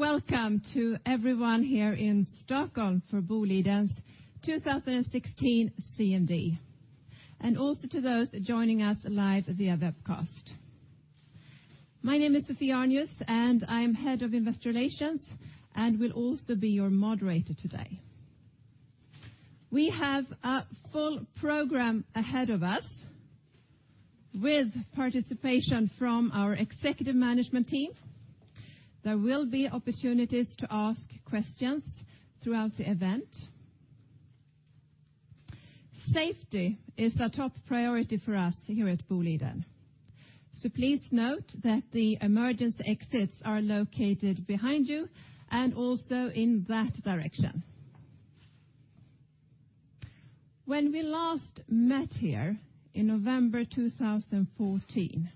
Welcome to everyone here in Stockholm for Boliden's 2016 CMD, and also to those joining us live via webcast. My name is Sophie Arnius. I am head of investor relations and will also be your moderator today. We have a full program ahead of us with participation from our executive management team. There will be opportunities to ask questions throughout the event. Safety is a top priority for us here at Boliden. Please note that the emergency exits are located behind you and also in that direction. When we last met here in November 2014,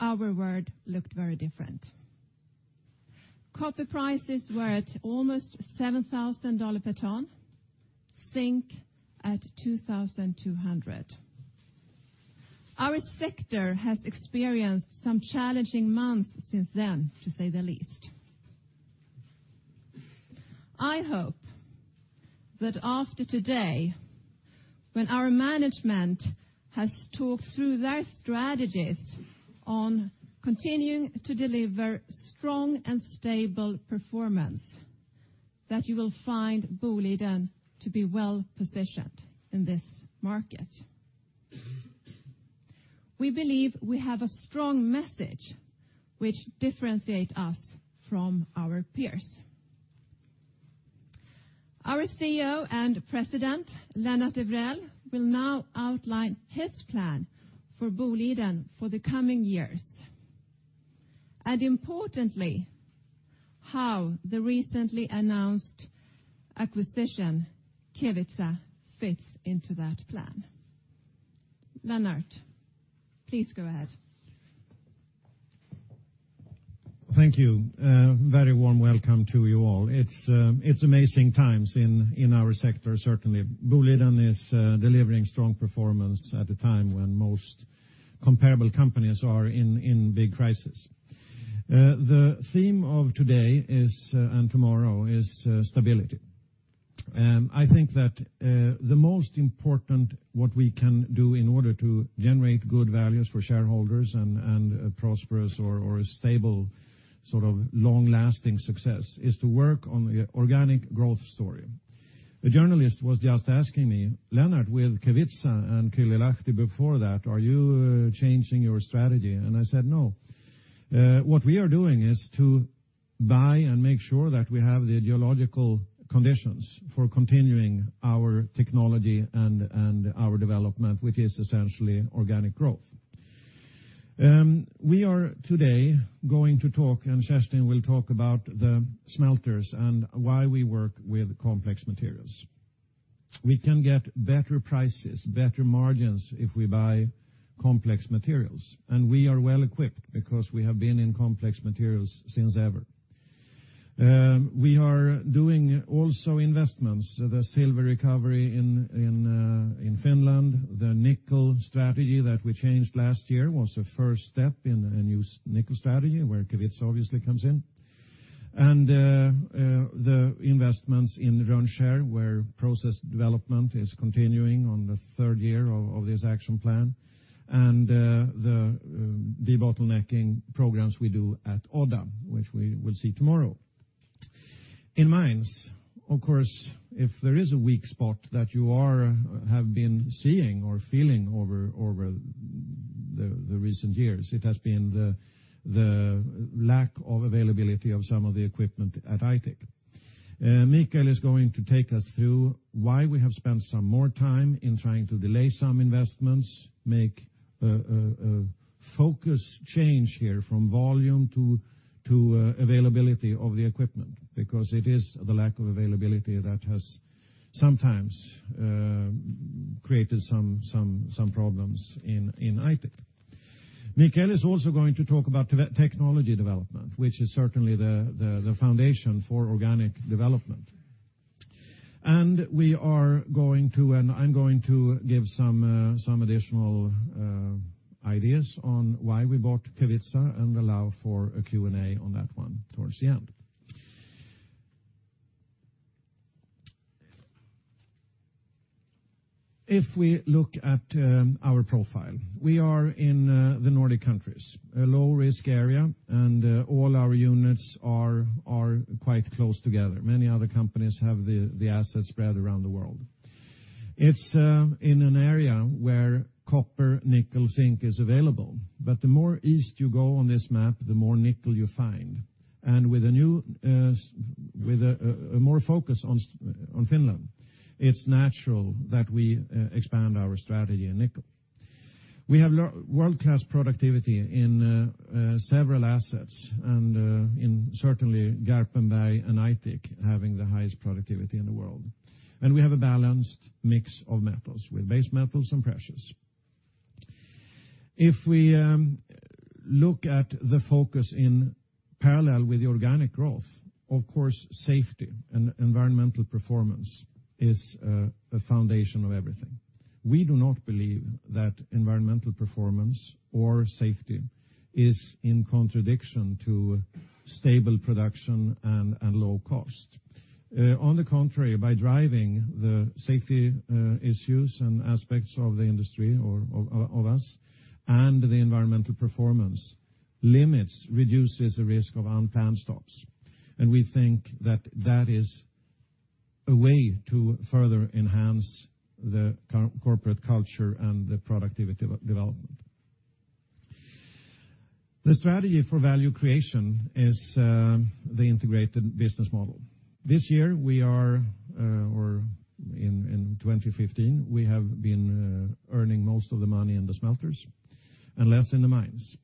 our world looked very different. Copper prices were at almost $7,000 per ton, zinc at $2,200. Our sector has experienced some challenging months since then, to say the least. I hope that after today, when our management has talked through their strategies on continuing to deliver strong and stable performance, that you will find Boliden to be well-positioned in this market. We believe we have a strong message, which differentiates us from our peers. Our CEO and president, Lennart Evrell, will now outline his plan for Boliden for the coming years, and importantly, how the recently announced acquisition, Kevitsa, fits into that plan. Lennart, please go ahead. Thank you. A very warm welcome to you all. It's amazing times in our sector, certainly. Boliden is delivering strong performance at a time when most comparable companies are in big crisis. The theme of today and tomorrow is stability. What we can do in order to generate good values for shareholders and prosperous or stable long-lasting success, is to work on the organic growth story. A journalist was just asking me, "Lennart, with Kevitsa and Kylylahti before that, are you changing your strategy?" I said, "No." What we are doing is to buy and make sure that we have the geological conditions for continuing our technology and our development, which is essentially organic growth. We are today going to talk, and Kerstin will talk about the smelters and why we work with complex materials. We can get better prices, better margins, if we buy complex materials. We are well equipped because we have been in complex materials since ever. We are doing also investments, the silver recovery in Finland, the nickel strategy that we changed last year was the first step in a new nickel strategy, where Kevitsa obviously comes in. The investments in Rönnskär, where process development is continuing on the third year of this action plan, and the debottlenecking programs we do at Odda, which we will see tomorrow. In mines, of course, if there is a weak spot that you have been seeing or feeling over the recent years, it has been the lack of availability of some of the equipment at Aitik. Mikael is going to take us through why we have spent some more time in trying to delay some investments, make a focus change here from volume to availability of the equipment, because it is the lack of availability that has sometimes created some problems in Aitik. Mikael is also going to talk about technology development, which is certainly the foundation for organic development. I'm going to give some additional ideas on why we bought Kevitsa and allow for a Q&A on that one towards the end. If we look at our profile, we are in the Nordic countries, a low-risk area, and all our units are quite close together. Many other companies have the assets spread around the world. It's in an area where copper, nickel, zinc is available, but the more east you go on this map, the more nickel you find. With more focus on Finland, it's natural that we expand our strategy in nickel. We have world-class productivity in several assets, and certainly Garpenberg and Aitik having the highest productivity in the world. We have a balanced mix of metals, with base metals and precious. If we look at the focus in parallel with the organic growth, of course, safety and environmental performance is a foundation of everything. We do not believe that environmental performance or safety is in contradiction to stable production and low cost. On the contrary, by driving the safety issues and aspects of the industry or of us and the environmental performance limits reduces the risk of unplanned stops. We think that that is a way to further enhance the corporate culture and the productivity development. The strategy for value creation is the integrated business model. This year we are, or in 2015, we have been earning most of the money in the smelters and less in the mines.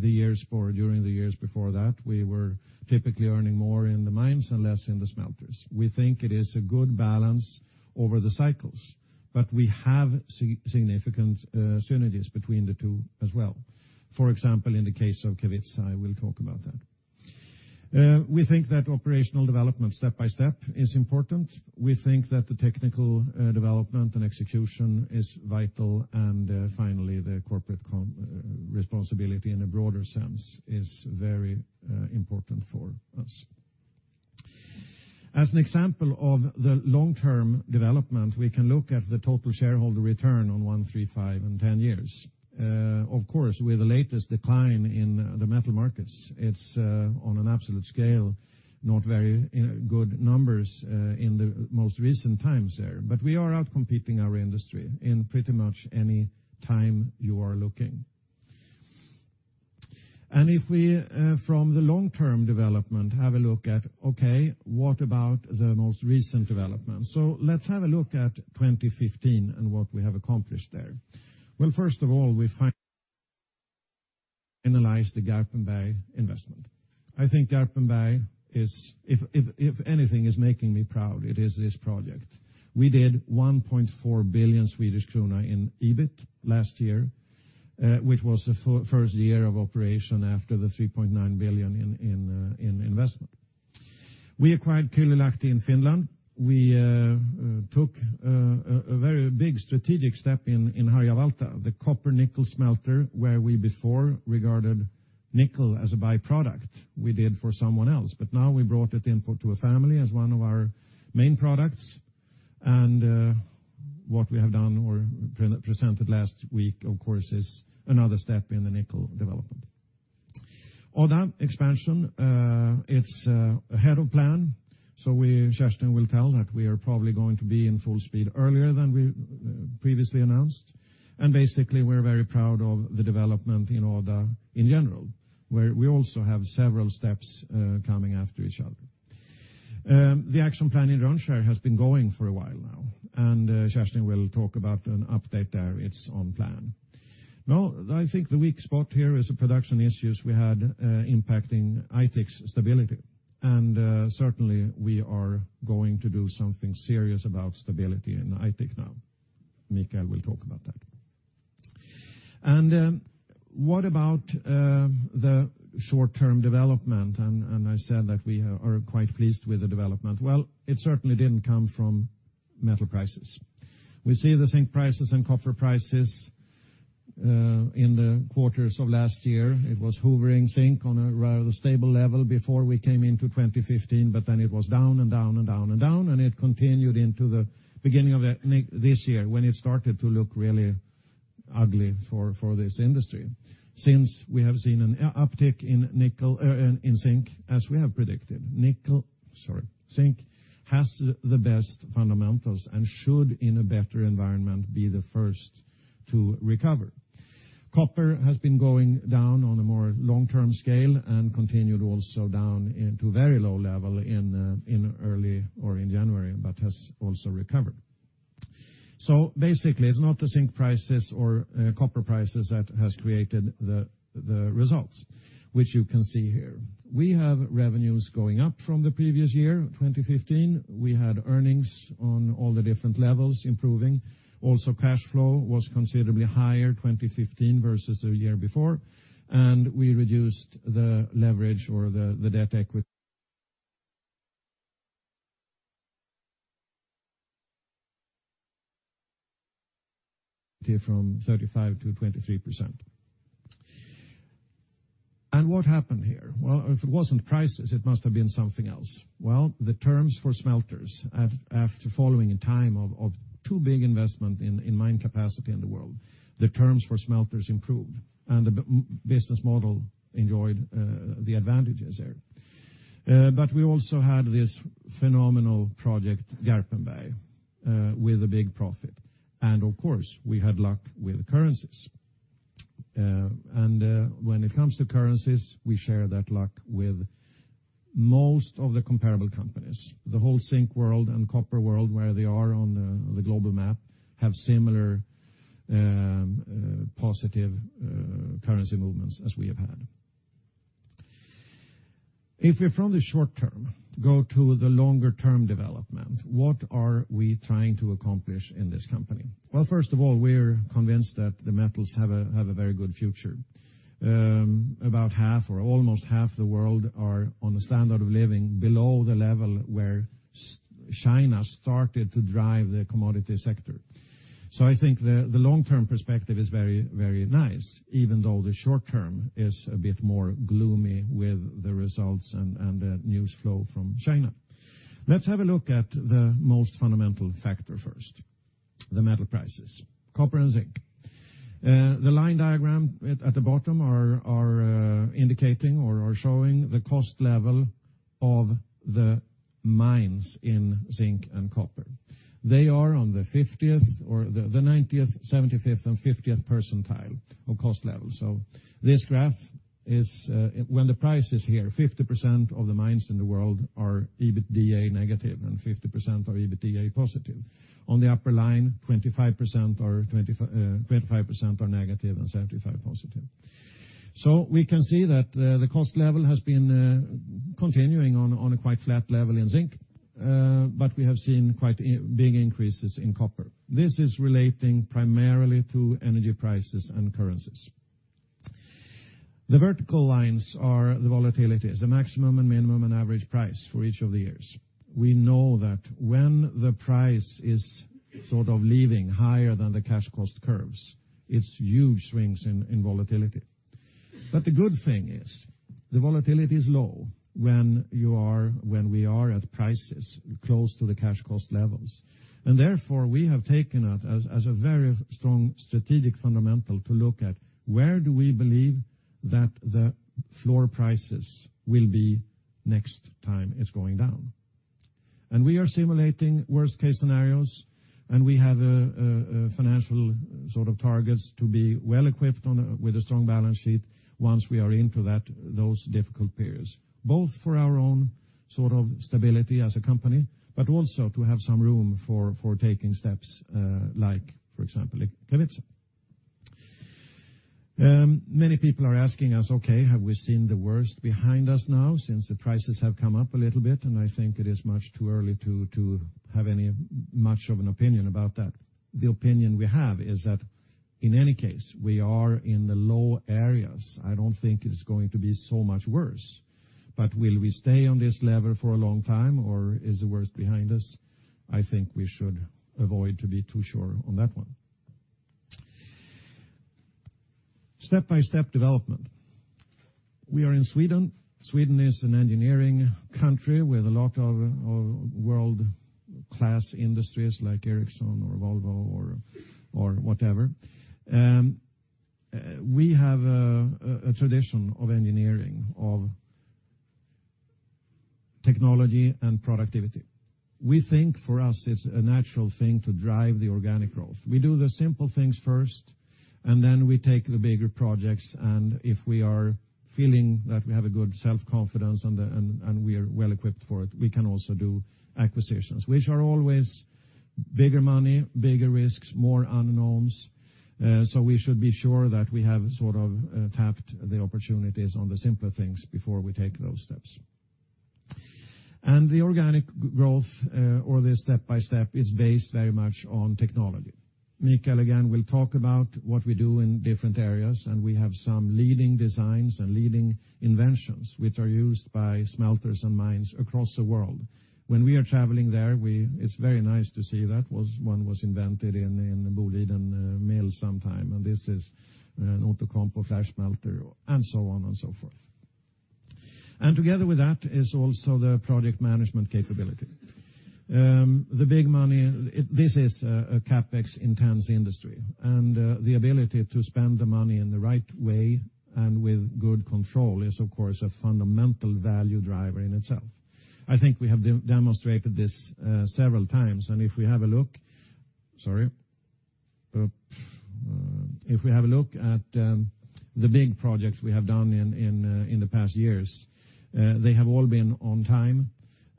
During the years before that, we were typically earning more in the mines and less in the smelters. We think it is a good balance over the cycles, we have significant synergies between the two as well. For example, in the case of Kevitsa, I will talk about that. We think that operational development step by step is important. We think that the technical development and execution is vital, and finally, the corporate responsibility in a broader sense is very important for us. As an example of the long-term development, we can look at the total shareholder return on 1, 3, 5, and 10 years. Of course, with the latest decline in the metal markets, it's on an absolute scale, not very good numbers in the most recent times there. We are out-competing our industry in pretty much any time you are looking. If we, from the long-term development, have a look at, okay, what about the most recent development? Let's have a look at 2015 and what we have accomplished there. First of all, we analyze the Garpenberg investment. I think Garpenberg is, if anything is making me proud, it is this project. We did 1.4 billion Swedish krona in EBIT last year, which was the first year of operation after the 3.9 billion in investment. We acquired Kylylahti in Finland. We took a very big strategic step in Harjavalta, the copper nickel smelter, where we before regarded nickel as a byproduct we did for someone else. We brought it into a family as one of our main products. What we have done or presented last week, of course, is another step in the nickel development. All that expansion, it's ahead of plan. Kerstin will tell that we are probably going to be in full speed earlier than we previously announced. Basically, we're very proud of the development in order in general, where we also have several steps coming after each other. The action plan in Rönnskär has been going for a while now, and Kerstin will talk about an update there. It's on plan. I think the weak spot here is the production issues we had impacting Aitik's stability. Certainly, we are going to do something serious about stability in Aitik now. Mikael will talk about that. What about the short-term development? I said that we are quite pleased with the development. It certainly didn't come from metal prices. We see the zinc prices and copper prices in the quarters of last year. It was hovering zinc on a rather stable level before we came into 2015, it was down and down and down and down, and it continued into the beginning of this year when it started to look really ugly for this industry. Since we have seen an uptick in zinc, as we have predicted. Zinc has the best fundamentals and should, in a better environment, be the first to recover. Copper has been going down on a more long-term scale and continued also down into very low level in early or in January, has also recovered. Basically, it's not the zinc prices or copper prices that has created the results, which you can see here. We have revenues going up from the previous year, 2015. We had earnings on all the different levels improving. Also, cash flow was considerably higher 2015 versus the year before, and we reduced the leverage or the debt equity from 35% to 23%. What happened here? If it wasn't prices, it must have been something else. The terms for smelters, after following a time of too big investment in mine capacity in the world, the terms for smelters improved, and the business model enjoyed the advantages there. We also had this phenomenal project, Garpenberg, with a big profit. Of course, we had luck with currencies. When it comes to currencies, we share that luck with most of the comparable companies. The whole zinc world and copper world, where they are on the global map, have similar positive currency movements as we have had. We, from the short term, go to the longer term development, what are we trying to accomplish in this company? First of all, we're convinced that the metals have a very good future. About half or almost half the world are on a standard of living below the level where China started to drive the commodity sector. I think the long-term perspective is very nice, even though the short term is a bit more gloomy with the results and the news flow from China. Let's have a look at the most fundamental factor first, the metal prices. Copper and zinc. The line diagram at the bottom are indicating or are showing the cost level of the mines in zinc and copper. They are on the 90th, 75th, and 50th percentile of cost level. This graph is when the price is here, 50% of the mines in the world are EBITDA negative, and 50% are EBITDA positive. On the upper line, 25% are negative and 75% positive. We can see that the cost level has been continuing on a quite flat level in zinc, but we have seen quite big increases in copper. This is relating primarily to energy prices and currencies. The vertical lines are the volatilities, the maximum and minimum, and average price for each of the years. We know that when the price is leaving higher than the cash cost curves, it's huge swings in volatility. The good thing is the volatility is low when we are at prices close to the cash cost levels. Therefore, we have taken it as a very strong strategic fundamental to look at where do we believe that the floor prices will be next time it's going down. We are simulating worst case scenarios, and we have financial targets to be well-equipped with a strong balance sheet once we are into those difficult periods. Both for our own stability as a company, but also to have some room for taking steps like, for example, Kevitsa. Many people are asking us, okay, have we seen the worst behind us now since the prices have come up a little bit? I think it is much too early to have any much of an opinion about that. The opinion we have is that in any case, we are in the low areas. I don't think it's going to be so much worse. Will we stay on this level for a long time, or is the worst behind us? I think we should avoid to be too sure on that one. Step-by-step development. We are in Sweden. Sweden is an engineering country with a lot of world-class industries like Ericsson or Volvo or whatever. We have a tradition of engineering, of technology, and productivity. We think for us, it's a natural thing to drive the organic growth. We do the simple things first. Then we take the bigger projects, and if we are feeling that we have a good self-confidence and we are well-equipped for it, we can also do acquisitions. Which are always bigger money, bigger risks, more unknowns. We should be sure that we have tapped the opportunities on the simpler things before we take those steps. The organic growth or the step-by-step is based very much on technology. Mikael, again, will talk about what we do in different areas, and we have some leading designs and leading inventions which are used by smelters and mines across the world. When we are traveling there, it's very nice to see that one was invented in Boliden Mill sometime, and this is an Outokumpu flash smelter and so on and so forth. Together with that is also the project management capability. The big money, this is a CapEx-intensive industry. The ability to spend the money in the right way and with good control is, of course, a fundamental value driver in itself. I think we have demonstrated this several times. If we have a look at the big projects we have done in the past years, they have all been on time,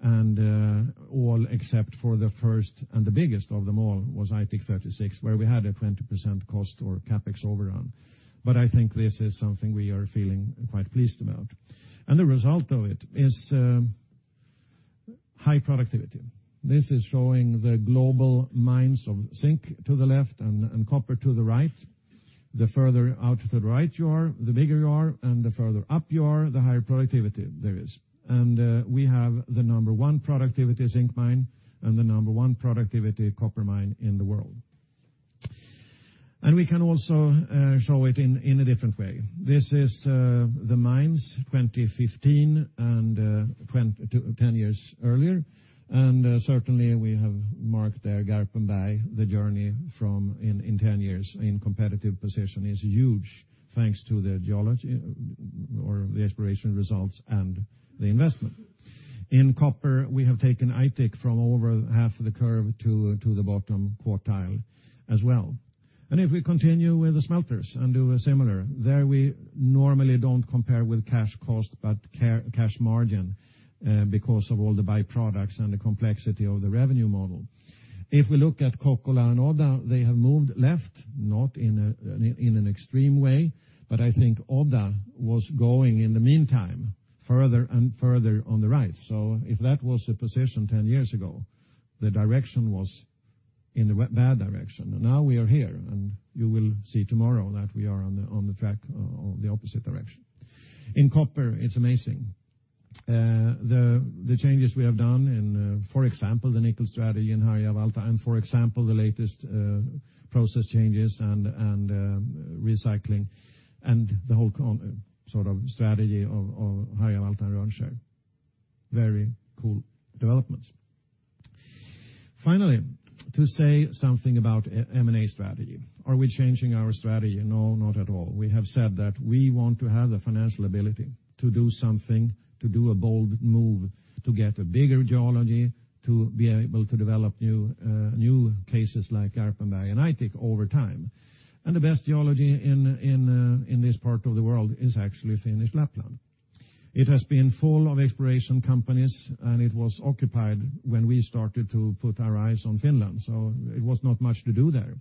all except for the first and the biggest of them all was Aitik 36, where we had a 20% cost or CapEx overrun. I think this is something we are feeling quite pleased about. The result of it is high productivity. This is showing the global mines of zinc to the left and copper to the right. The further out to the right you are, the bigger you are, and the further up you are, the higher productivity there is. We have the number one productivity zinc mine and the number one productivity copper mine in the world. We can also show it in a different way. This is the mines 2015 and 10 years earlier. Certainly, we have marked there Garpenberg, the journey in 10 years in competitive position is huge, thanks to the geology or the exploration results and the investment. In copper, we have taken Aitik from over half of the curve to the bottom quartile as well. If we continue with the smelters and do a similar. There, we normally don't compare with cash cost but cash margin because of all the byproducts and the complexity of the revenue model. If we look at Kokkola and Odda, they have moved left, not in an extreme way, but I think Odda was going in the meantime further and further on the right. If that was the position 10 years ago, the direction was In the bad direction. Now we are here, and you will see tomorrow that we are on the track of the opposite direction. In copper, it's amazing. The changes we have done in, for example, the nickel strategy in Harjavalta and, for example, the latest process changes and recycling and the whole strategy of Harjavalta and Rönnskär. Very cool developments. Finally, to say something about M&A strategy. Are we changing our strategy? No, not at all. We have said that we want to have the financial ability to do something, to do a bold move, to get a bigger geology, to be able to develop new cases like Garpenberg and Aitik over time. The best geology in this part of the world is actually Finnish Lapland. It has been full of exploration companies, and it was occupied when we started to put our eyes on Finland, so there was not much to do there.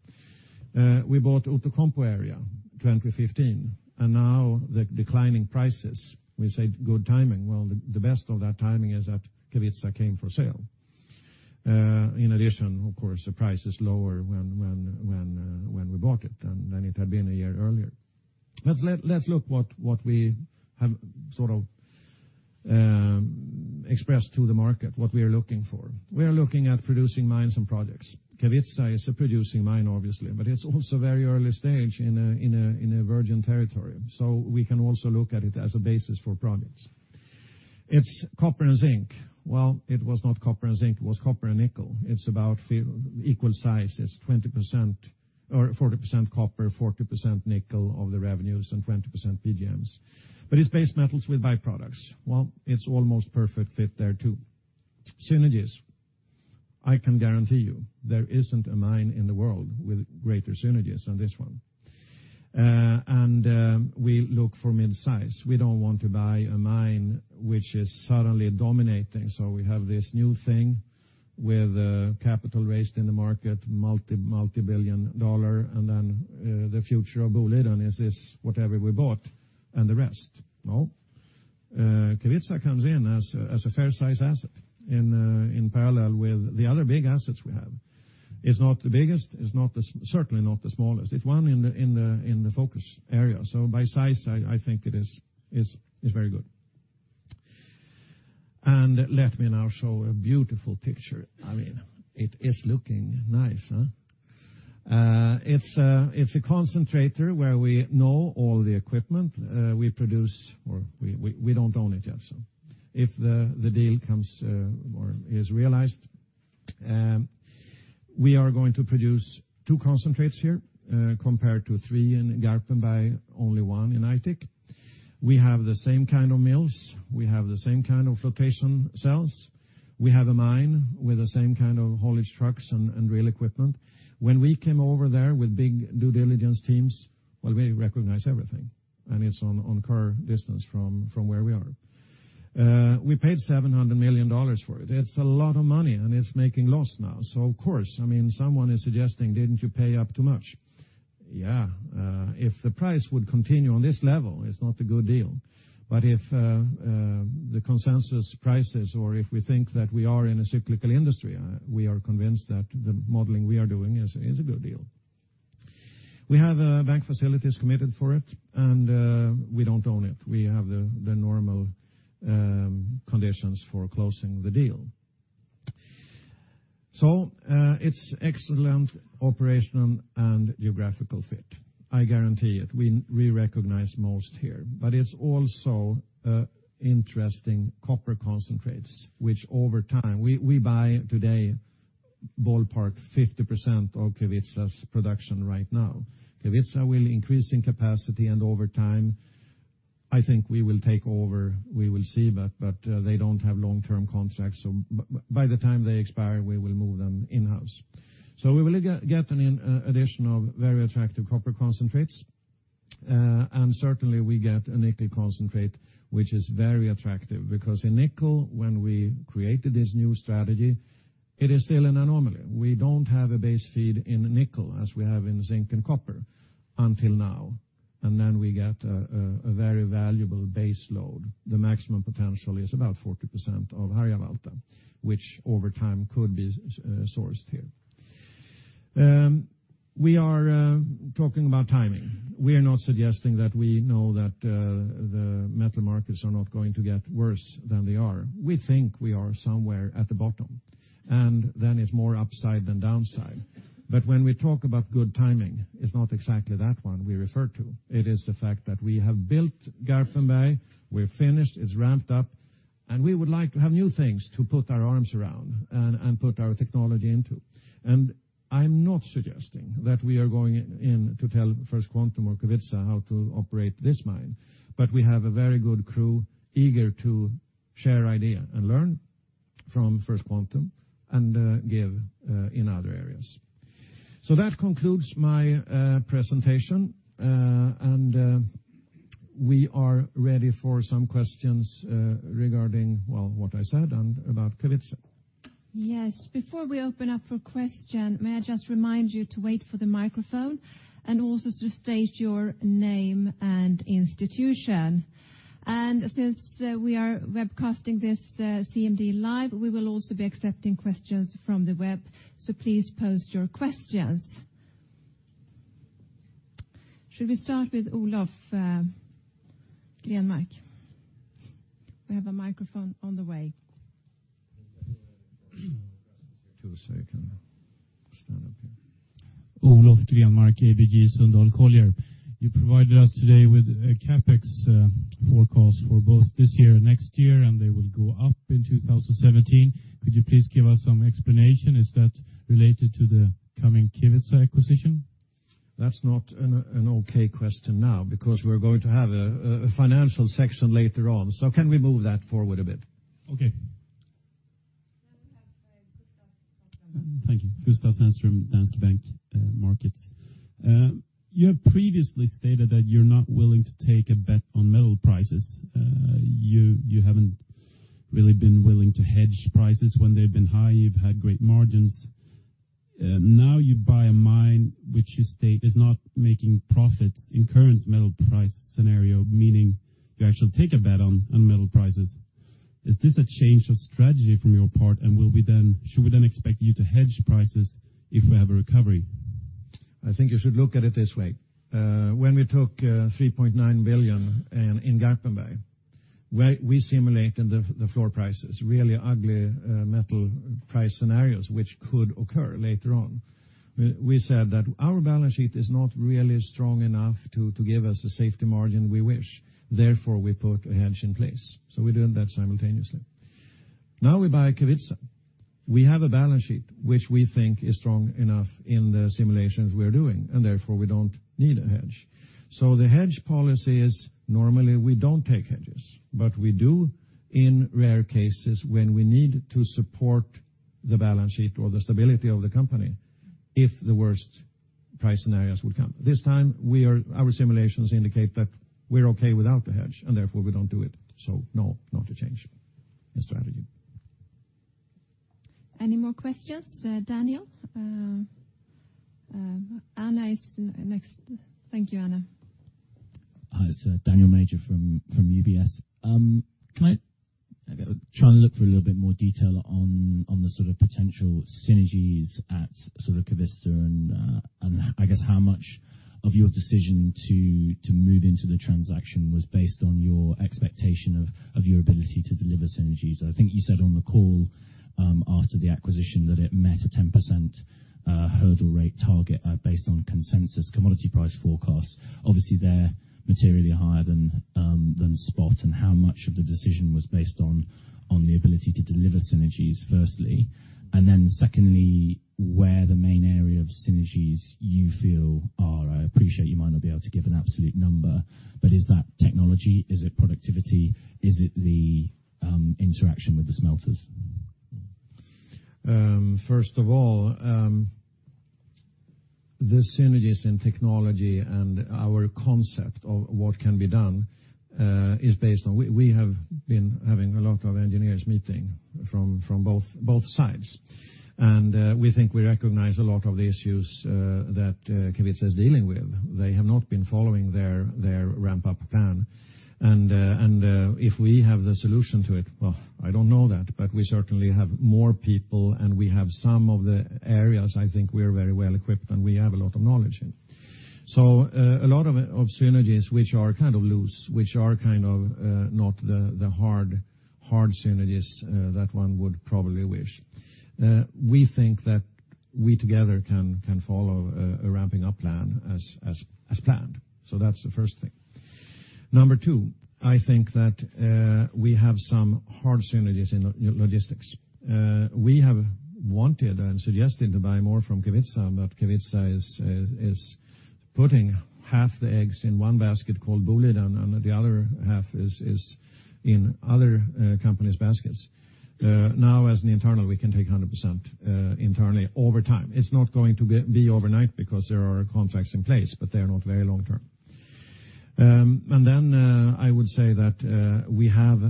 We bought the Outokumpu area in 2015, and now with the declining prices, we said good timing. Well, the best of that timing is that Kevitsa came for sale. In addition, of course, the price is lower when we bought it than it had been a year earlier. Let's look at what we have expressed to the market, what we are looking for. We are looking at producing mines and projects. Kevitsa is a producing mine, obviously, but it's also very early stage in a virgin territory. We can also look at it as a basis for projects. It's copper and zinc. Well, it was not copper and zinc, it was copper and nickel. It's about equal sizes, 40% copper, 40% nickel of the revenues, and 20% PGMs. It's base metals with by-products. Well, it's almost a perfect fit there, too. Synergies. I can guarantee you, there isn't a mine in the world with greater synergies than this one. We look for midsize. We don't want to buy a mine which is suddenly dominating. We have this new thing with capital raised in the market, multi-billion dollar, and then the future of Boliden is this, whatever we bought, and the rest. No. Kevitsa comes in as a fair size asset in parallel with the other big assets we have. It's not the biggest, it's certainly not the smallest. It's one in the focus area. By size, I think it is very good. Let me now show a beautiful picture. It is looking nice, huh? It's a concentrator where we know all the equipment. We don't own it yet, so if the deal is realized, we are going to produce two concentrates here compared to three in Garpenberg, only one in Aitik. We have the same kind of mills. We have the same kind of flotation cells. We have a mine with the same kind of haulage trucks and drill equipment. When we came over there with big due diligence teams, well, we recognized everything, and it's on car distance from where we are. We paid $700 million for it. It's a lot of money and it's making a loss now. Of course, someone is suggesting, "Didn't you pay up too much?" Yeah. If the price would continue on this level, it's not a good deal. If the consensus prices or if we think that we are in a cyclical industry, we are convinced that the modeling we are doing is a good deal. We have bank facilities committed for it, and we don't own it. We have the normal conditions for closing the deal. It's excellent operational and geographical fit. I guarantee it. We recognize most here. It's also interesting copper concentrates, which over time. We buy today ballpark 50% of Kevitsa's production right now. Kevitsa will increase in capacity, over time, I think we will take over. We will see that, they don't have long-term contracts, by the time they expire, we will move them in-house. We will get an addition of very attractive copper concentrates. Certainly, we get a nickel concentrate, which is very attractive because in nickel, when we created this new strategy, it is still an anomaly. We don't have a base feed in nickel as we have in zinc and copper until now. We get a very valuable base load. The maximum potential is about 40% of Harjavalta, which over time could be sourced here. We are talking about timing. We are not suggesting that we know that the metal markets are not going to get worse than they are. We think we are somewhere at the bottom, it's more upside than downside. When we talk about good timing, it's not exactly that one we refer to. It is the fact that we have built Garpenberg, we're finished, it's ramped up, we would like to have new things to put our arms around and put our technology into. I'm not suggesting that we are going in to tell First Quantum or Kevitsa how to operate this mine. We have a very good crew eager to share ideas and learn from First Quantum and give in other areas. That concludes my presentation, we are ready for some questions regarding what I said and about Kevitsa. Yes. Before we open up for questions, may I just remind you to wait for the microphone and also to state your name and institution. Since we are webcasting this CMD live, we will also be accepting questions from the web. Please post your questions. Should we start with Olof Grenmark? We have a microphone on the way. I can stand up here. Olof Grenmark, ABG Sundal Collier. You provided us today with a CapEx forecast for both this year and next year, and they will go up in 2017. Could you please give us some explanation? Is that related to the coming Kevitsa acquisition? That's not an okay question now because we're going to have a financial section later on. Can we move that forward a bit? Okay. We have Gustaf. Thank you. Gustaf Sandström, Danske Bank Markets. You have previously stated that you're not willing to take a bet on metal prices. You haven't really been willing to hedge prices when they've been high. You've had great margins. You buy a mine, which you state is not making profits in current metal price scenario, meaning you actually take a bet on metal prices. Is this a change of strategy from your part? Should we then expect you to hedge prices if we have a recovery? I think you should look at it this way. When we took 3.9 billion in Garpenberg, we simulated the floor prices, really ugly metal price scenarios, which could occur later on. We said that our balance sheet is not really strong enough to give us the safety margin we wish. Therefore, we put a hedge in place, we're doing that simultaneously. We buy Kevitsa. We have a balance sheet, which we think is strong enough in the simulations we're doing, therefore we don't need a hedge. The hedge policy is normally we don't take hedges, we do in rare cases when we need to support the balance sheet or the stability of the company if the worst price scenarios would come. This time, our simulations indicate that we're okay without the hedge, therefore, we don't do it. No, not a change in strategy. Any more questions? Daniel? Anna is next. Thank you, Anna. Hi, it's Daniel Major from UBS. I guess, how much of your decision to move into the transaction was based on your expectation of your ability to deliver synergies? I think you said on the call after the acquisition that it met a 10% hurdle rate target based on consensus commodity price forecasts. Obviously, they're materially higher than spot. How much of the decision was based on the ability to deliver synergies, firstly, then secondly, where the main area of synergies you feel are. I appreciate you might not be able to give an absolute number, but is that technology? Is it productivity? Is it the interaction with the smelters? First of all, the synergies in technology and our concept of what can be done is based on. We have been having a lot of engineers meeting from both sides. We think we recognize a lot of the issues that Kevitsa is dealing with. They have not been following their ramp-up plan. If we have the solution to it, well, I don't know that, but we certainly have more people. We have some of the areas I think we're very well equipped and we have a lot of knowledge in. A lot of synergies which are kind of loose, which are kind of not the hard synergies that one would probably wish. We think that we together can follow a ramping up plan as planned. That's the first thing. Number 2, I think that we have some hard synergies in logistics. We have wanted and suggested to buy more from Kevitsa, but Kevitsa is putting half the eggs in one basket called Boliden, and the other half is in other companies' baskets. Now as an internal, we can take 100% internally over time. It's not going to be overnight because there are contracts in place, but they are not very long-term. I would say that we have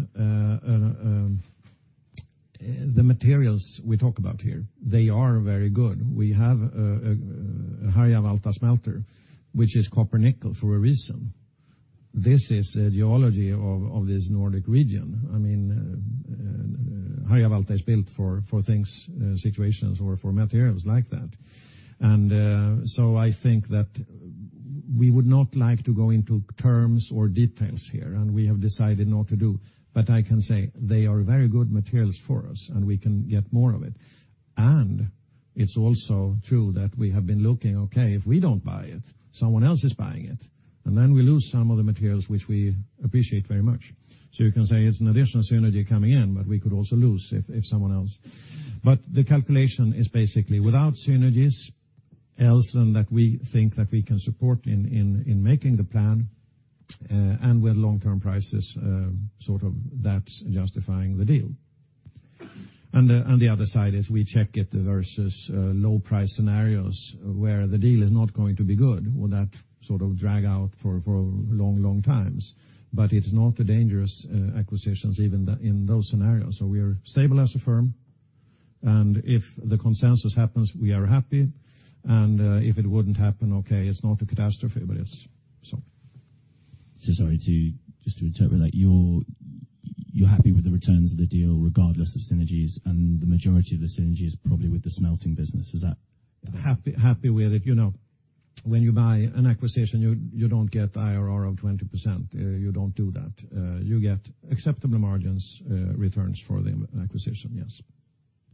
the materials we talk about here. They are very good. We have Harjavalta smelter, which is copper nickel for a reason. This is a geology of this Nordic region. Harjavalta is built for things, situations, or for materials like that. I think that we would not like to go into terms or details here, and we have decided not to do. I can say they are very good materials for us, and we can get more of it. It's also true that we have been looking, okay, if we don't buy it, someone else is buying it. Then we lose some of the materials which we appreciate very much. You can say it's an additional synergy coming in, but we could also lose if someone else. The calculation is basically without synergies else and that we think that we can support in making the plan and with long-term prices, sort of that's justifying the deal. The other side is we check it versus low price scenarios where the deal is not going to be good. Will that sort of drag out for long, long times? It's not a dangerous acquisition even in those scenarios. We are stable as a firm, and if the consensus happens, we are happy, and if it wouldn't happen, okay, it's not a catastrophe, but it's Sorry, just to interpret that. You're happy with the returns of the deal regardless of synergies, and the majority of the synergies probably with the smelting business. Is that- Happy with it. When you buy an acquisition, you don't get IRR of 20%. You don't do that. You get acceptable margins, returns for the acquisition, yes.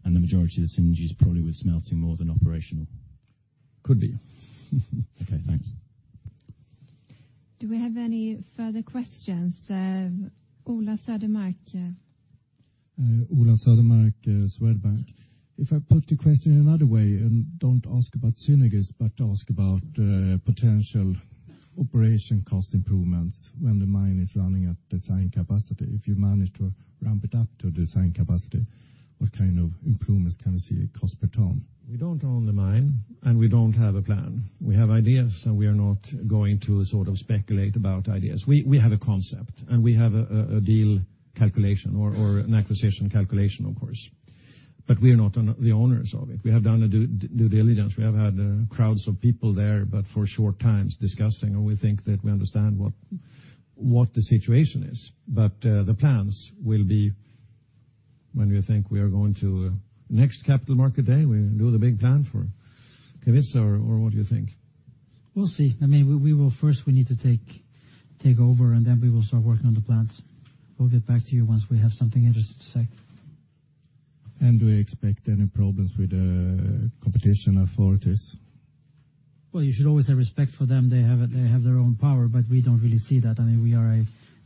The majority of the synergies probably with smelting more than operational. Could be. Okay, thanks. Do we have any further questions? Ola Södermark. Ola Södermark, Swedbank. If I put the question another way, don't ask about synergies, but ask about potential operation cost improvements when the mine is running at design capacity. If you manage to ramp it up to design capacity, what kind of improvements can we see in cost per ton? We don't own the mine, we don't have a plan. We have ideas, and we are not going to speculate about ideas. We have a concept, and we have a deal calculation or an acquisition calculation, of course. We are not the owners of it. We have done the due diligence. We have had crowds of people there, but for short times discussing, and we think that we understand what the situation is. The plans will be when we think we are going to next capital market day. We do the big plan for Kevitsa, or what do you think? We'll see. First, we need to take over, and then we will start working on the plans. We'll get back to you once we have something interesting to say. Do you expect any problems with competition authorities? Well, you should always have respect for them. They have their own power, but we don't really see that.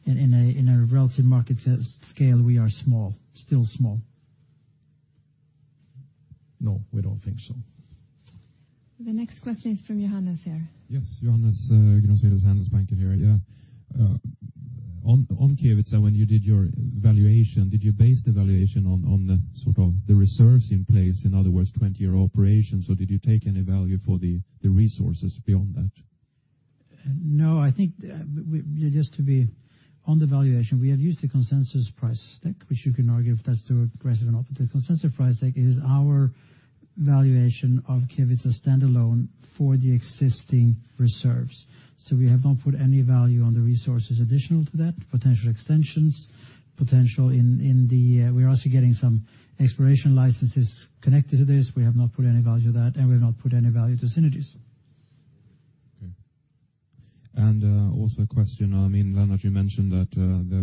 In a relative market scale, we are small, still small. No, we don't think so. The next question is from Johannes here. Yes, Johannes Granstedt, SEB here. On Kevitsa, when you did your valuation, did you base the valuation on the reserves in place, in other words, 20-year operation? Did you take any value for the resources beyond that? I think just to be on the valuation. We have used the consensus price tag, which you can argue if that's too aggressive or not. The consensus price tag is our valuation of Kevitsa standalone for the existing reserves. We have not put any value on the resources additional to that, potential extensions. We are also getting some exploration licenses connected to this. We have not put any value to that, and we have not put any value to synergies. Okay. Also a question. Lennart, you mentioned that there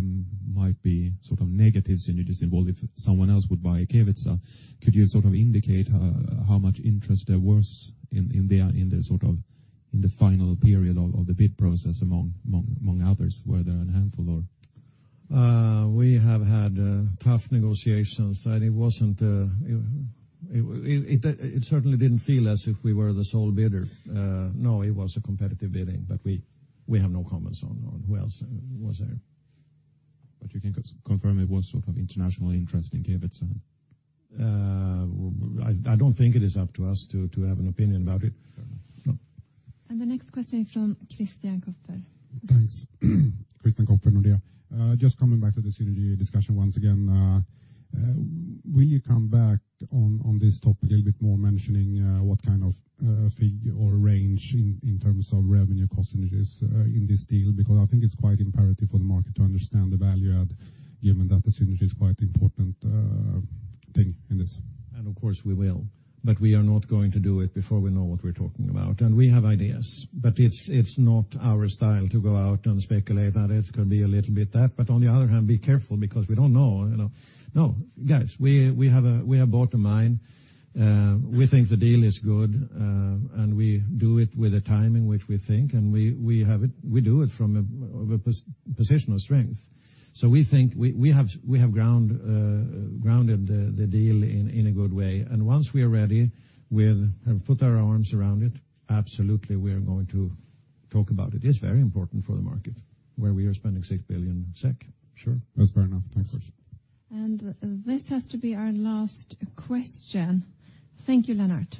might be negative synergies involved if someone else would buy Kevitsa. Could you indicate how much interest there was in the final period of the bid process among others? Were there a handful or We have had tough negotiations. It certainly didn't feel as if we were the sole bidder. It was a competitive bidding. We have no comments on who else was there. You can confirm it was international interest in Kevitsa. I don't think it is up to us to have an opinion about it. Fair enough. No. The next question is from Christian Kopfer. Thanks. Christian Kopfer, Nordea. Just coming back to the synergy discussion once again. Will you come back on this topic a little bit more, mentioning what kind of figure or range in terms of revenue cost synergies in this deal? I think it's quite imperative for the market to understand the value add, given that the synergy is quite important thing in this. Of course, we will. We are not going to do it before we know what we're talking about. We have ideas, but it's not our style to go out and speculate that it could be a little bit that. On the other hand, be careful because we don't know. No, guys, we have bought a mine. We think the deal is good, and we do it with a timing which we think, and we do it from a position of strength. We think we have grounded the deal in a good way. Once we are ready, we'll have put our arms around it. Absolutely, we are going to talk about it. It's very important for the market where we are spending 6 billion SEK. Sure. That's fair enough. Thanks. Of course. This has to be our last question. Thank you, Lennart.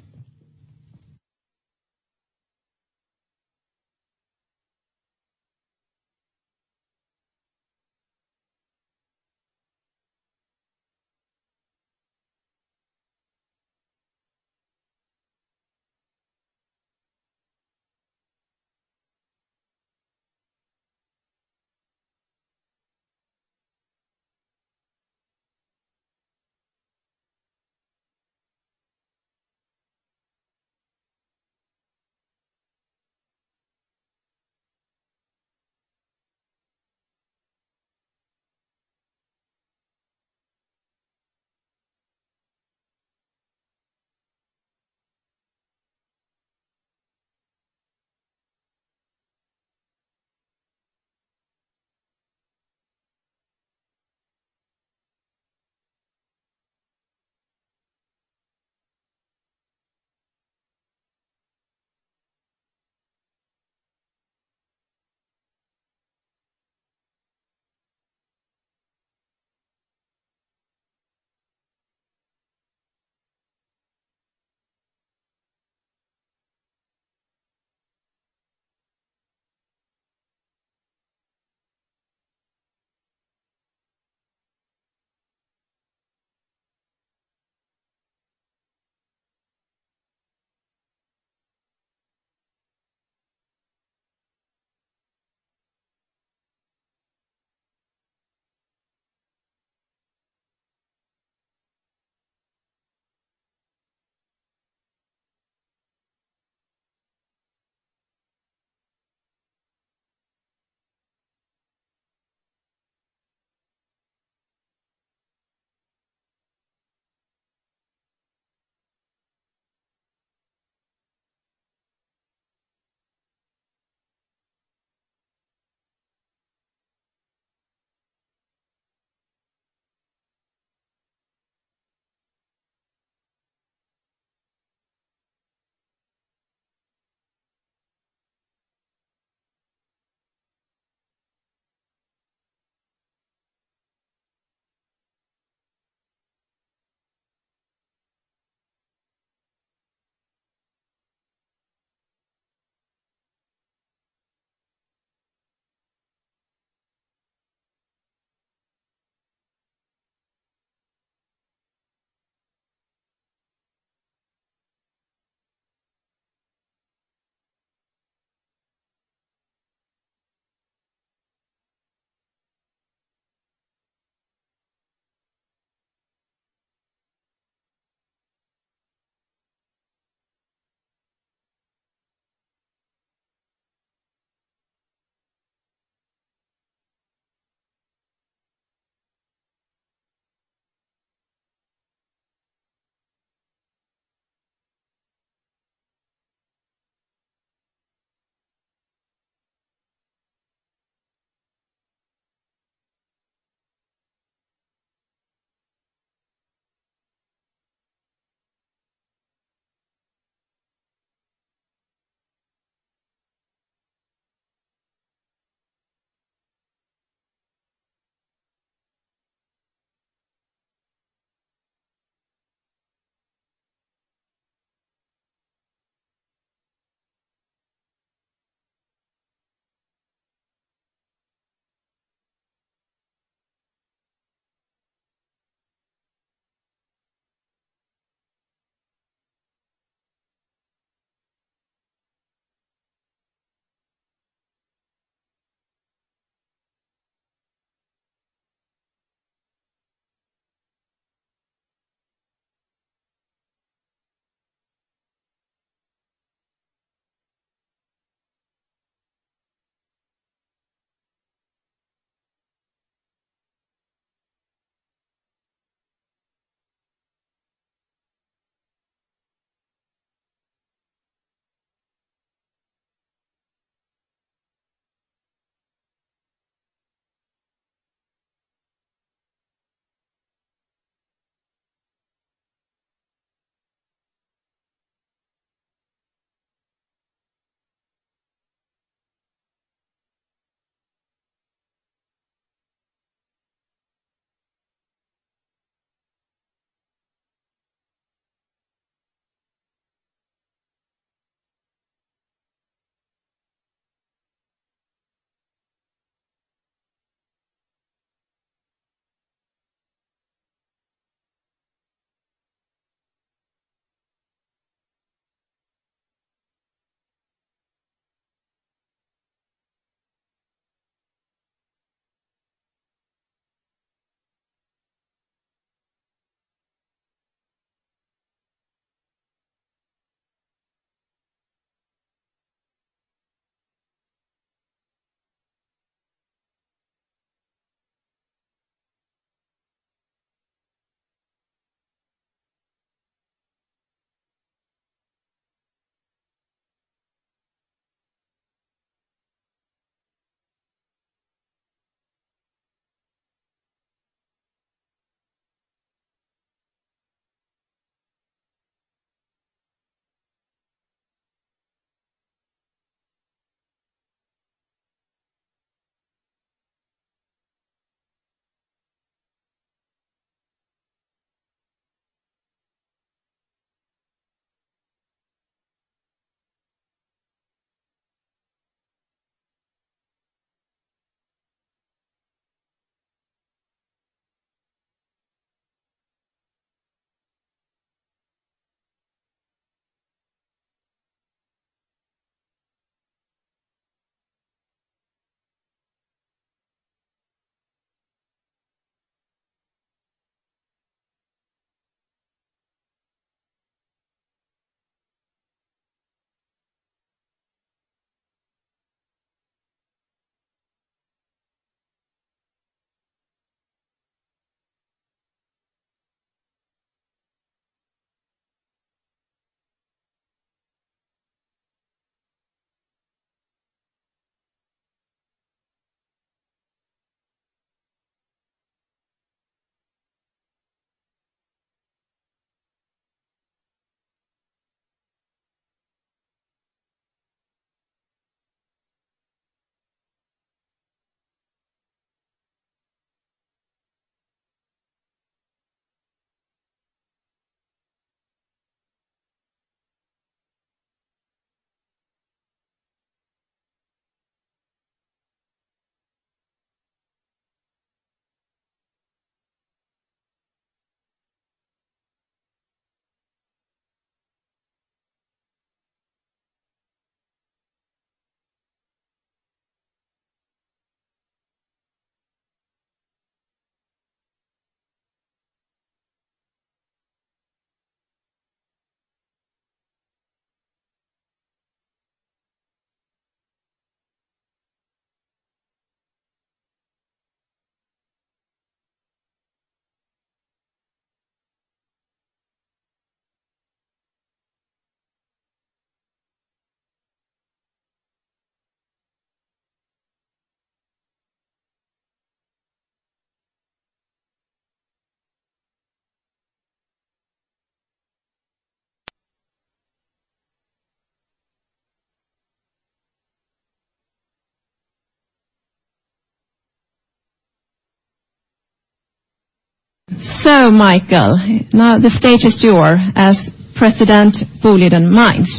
Mikael, now the stage is yours as President Boliden Mines.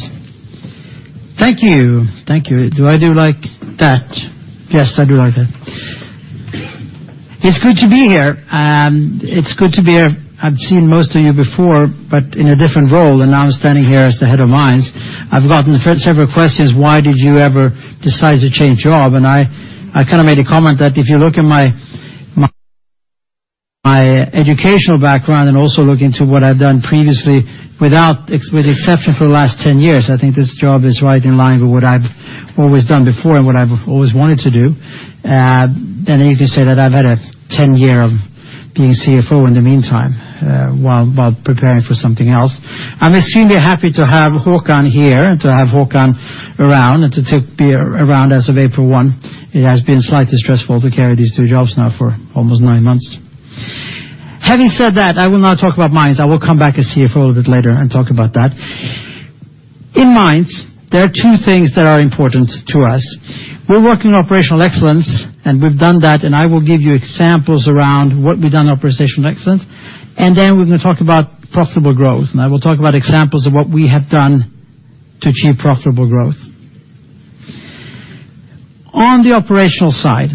Thank you. Do I do like that? Yes, I do like that. It's good to be here. I've seen most of you before, but in a different role, now I'm standing here as the head of Mines. I've gotten several questions, why did you ever decide to change job? I kind of made a comment that if you look at my educational background and also look into what I've done previously, with exception for the last 10 years, I think this job is right in line with what I've always done before and what I've always wanted to do. You can say that I've had a 10 year of being CFO in the meantime, while preparing for something else. I'm extremely happy to have Håkan here, and to have Håkan around, and to be around as of April 1. It has been slightly stressful to carry these two jobs now for almost nine months. Having said that, I will now talk about Mines. I will come back as CFO a little bit later and talk about that. In Mines, there are two things that are important to us. We're working on operational excellence, we've done that, I will give you examples around what we've done on operational excellence, we're going to talk about profitable growth, I will talk about examples of what we have done to achieve profitable growth. On the operational side,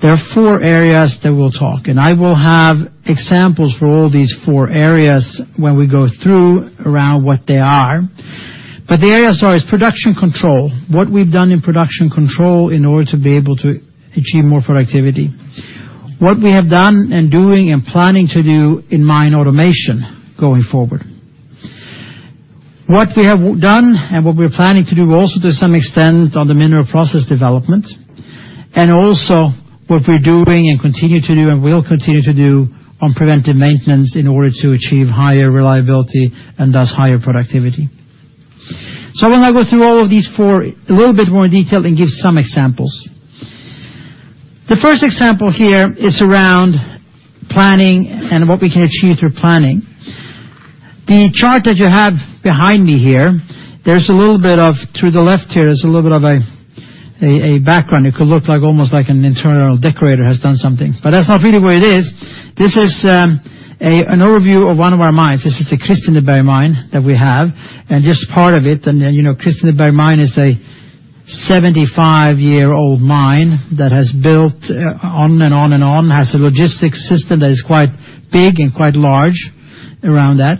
there are four areas that we'll talk, I will have examples for all these four areas when we go through around what they are. The areas are is production control, what we've done in production control in order to be able to achieve more productivity. What we have done and doing and planning to do in mine automation going forward. What we have done and what we're planning to do also to some extent on the mineral process development. Also what we're doing and continue to do and will continue to do on preventive maintenance in order to achieve higher reliability and thus higher productivity. Why don't I go through all of these four a little bit more in detail and give some examples. The first example here is around planning and what we can achieve through planning. The chart that you have behind me here, to the left here, there's a little bit of a background. It could look like almost like an internal decorator has done something, but that's not really what it is. This is an overview of one of our mines. This is the Kristineberg mine that we have, and just part of it. Kristineberg mine is a 75-year-old mine that has built on and on and on, has a logistics system that is quite big and quite large around that.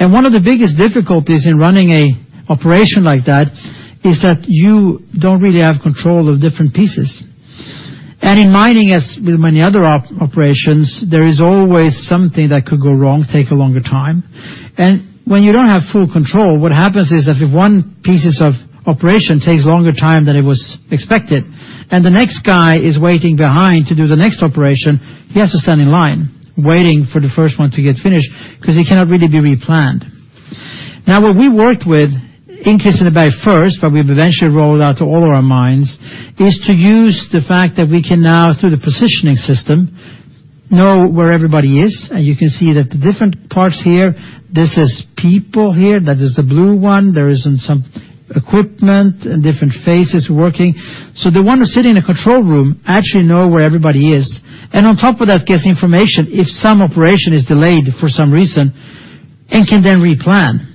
One of the biggest difficulties in running an operation like that is that you don't really have control of different pieces. In mining, as with many other operations, there is always something that could go wrong, take a longer time. When you don't have full control, what happens is that if one pieces of operation takes a longer time than it was expected, the next guy is waiting behind to do the next operation, he has to stand in line waiting for the first one to get finished because he cannot really be replanned. What we worked with in Kristineberg first, we've eventually rolled out to all of our mines, is to use the fact that we can now, through the positioning system, know where everybody is. You can see that the different parts here, this is people here, that is the blue one. There is some equipment and different phases working. The one who's sitting in a control room actually knows where everybody is, on top of that, gets information if some operation is delayed for some reason and can then replan.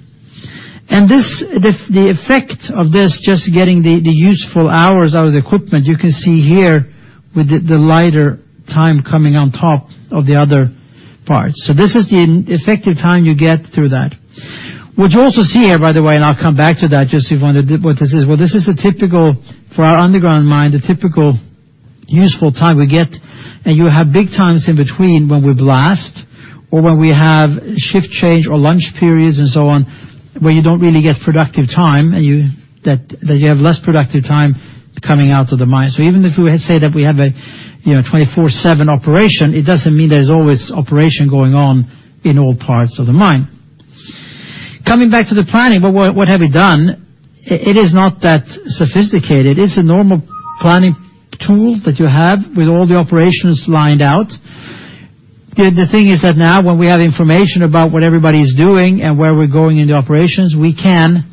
The effect of this just getting the useful hours out of the equipment, you can see here with the lighter time coming on top of the other parts. This is the effective time you get through that. What you also see here, by the way, I'll come back to that just if you wonder what this is. This is a typical, for our underground mine, the typical useful time we get, you have big times in between when we blast or when we have shift change or lunch periods and so on, where you don't really get productive time, that you have less productive time coming out of the mine. Even if we say that we have a 24/7 operation, it doesn't mean there's always operation going on in all parts of the mine. Coming back to the planning, what have we done? It is not that sophisticated. It's a normal planning tool that you have with all the operations lined out. The thing is that now when we have information about what everybody's doing and where we're going in the operations, we can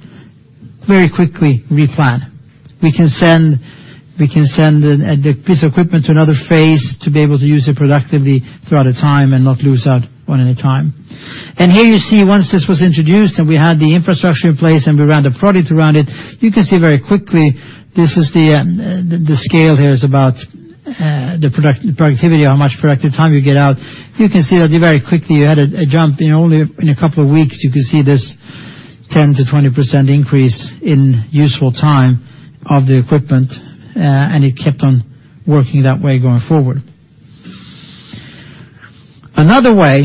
very quickly replan. We can send a piece of equipment to another phase to be able to use it productively throughout a time and not lose out on any time. Here you see once this was introduced and we had the infrastructure in place and we ran the product around it, you can see very quickly, the scale here is about the productivity, how much productive time you get out. You can see that very quickly you had a jump. In only a couple of weeks, you could see this 10%-20% increase in useful time of the equipment, it kept on working that way going forward. Another way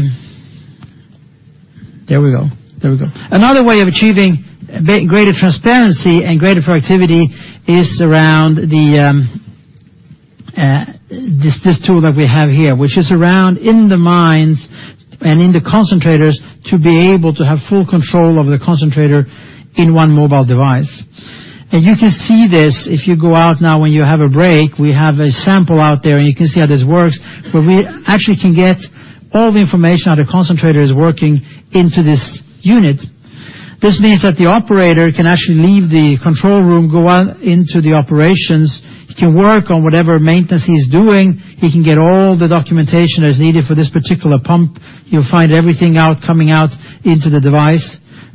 of achieving greater transparency and greater productivity is around this tool that we have here, which is around in the mines and in the concentrators to be able to have full control of the concentrator in one mobile device. You can see this if you go out now when you have a break, we have a sample out there, you can see how this works. Where we actually can get all the information how the concentrator is working into this unit. This means that the operator can actually leave the control room, go out into the operations, he can work on whatever maintenance he's doing. He can get all the documentation that is needed for this particular pump. He'll find everything out coming out into the device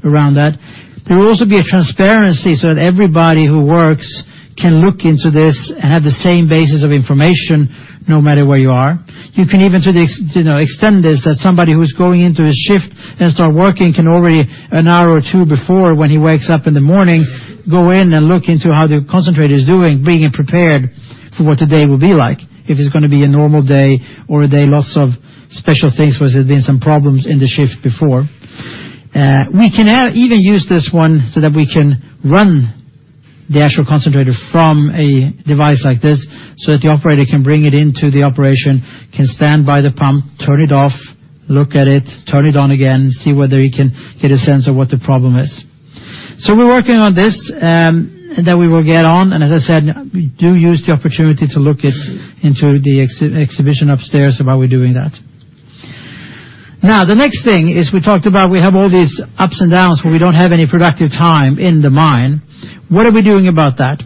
around that. There will also be a transparency so that everybody who works can look into this and have the same basis of information no matter where you are. You can even extend this, that somebody who's going into his shift and start working can already, one or two before when he wakes up in the morning, go in and look into how the concentrator is doing, being prepared for what the day will be like. If it's going to be a normal day or a day lots of special things, whether it has been some problems in the shift before. We can even use this one so that we can run the actual concentrator from a device like this, so that the operator can bring it into the operation, can stand by the pump, turn it off, look at it, turn it on again, see whether he can get a sense of what the problem is. We're working on this, that we will get on, and as I said, do use the opportunity to look into the exhibition upstairs of how we're doing that. The next thing is we talked about we have all these ups and downs where we don't have any productive time in the mine. What are we doing about that?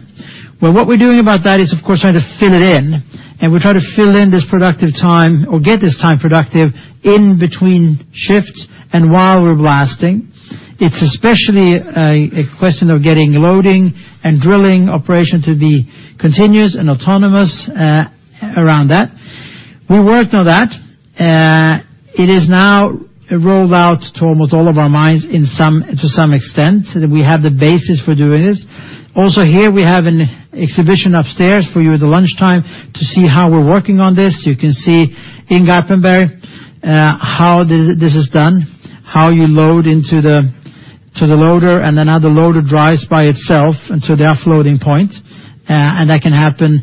What we're doing about that is, of course, trying to fill it in, and we try to fill in this productive time or get this time productive in between shifts and while we're blasting. It's especially a question of getting loading and drilling operation to be continuous and autonomous around that. We worked on that. It is now rolled out to almost all of our mines to some extent. We have the basis for doing this. Also here we have an exhibition upstairs for you at the lunchtime to see how we're working on this. You can see in Garpenberg how this is done, how you load into the loader, and then how the loader drives by itself to the offloading point. That can happen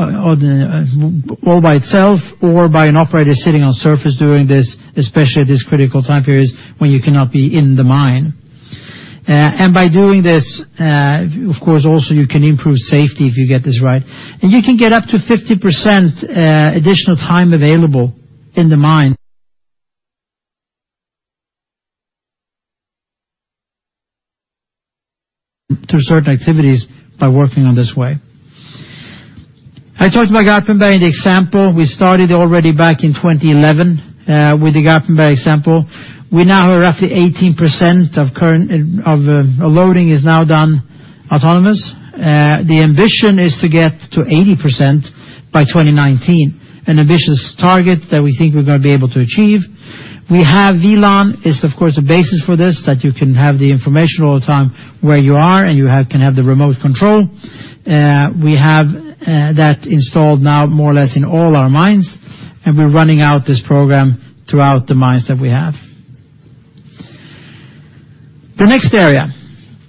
all by itself or by an operator sitting on the surface during this, especially at these critical time periods when you cannot be in the mine. By doing this, of course also you can improve safety if you get this right. You can get up to 50% additional time available in the mine to certain activities by working on this way. I talked about Garpenberg, the example. We started already back in 2011 with the Garpenberg example. Roughly 18% of loading is now done autonomous. The ambition is to get to 80% by 2019, an ambitious target that we think we're going to be able to achieve. We have WLAN is of course, the basis for this, that you can have the information all the time where you are, and you can have the remote control. We have that installed now more or less in all our mines. We're running out this program throughout the mines that we have. The next area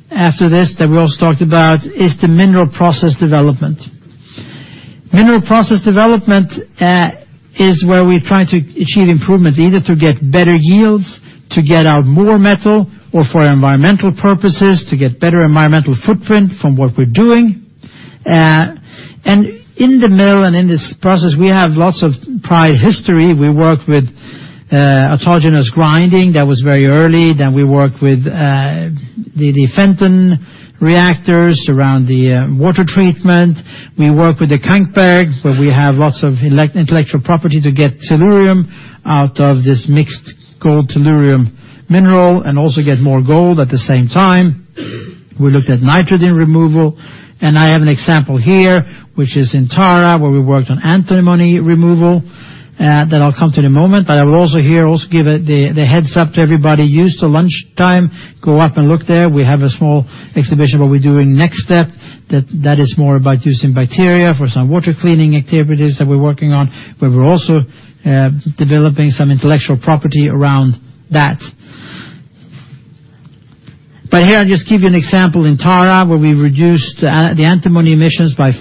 after this that we also talked about is the mineral process development. Mineral process development is where we try to achieve improvements, either to get better yields, to get out more metal or for environmental purposes, to get better environmental footprint from what we're doing. In the mill and in this process, we have lots of prior history. We work with autogenous grinding, that was very early. We worked with the Fenton reactors around the water treatment. We work with the Kankberg, where we have lots of intellectual property to get tellurium out of this mixed gold tellurium mineral and also get more gold at the same time. We looked at nitrogen removal. I have an example here, which is in Tara, where we worked on antimony removal, that I'll come to in a moment. I will also here also give the heads up to everybody. Use the lunchtime, go up and look there. We have a small exhibition of what we're doing next step that is more about using bacteria for some water cleaning activities that we're working on, where we're also developing some intellectual property around that. Here, I'll just give you an example in Tara, where we reduced the antimony emissions by 50%.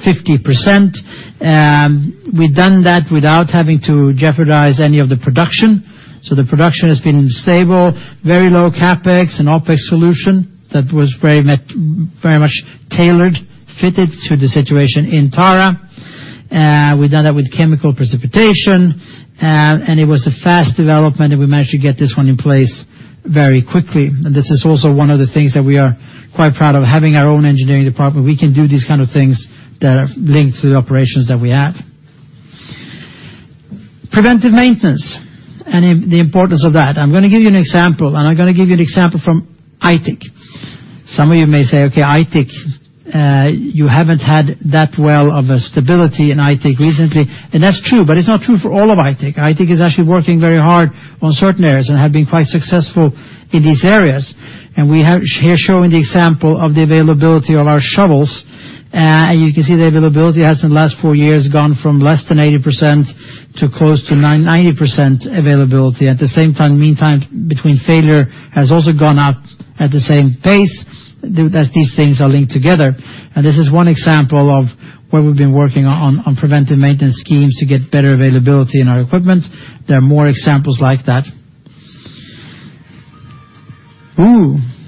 We've done that without having to jeopardize any of the production. The production has been stable, very low CapEx and OpEx solution that was very much tailored, fitted to the situation in Tara. We've done that with chemical precipitation, and it was a fast development, and we managed to get this one in place very quickly. This is also one of the things that we are quite proud of. Having our own engineering department, we can do these kind of things that are linked to the operations that we have. Preventive maintenance and the importance of that. I'm going to give you an example. I'm going to give you an example from Aitik. Some of you may say, "Okay, Aitik, you haven't had that well of a stability in Aitik recently." That's true, but it's not true for all of Aitik. Aitik is actually working very hard on certain areas and have been quite successful in these areas. We have here showing the example of the availability of our shovels. You can see the availability has in the last four years gone from less than 80% to close to 90% availability. At the same time, meantime between failure has also gone up at the same pace, as these things are linked together. This is one example of where we've been working on preventive maintenance schemes to get better availability in our equipment. There are more examples like that.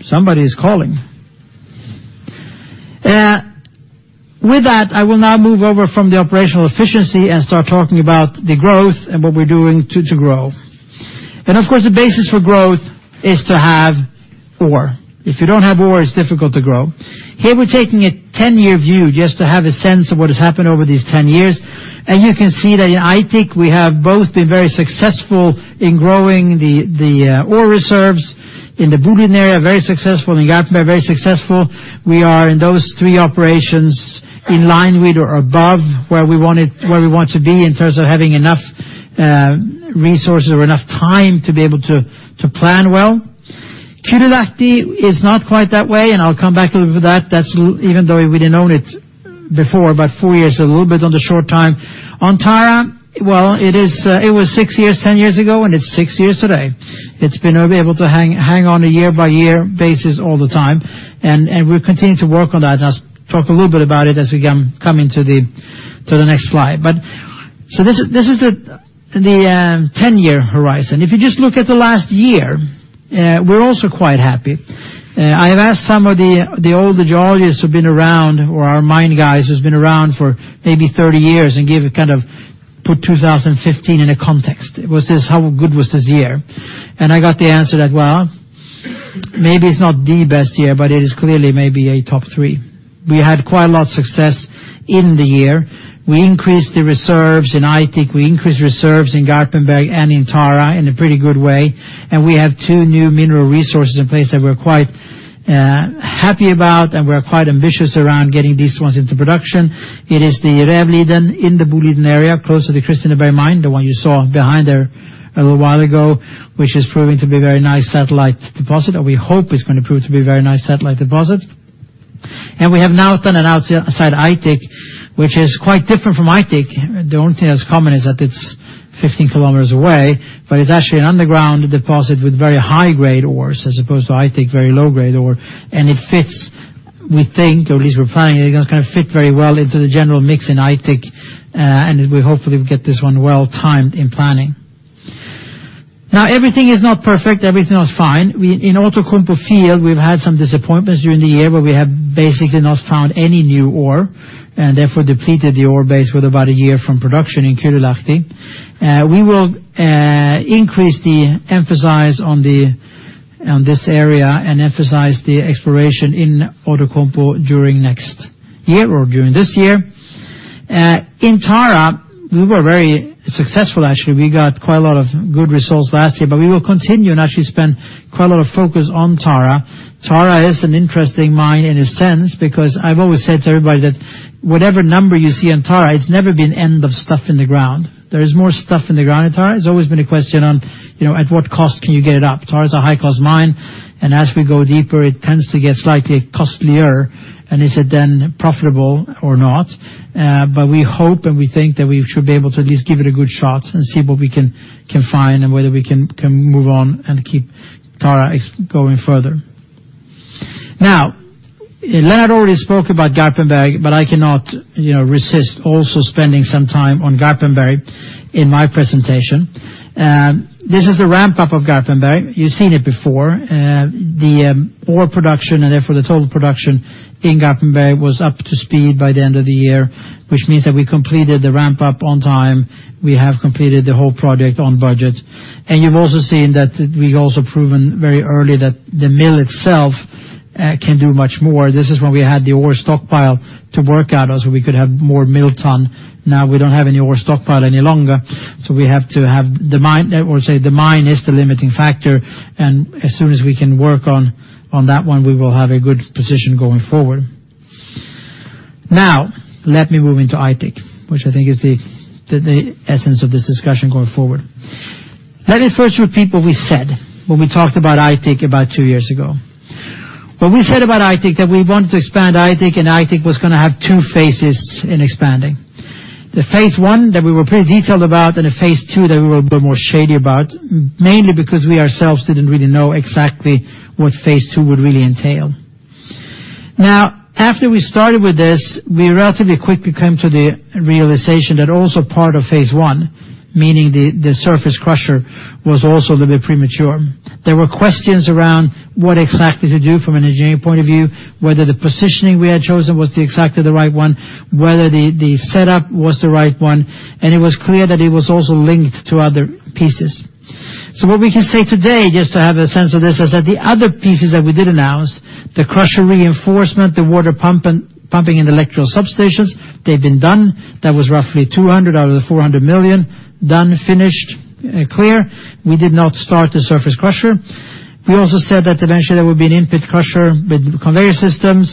Somebody's calling. With that, I will now move over from the operational efficiency and start talking about the growth and what we're doing to grow. Of course, the basis for growth is to have ore. If you don't have ore, it's difficult to grow. Here we're taking a 10-year view just to have a sense of what has happened over these 10 years. You can see that in Aitik we have both been very successful in growing the ore reserves. In the Boliden Area, very successful. In Garpenberg, very successful. We are in those three operations in line with or above where we want to be in terms of having enough resources or enough time to be able to plan well. Kylylahti is not quite that way, and I'll come back a little bit to that. Even though we didn't own it before, but four years is a little bit on the short time. On Tara, well, it was 6 years, 10 years ago, and it's 6 years today. It's been able to hang on a year-by-year basis all the time, and we're continuing to work on that, and I'll talk a little bit about it as we come into the next slide. This is the 10-year horizon. If you just look at the last year, we're also quite happy. I have asked some of the older geologists who've been around, or our mine guys who's been around for maybe 30 years, and give kind of put 2015 in a context. How good was this year? I got the answer that, well, maybe it's not the best year, but it is clearly maybe a top 3. We had quite a lot of success in the year. We increased the reserves in Aitik. We increased reserves in Garpenberg and in Tara in a pretty good way. We have two new mineral resources in place that we're quite happy about and we're quite ambitious around getting these ones into production. It is the Rävliden in the Boliden Area, close to the Kristineberg mine, the one you saw behind there a little while ago, which is proving to be a very nice satellite deposit, or we hope it's going to prove to be a very nice satellite deposit. We have now done outside Aitik, which is quite different from Aitik. The only thing that's common is that it's 15 km away, but it's actually an underground deposit with very high-grade ores, as opposed to Aitik, very low-grade ore. It fits, we think, or at least we're planning, it going to fit very well into the general mix in Aitik, and we hopefully will get this one well-timed in planning. Now, everything is not perfect, everything is fine. In Outokumpu field, we've had some disappointments during the year where we have basically not found any new ore, and therefore depleted the ore base with about a year from production in Kirunavaara. We will increase the emphasis on this area and emphasize the exploration in Outokumpu during next year or during this year. In Tara, we were very successful, actually. We got quite a lot of good results last year, we will continue and actually spend quite a lot of focus on Tara. Tara is an interesting mine in a sense because I've always said to everybody that whatever number you see on Tara, it's never been end of stuff in the ground. There is more stuff in the ground at Tara. It's always been a question on at what cost can you get it up? Tara is a high-cost mine, as we go deeper, it tends to get slightly costlier, is it then profitable or not? We hope and we think that we should be able to at least give it a good shot and see what we can find and whether we can move on and keep Tara going further. Lennart already spoke about Garpenberg, I cannot resist also spending some time on Garpenberg in my presentation. This is the ramp-up of Garpenberg. You've seen it before. The ore production and therefore the total production in Garpenberg was up to speed by the end of the year, which means that we completed the ramp-up on time. We have completed the whole project on budget. You've also seen that we also proven very early that the mill itself can do much more. This is when we had the ore stockpile to work out so we could have more mill ton. We don't have any ore stockpile any longer, so we have to have the mine, or say the mine is the limiting factor. As soon as we can work on that one, we will have a good position going forward. Let me move into Aitik, which I think is the essence of this discussion going forward. Let us first repeat what we said when we talked about Aitik about two years ago. What we said about Aitik, that we want to expand Aitik was going to have 2 phases in expanding. The phase 1 that we were pretty detailed about, the phase 2 that we were a bit more shady about, mainly because we ourselves didn't really know exactly what phase 2 would really entail. After we started with this, we relatively quickly came to the realization that also part of phase 1, meaning the surface crusher, was also a little bit premature. There were questions around what exactly to do from an engineering point of view, whether the positioning we had chosen was exactly the right one, whether the setup was the right one, it was clear that it was also linked to other pieces. What we can say today, just to have a sense of this, is that the other pieces that we did announce, the crusher reinforcement, the water pumping and electrical substations, they've been done. That was roughly 200 million out of the 400 million, done, finished, clear. We did not start the surface crusher. We also said that eventually there would be an in-pit crusher with conveyor systems.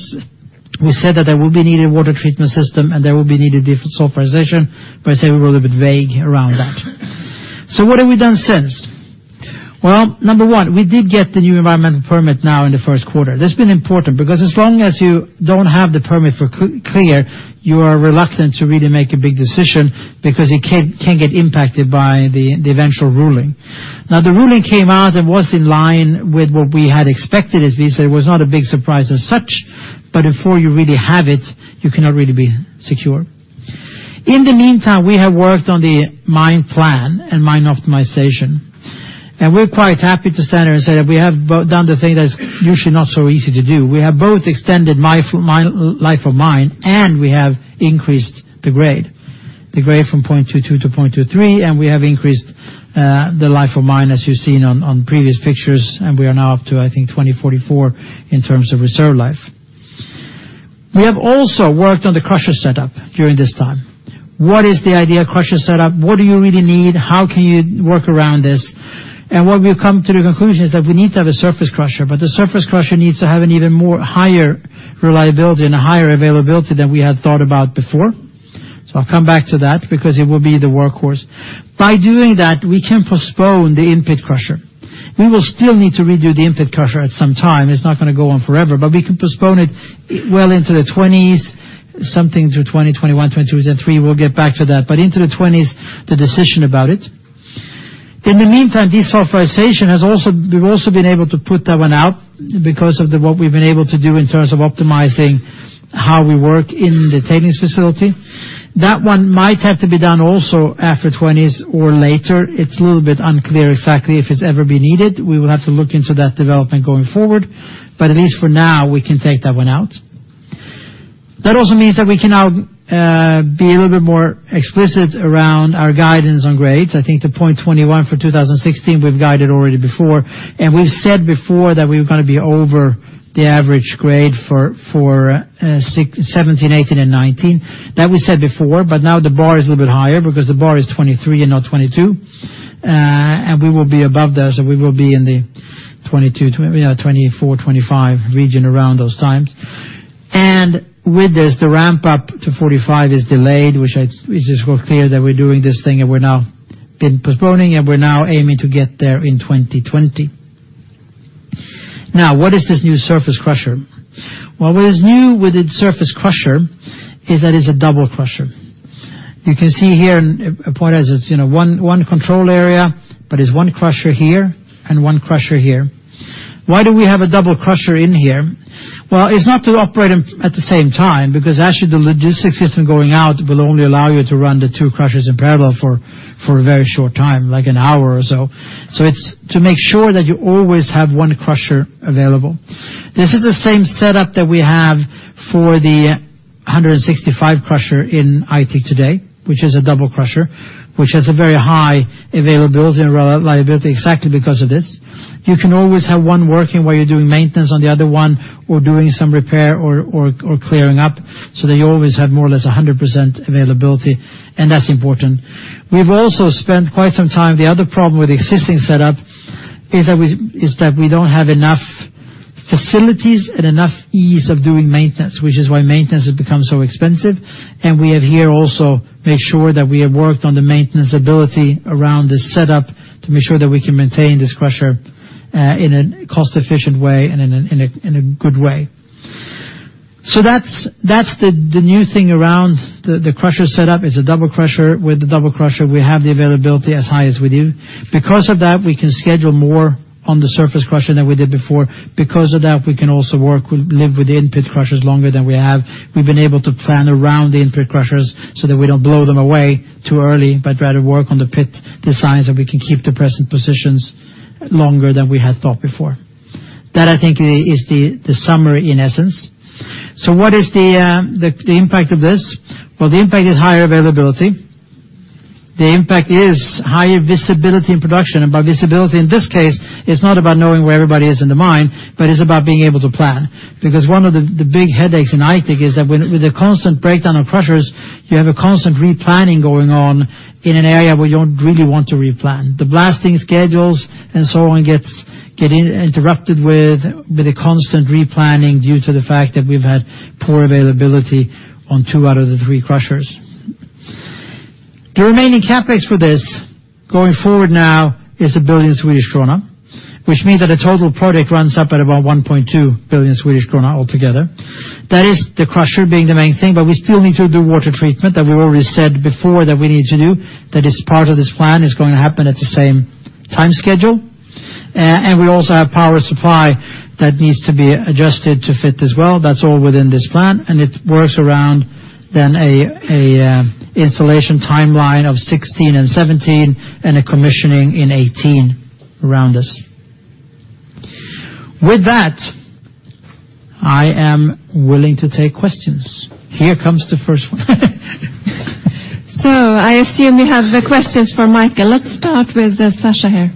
We said that there will be needed water treatment system, there will be needed desulfurization, I say we're a little bit vague around that. What have we done since? Number one, we did get the new environmental permit now in the first quarter. That's been important because as long as you don't have the permit clear, you are reluctant to really make a big decision because you can get impacted by the eventual ruling. The ruling came out and was in line with what we had expected it to be. It was not a big surprise as such. Before you really have it, you cannot really be secure. In the meantime, we have worked on the mine plan and mine optimization, we're quite happy to stand here and say that we have done the thing that's usually not so easy to do. We have both extended life of mine, and we have increased the grade. The grade from 0.22 to 0.23, and we have increased the life of mine, as you've seen on previous pictures, and we are now up to, I think, 2044 in terms of reserve life. We have also worked on the crusher setup during this time. What is the idea of crusher setup? What do you really need? How can you work around this? What we've come to the conclusion is that we need to have a surface crusher, but the surface crusher needs to have an even more higher reliability and a higher availability than we had thought about before. I'll come back to that because it will be the workhorse. By doing that, we can postpone the in-pit crusher. We will still need to redo the in-pit crusher at some time. It's not going to go on forever, but we can postpone it well into the '20s, something through 2021, 2023. We'll get back to that, but into the '20s, the decision about it. In the meantime, desulfurization, we've also been able to put that one out because of what we've been able to do in terms of optimizing how we work in the tailings facility. That one might have to be done also after '20s or later. It's a little bit unclear exactly if it's ever been needed. We will have to look into that development going forward, but at least for now, we can take that one out. That also means that we can now be a little bit more explicit around our guidance on grades. I think the 0.21 for 2016, we've guided already before. We've said before that we were going to be over the average grade for '17, '18 and '19. That we said before, but now the bar is a little bit higher because the bar is 23 and not 22. We will be above that, so we will be in the 24, 25 region around those times. With this, the ramp-up to 45 is delayed, which is clear that we're doing this thing and we're now been postponing, and we're now aiming to get there in 2020. What is this new surface crusher? What is new with its surface crusher is that it's a double crusher. You can see here and point as it's one control area, but it's one crusher here and one crusher here. Why do we have a double crusher in here? It's not to operate at the same time, because actually the logistics system going out will only allow you to run the two crushers in parallel for a very short time, like an hour or so. It's to make sure that you always have one crusher available. This is the same setup that we have for the 165 crusher in Aitik today, which is a double crusher, which has a very high availability and reliability exactly because of this. You can always have one working while you're doing maintenance on the other one or doing some repair or clearing up, so that you always have more or less 100% availability, and that's important. We've also spent quite some time. The other problem with the existing setup is that we don't have enough facilities and enough ease of doing maintenance, which is why maintenance has become so expensive. We have here also made sure that we have worked on the maintenance ability around this setup to make sure that we can maintain this crusher in a cost-efficient way and in a good way. That's the new thing around the crusher setup. It's a double crusher. With the double crusher, we have the availability as high as we do. Because of that, we can schedule more on the surface crusher than we did before. Because of that, we can also work, live with the in-pit crushers longer than we have. We've been able to plan around the in-pit crushers so that we don't blow them away too early, but rather work on the pit designs, and we can keep the present positions longer than we had thought before. That, I think, is the summary in essence. What is the impact of this? The impact is higher availability. The impact is higher visibility in production. By visibility in this case, it's not about knowing where everybody is in the mine, but it's about being able to plan. Because one of the big headaches in Aitik is that with the constant breakdown of crushers, you have a constant replanning going on in an area where you don't really want to replan. The blasting schedules and so on get interrupted with the constant replanning due to the fact that we've had poor availability on two out of the three crushers. The remaining CapEx for this going forward now is 1 billion Swedish krona, which means that the total project runs up at about 1.2 billion Swedish krona altogether. That is the crusher being the main thing, we still need to do water treatment that we already said before that we need to do. That is part of this plan. It's going to happen at the same time schedule. We also have power supply that needs to be adjusted to fit as well. That's all within this plan, it works around then a installation timeline of 2016 and 2017 and a commissioning in 2018 around this. With that, I am willing to take questions. Here comes the first one. I assume we have the questions for Mikael. Let's start with Sasha here.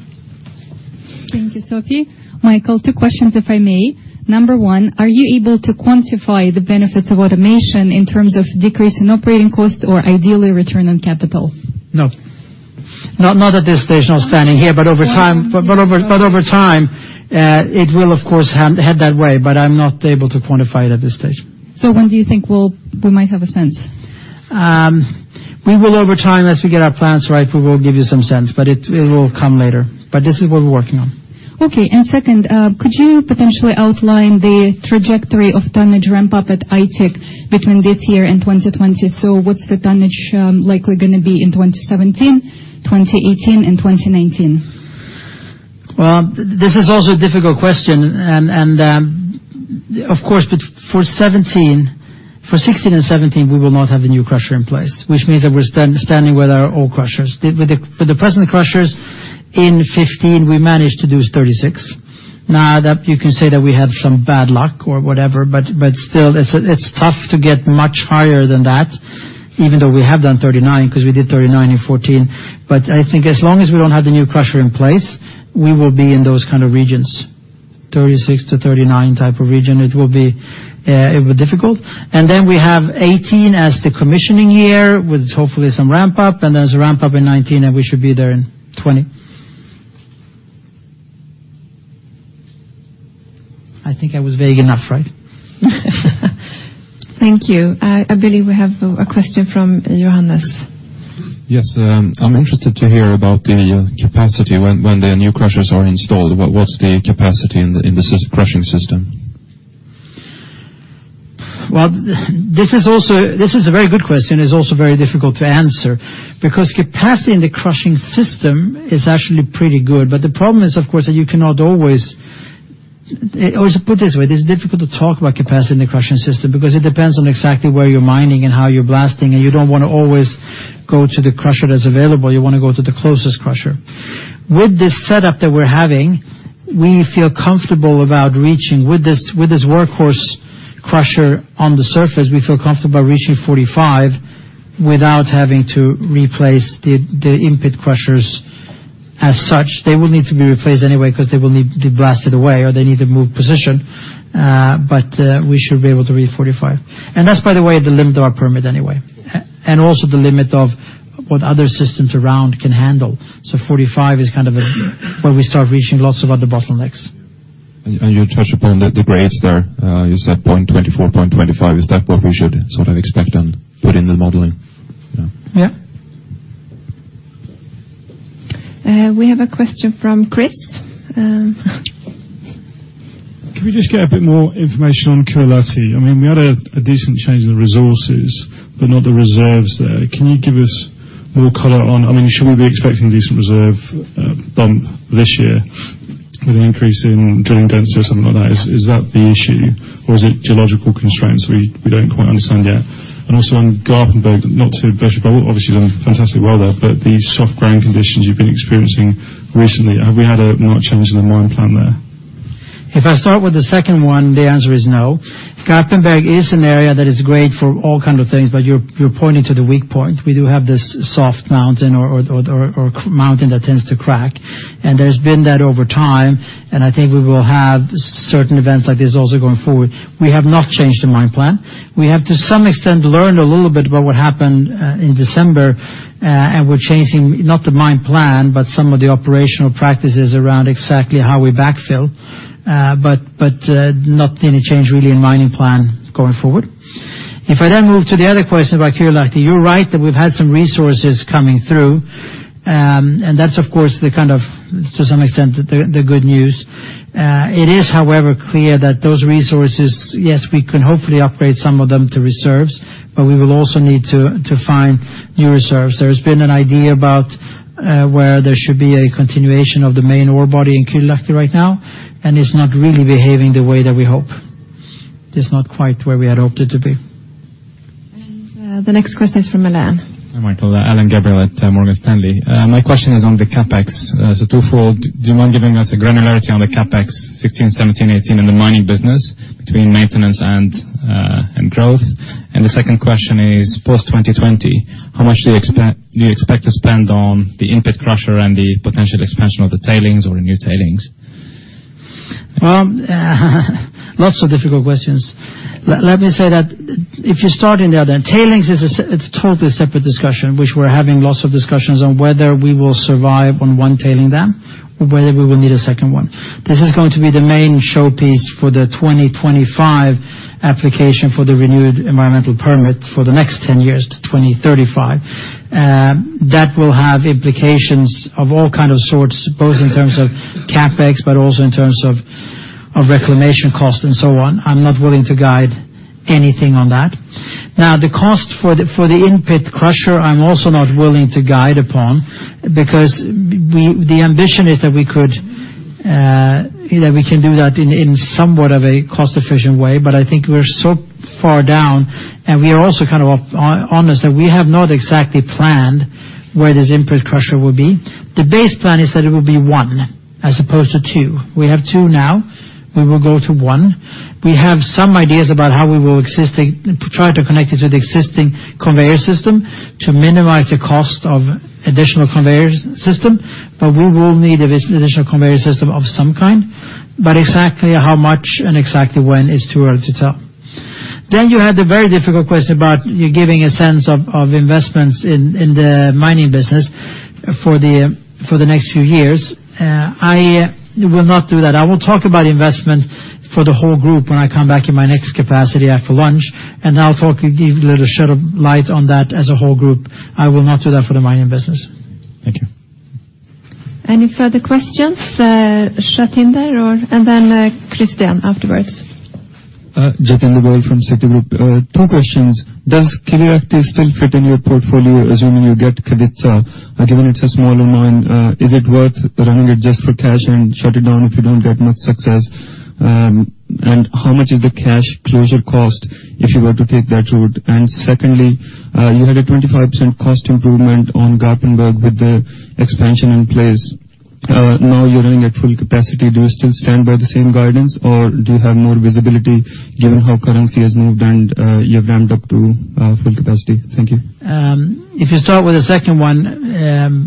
Thank you, Sophie. Mikael, two questions, if I may. Number one, are you able to quantify the benefits of automation in terms of decrease in operating costs or ideally, return on capital? No. Not at this stage, not standing here. Over time, it will, of course, head that way, I'm not able to quantify it at this stage. When do you think we might have a sense? We will over time, as we get our plans right, we will give you some sense, it will come later. This is what we're working on. Okay, second, could you potentially outline the trajectory of tonnage ramp-up at Aitik between this year and 2020? What's the tonnage likely going to be in 2017, 2018, and 2019? This is also a difficult question. Of course, for 2016 and 2017, we will not have the new crusher in place, which means that we're standing with our old crushers. With the present crushers, in 2015, we managed to do 36. Now, you can say that we had some bad luck or whatever, but still, it's tough to get much higher than that, even though we have done 39, because we did 39 in 2014. I think as long as we don't have the new crusher in place, we will be in those kind of regions, 36-39 type of region. It will be difficult. Then we have 2018 as the commissioning year with hopefully some ramp-up, there's a ramp-up in 2019, and we should be there in 2020. I think I was vague enough, right? Thank you. I believe we have a question from Johannes. Yes. I'm interested to hear about the capacity when the new crushers are installed. What's the capacity in the crushing system? This is a very good question. It is also very difficult to answer, because capacity in the crushing system is actually pretty good. The problem is, of course, that it is difficult to talk about capacity in the crushing system, because it depends on exactly where you are mining and how you are blasting, and you do not want to always go to the crusher that is available. You want to go to the closest crusher. With this workhorse crusher on the surface, we feel comfortable reaching 45 without having to replace the in-pit crushers as such. They will need to be replaced anyway because they will need to be blasted away or they need to move position. We should be able to reach 45. That is, by the way, the limit of our permit anyway, and also the limit of what other systems around can handle. 45 is kind of where we start reaching lots of other bottlenecks. You touched upon the grades there. You said 0.24, 0.25. Is that what we should sort of expect and put in the modeling? Yeah. We have a question from Chris. Can we just get a bit more information on Kylylahti? We had a decent change in the resources, but not the reserves there. Can you give us more color on, should we be expecting a decent reserve bump this year with an increase in drilling density or something like that? Is that the issue, or is it geological constraints we don't quite understand yet? Also on Garpenberg, not to bash, but obviously done fantastic well there, but the soft ground conditions you've been experiencing recently, have we had a marked change in the mine plan there? If I start with the second one, the answer is no. Garpenberg is an area that is great for all kind of things, but you're pointing to the weak point. We do have this soft mountain, or mountain that tends to crack. There's been that over time, I think we will have certain events like this also going forward. We have not changed the mine plan. We have, to some extent, learned a little bit about what happened in December, We're changing, not the mine plan, but some of the operational practices around exactly how we backfill. Not any change really in mining plan going forward. I then move to the other question about Kylylahti, you're right that we've had some resources coming through, That's of course, to some extent, the good news. It is, however, clear that those resources, yes, we can hopefully upgrade some of them to reserves, We will also need to find new reserves. There's been an idea about where there should be a continuation of the main ore body in Kylylahti right now, It's not really behaving the way that we hope. It's not quite where we had hoped it to be. The next question is from Alain. Hi, Mikael. Alain Gabriel at Morgan Stanley. My question is on the CapEx. Two-fold. Do you mind giving us a granularity on the CapEx 2016, 2017, 2018, in the mining business between maintenance and growth? The second question is, post-2020, how much do you expect to spend on the in-pit crusher and the potential expansion of the tailings or the new tailings? Lots of difficult questions. Let me say that if you start in the other, tailings, it's a totally separate discussion, which we're having lots of discussions on whether we will survive on one tailing dam or whether we will need a second one. This is going to be the main showpiece for the 2025 application for the renewed environmental permit for the next 10 years to 2035. That will have implications of all kind of sorts, both in terms of CapEx, but also in terms of reclamation cost and so on. I'm not willing to guide anything on that. The cost for the in-pit crusher, I'm also not willing to guide upon, because the ambition is that we can do that in somewhat of a cost-efficient way, but I think we're so far down, and we are also kind of honest that we have not exactly planned where this in-pit crusher will be. The base plan is that it will be one as opposed to two. We have two now. We will go to one. We have some ideas about how we will try to connect it to the existing conveyor system to minimize the cost of additional conveyor system, but we will need an additional conveyor system of some kind. Exactly how much and exactly when is too early to tell. You had the very difficult question about you giving a sense of investments in the mining business for the next few years. I will not do that. I will talk about investment for the whole group when I come back in my next capacity after lunch, I'll give a little shed of light on that as a whole group. I will not do that for the mining business. Thank you. Any further questions? Satinder and then Christian afterwards. Satinder Paul from Citigroup. Two questions. Does Kylylahti still fit in your portfolio, assuming you get Kevitsa, given it's a smaller mine? Is it worth running it just for cash and shut it down if you don't get much success? How much is the cash closure cost if you were to take that route? Secondly, you had a 25% cost improvement on Garpenberg with the expansion in place. Now you're running at full capacity. Do you still stand by the same guidance, or do you have more visibility given how currency has moved and you have ramped up to full capacity? Thank you. If you start with the second one,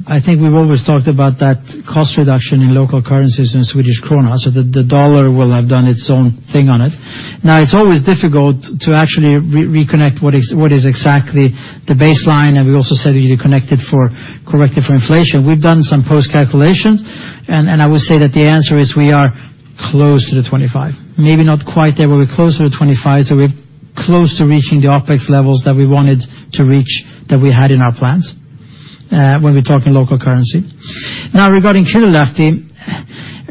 I think we've always talked about that cost reduction in local currencies in Swedish krona, so the dollar will have done its own thing on it. Now, it's always difficult to actually reconnect what is exactly the baseline, and we also said you correct it for inflation. We've done some post-calculations, and I would say that the answer is we are close to the 25. Maybe not quite there, but we're close to the 25, so we're close to reaching the OpEx levels that we wanted to reach, that we had in our plans, when we talk in local currency. Now, regarding Kylylahti,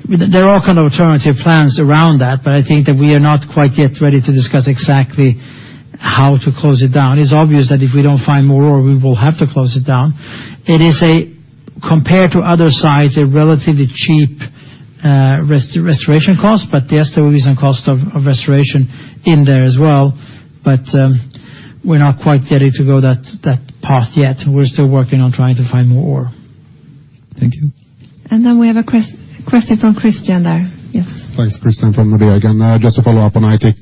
there are all kind of alternative plans around that, but I think that we are not quite yet ready to discuss exactly how to close it down. It's obvious that if we don't find more ore, we will have to close it down. It is, compared to other sites, a relatively cheap restoration cost, but yes, there is a cost of restoration in there as well. We're not quite ready to go that path yet. We're still working on trying to find more ore. Thank you. Then we have a question from Christian there. Yes. Thanks. Christian from Nordea again. Just to follow up on Aitik.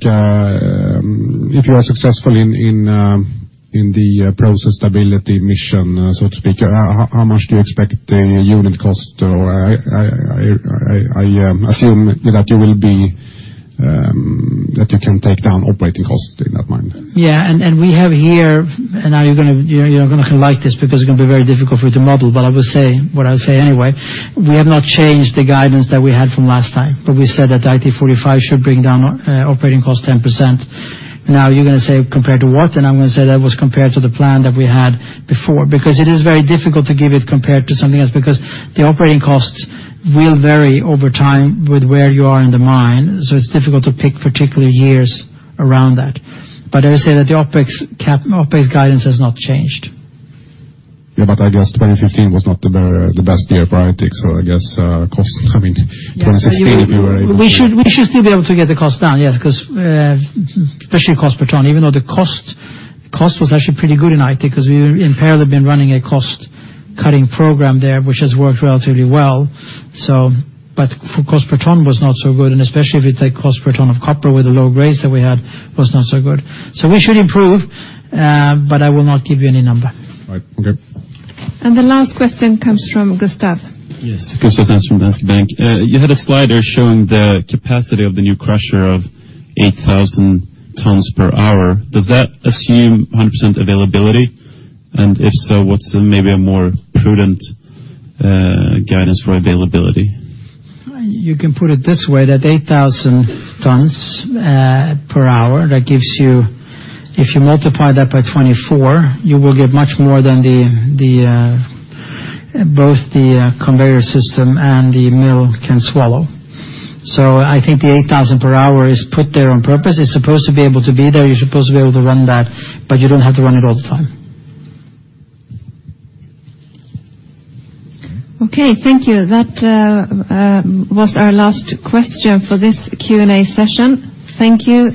If you are successful in the process stability mission, so to speak, how much do you expect the unit cost? I assume that you can take down operating cost in that mine. Yeah. We have here, you're not going to like this because it's going to be very difficult for you to model, I will say what I'll say anyway. We have not changed the guidance that we had from last time, we said that Aitik 45 should bring down operating cost 10%. You're going to say, "Compared to what?" I'm going to say that was compared to the plan that we had before, because it is very difficult to give it compared to something else, because the operating costs will vary over time with where you are in the mine. It's difficult to pick particular years around that. I would say that the OpEx guidance has not changed. Yeah, I guess 2015 was not the best year for Aitik. I guess cost, I mean 2016, if you were able to- We should still be able to get the cost down. Yes, especially cost per ton, even though the cost was actually pretty good in Aitik because we've in parallel been running a cost-cutting program there, which has worked relatively well. Cost per ton was not so good, especially if you take cost per ton of copper with the low grades that we had, was not so good. We should improve, I will not give you any number. All right. Okay. The last question comes from Gustaf. Yes. Gustav Sandström from Danske Bank. You had a slider showing the capacity of the new crusher of 8,000 tons per hour. Does that assume 100% availability? If so, what's maybe a more prudent guidance for availability? You can put it this way, that 8,000 tons per hour, if you multiply that by 24, you will get much more than both the conveyor system and the mill can swallow. I think the 8,000 per hour is put there on purpose. It's supposed to be able to be there. You're supposed to be able to run that, but you don't have to run it all the time. Okay, thank you. That was our last question for this Q&A session. Thank you.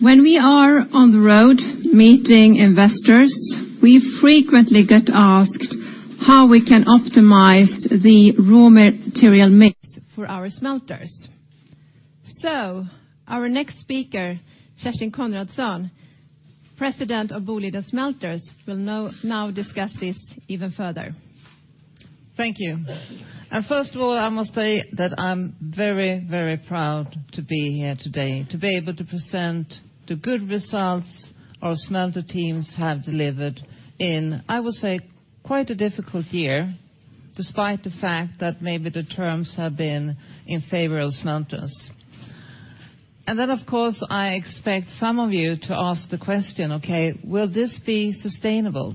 When we are on the road meeting investors, we frequently get asked how we can optimize the raw material mix for our smelters. Our next speaker, Kerstin Konradsson, President of Boliden Smelters, will now discuss this even further. Thank you. First of all, I must say that I'm very, very proud to be here today to be able to present the good results our smelter teams have delivered in, I would say, quite a difficult year, despite the fact that maybe the terms have been in favor of smelters. Then, of course, I expect some of you to ask the question, okay, will this be sustainable?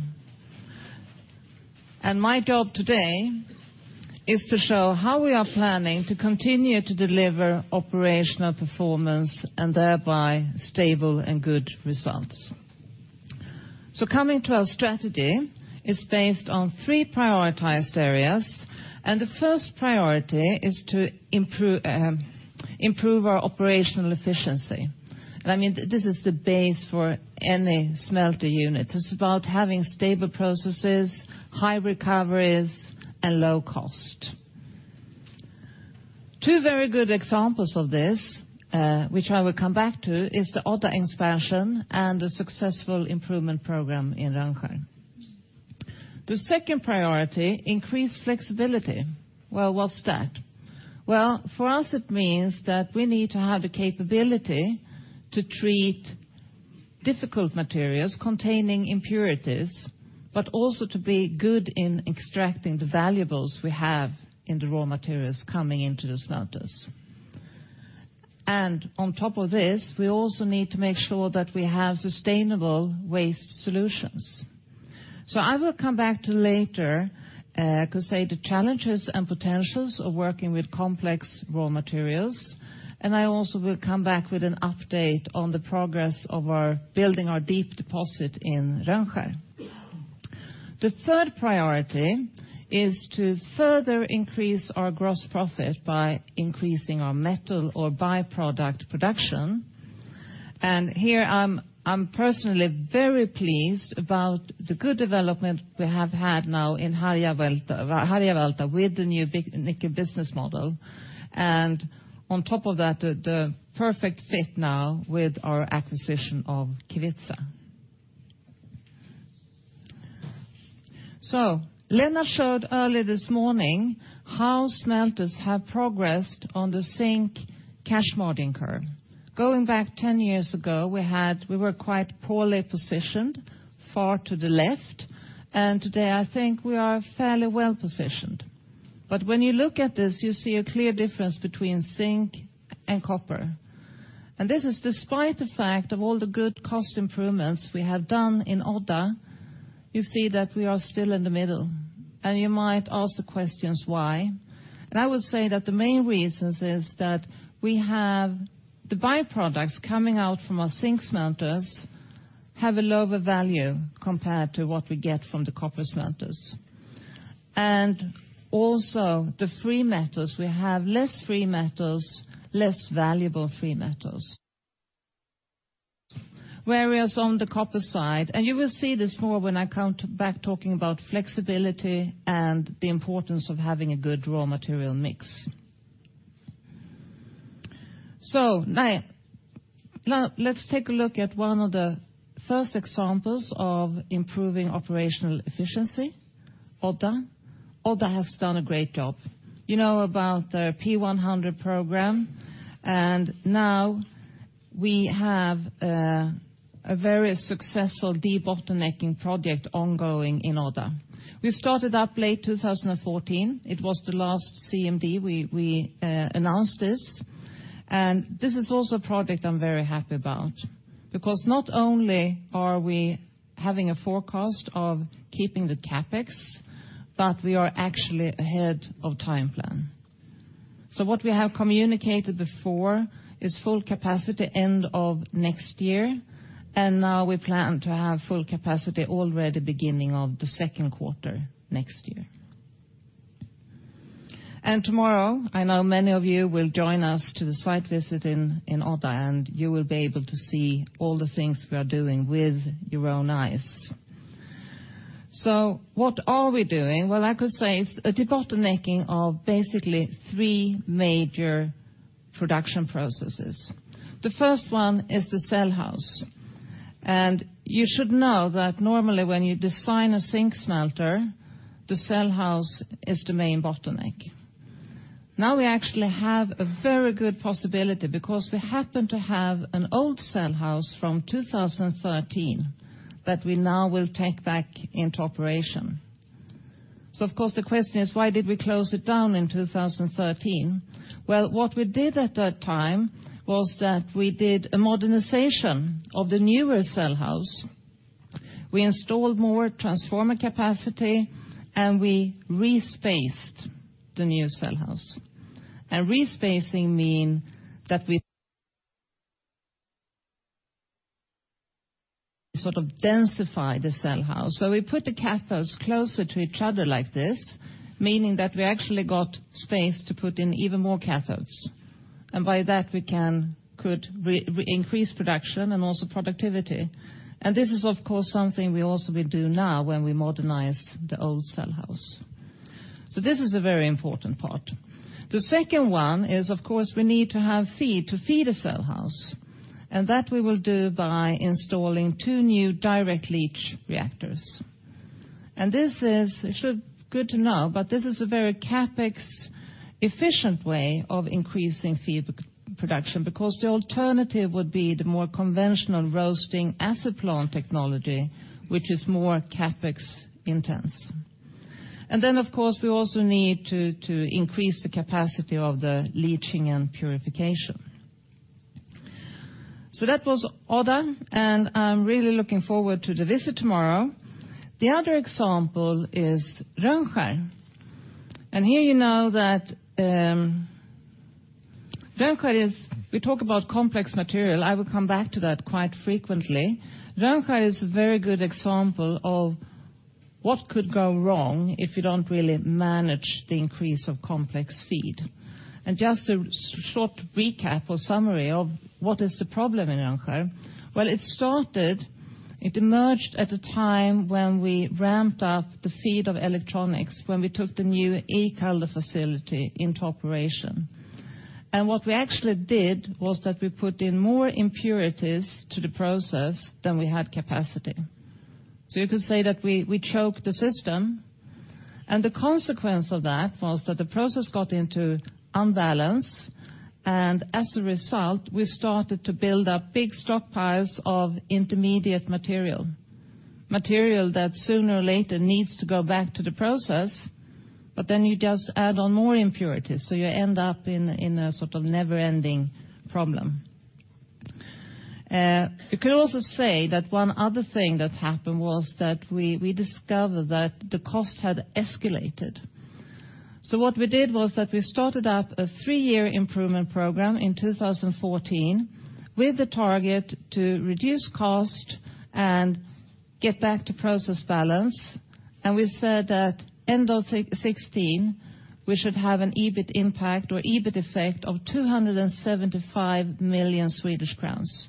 My job today is to show how we are planning to continue to deliver operational performance, and thereby stable and good results. Coming to our strategy is based on three prioritized areas, and the first priority is to improve our operational efficiency. This is the base for any smelter unit. It's about having stable processes, high recoveries, and low cost. Two very good examples of this, which I will come back to, is the Odda expansion and the successful improvement program in Rönnskär. The second priority, increased flexibility. What's that? For us it means that we need to have the capability to treat difficult materials containing impurities, but also to be good in extracting the valuables we have in the raw materials coming into the smelters. On top of this, we also need to make sure that we have sustainable waste solutions. I will come back to later, to say the challenges and potentials of working with complex raw materials, and I also will come back with an update on the progress of our building our deep deposit in Rönnskär. The third priority is to further increase our gross profit by increasing our metal or by-product production. Here I'm personally very pleased about the good development we have had now in Harjavalta with the new nickel business model. On top of that, the perfect fit now with our acquisition of Kevitsa. Lennart showed earlier this morning how smelters have progressed on the zinc cash modeling curve. Going back 10 years ago, we were quite poorly positioned, far to the left, and today I think we are fairly well-positioned. When you look at this, you see a clear difference between zinc and copper. This is despite the fact of all the good cost improvements we have done in Odda, you see that we are still in the middle. You might ask the questions why? I would say that the main reasons is that we have the by-products coming out from our zinc smelters have a lower value compared to what we get from the copper smelters. Also the free metals. We have less free metals, less valuable free metals. Whereas on the copper side, and you will see this more when I come back talking about flexibility and the importance of having a good raw material mix. Now, let's take a look at one of the first examples of improving operational efficiency, Odda. Odda has done a great job. You know about their P100 program, and now we have a very successful debottlenecking project ongoing in Odda. We started up late 2014. It was the last CMD we announced this. This is also a project I'm very happy about, because not only are we having a forecast of keeping the CapEx, but we are actually ahead of time plan. What we have communicated before is full capacity end of next year, and now we plan to have full capacity already beginning of the second quarter next year. Tomorrow, I know many of you will join us to the site visit in Odda, and you will be able to see all the things we are doing with your own eyes. What are we doing? I could say it's a debottlenecking of basically three major production processes. The first one is the cell house. You should know that normally when you design a zinc smelter, the cell house is the main bottleneck. We actually have a very good possibility because we happen to have an old cell house from 2013 that we now will take back into operation. The question is, why did we close it down in 2013? What we did at that time was that we did a modernization of the newer cell house. We installed more transformer capacity, and we respaced the new cell house. Respacing mean that we sort of densify the cell house. We put the cathodes closer to each other like this, meaning that we actually got space to put in even more cathodes. By that, we could increase production and also productivity. This is, of course, something we also will do now when we modernize the old cell house. This is a very important part. We need to have feed to feed a cell house. That we will do by installing two new direct leach reactors. This is good to know, but this is a very CapEx efficient way of increasing feed production, because the alternative would be the more conventional roasting acid plant technology, which is more CapEx intense. We also need to increase the capacity of the leaching and purification. That was Odda, and I'm really looking forward to the visit tomorrow. The other example is Rönnskär. Here you know that we talk about complex material. I will come back to that quite frequently. Rönnskär is a very good example of what could go wrong if you don't really manage the increase of complex feed. Just a short recap or summary of what is the problem in Rönnskär. It emerged at a time when we ramped up the feed of electronics when we took the new e-Kaldo facility into operation. We put in more impurities to the process than we had capacity. You could say that we choked the system, and the consequence of that was that the process got into imbalance, and as a result, we started to build up big stockpiles of intermediate material. Material that sooner or later needs to go back to the process, then you just add on more impurities, so you end up in a sort of never-ending problem. You could also say that one other thing that happened was that we discovered that the cost had escalated. What we did was that we started up a three-year improvement program in 2014 with the target to reduce cost and get back to process balance. We said that end of 2016, we should have an EBIT impact or EBIT effect of 275 million Swedish crowns.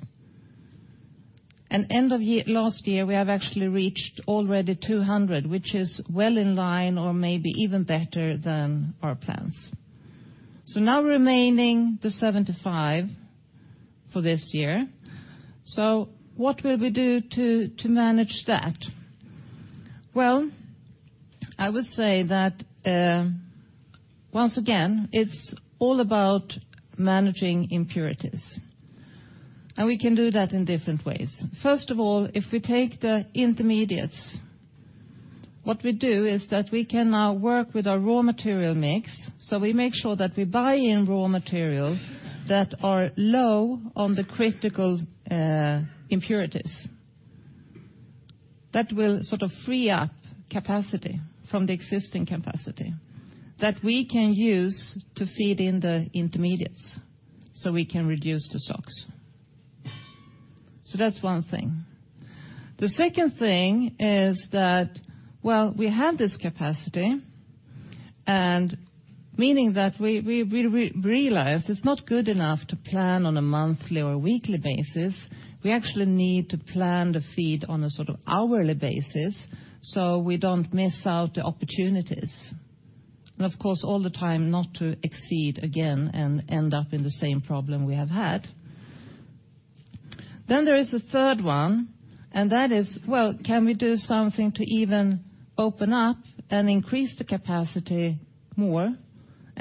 End of last year, we have actually reached already 200 million, which is well in line or maybe even better than our plans. Now remaining the 75 million for this year. What will we do to manage that? Well, I would say that once again, it's all about managing impurities. We can do that in different ways. First of all, if we take the intermediates, what we do is that we can now work with our raw material mix. We make sure that we buy in raw material that are low on the critical impurities. That will sort of free up capacity from the existing capacity that we can use to feed in the intermediates so we can reduce the stocks. That's one thing. The second thing is that we have this capacity, meaning that we realized it's not good enough to plan on a monthly or weekly basis. We actually need to plan the feed on a sort of hourly basis so we don't miss out the opportunities. Of course, all the time not to exceed again and end up in the same problem we have had. There is a third one, and that is, can we do something to even open up and increase the capacity more?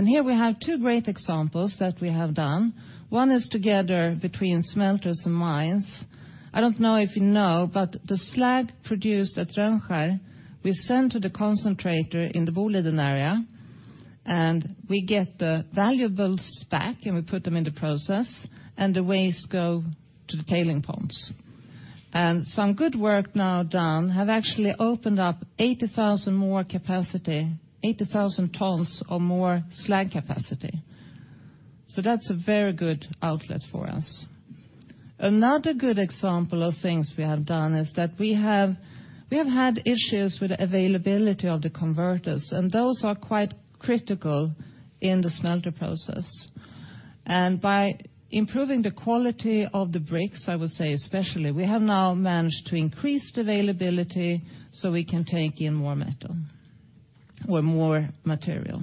Here we have two great examples that we have done. One is together between smelters and mines. I don't know if you know, but the slag produced at Rönnskär, we send to the concentrator in the Boliden Area, and we get the valuables back, and we put them in the process, and the waste go to the tailing ponds. Some good work now done have actually opened up 80,000 tons or more slag capacity. That's a very good outlet for us. Another good example of things we have done is that we have had issues with availability of the converters, and those are quite critical in the smelter process. By improving the quality of the bricks, I would say especially, we have now managed to increase the availability so we can take in more metal or more material.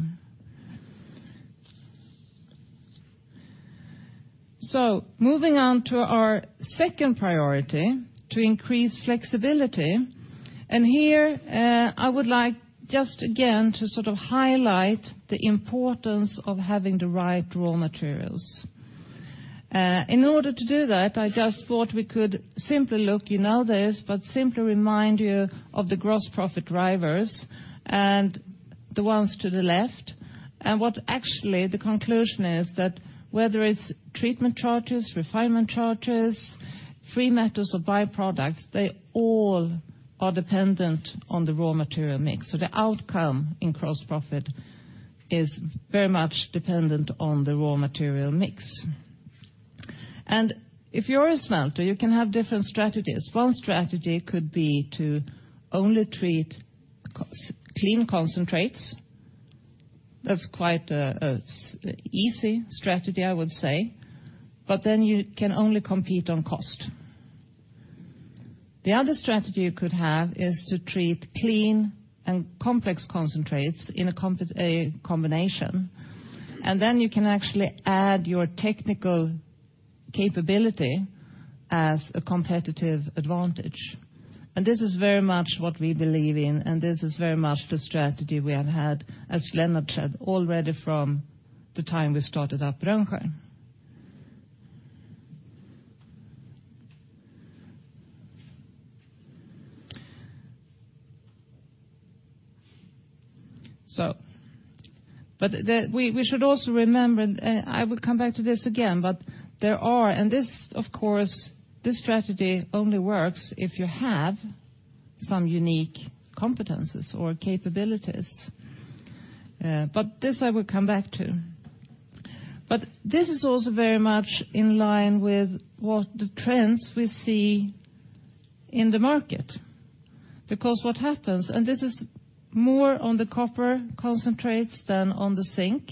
Moving on to our second priority, to increase flexibility. Here, I would like just again to sort of highlight the importance of having the right raw materials. In order to do that, I just thought we could simply look, you know this, but simply remind you of the gross profit drivers and the ones to the left. What actually the conclusion is that whether it's treatment charges, refinement charges, free metals, or byproducts, they all are dependent on the raw material mix. The outcome in gross profit is very much dependent on the raw material mix. If you're a smelter, you can have different strategies. One strategy could be to only treat clean concentrates. That's quite an easy strategy, I would say. Then you can only compete on cost. The other strategy you could have is to treat clean and complex concentrates in a combination, then you can actually add your technical capability as a competitive advantage. This is very much what we believe in, this is very much the strategy we have had, as Lennart said, already from the time we started up Rönnskär. We should also remember, I will come back to this again, this strategy only works if you have some unique competencies or capabilities. This I will come back to. This is also very much in line with what the trends we see in the market. What happens, this is more on the copper concentrates than on the zinc.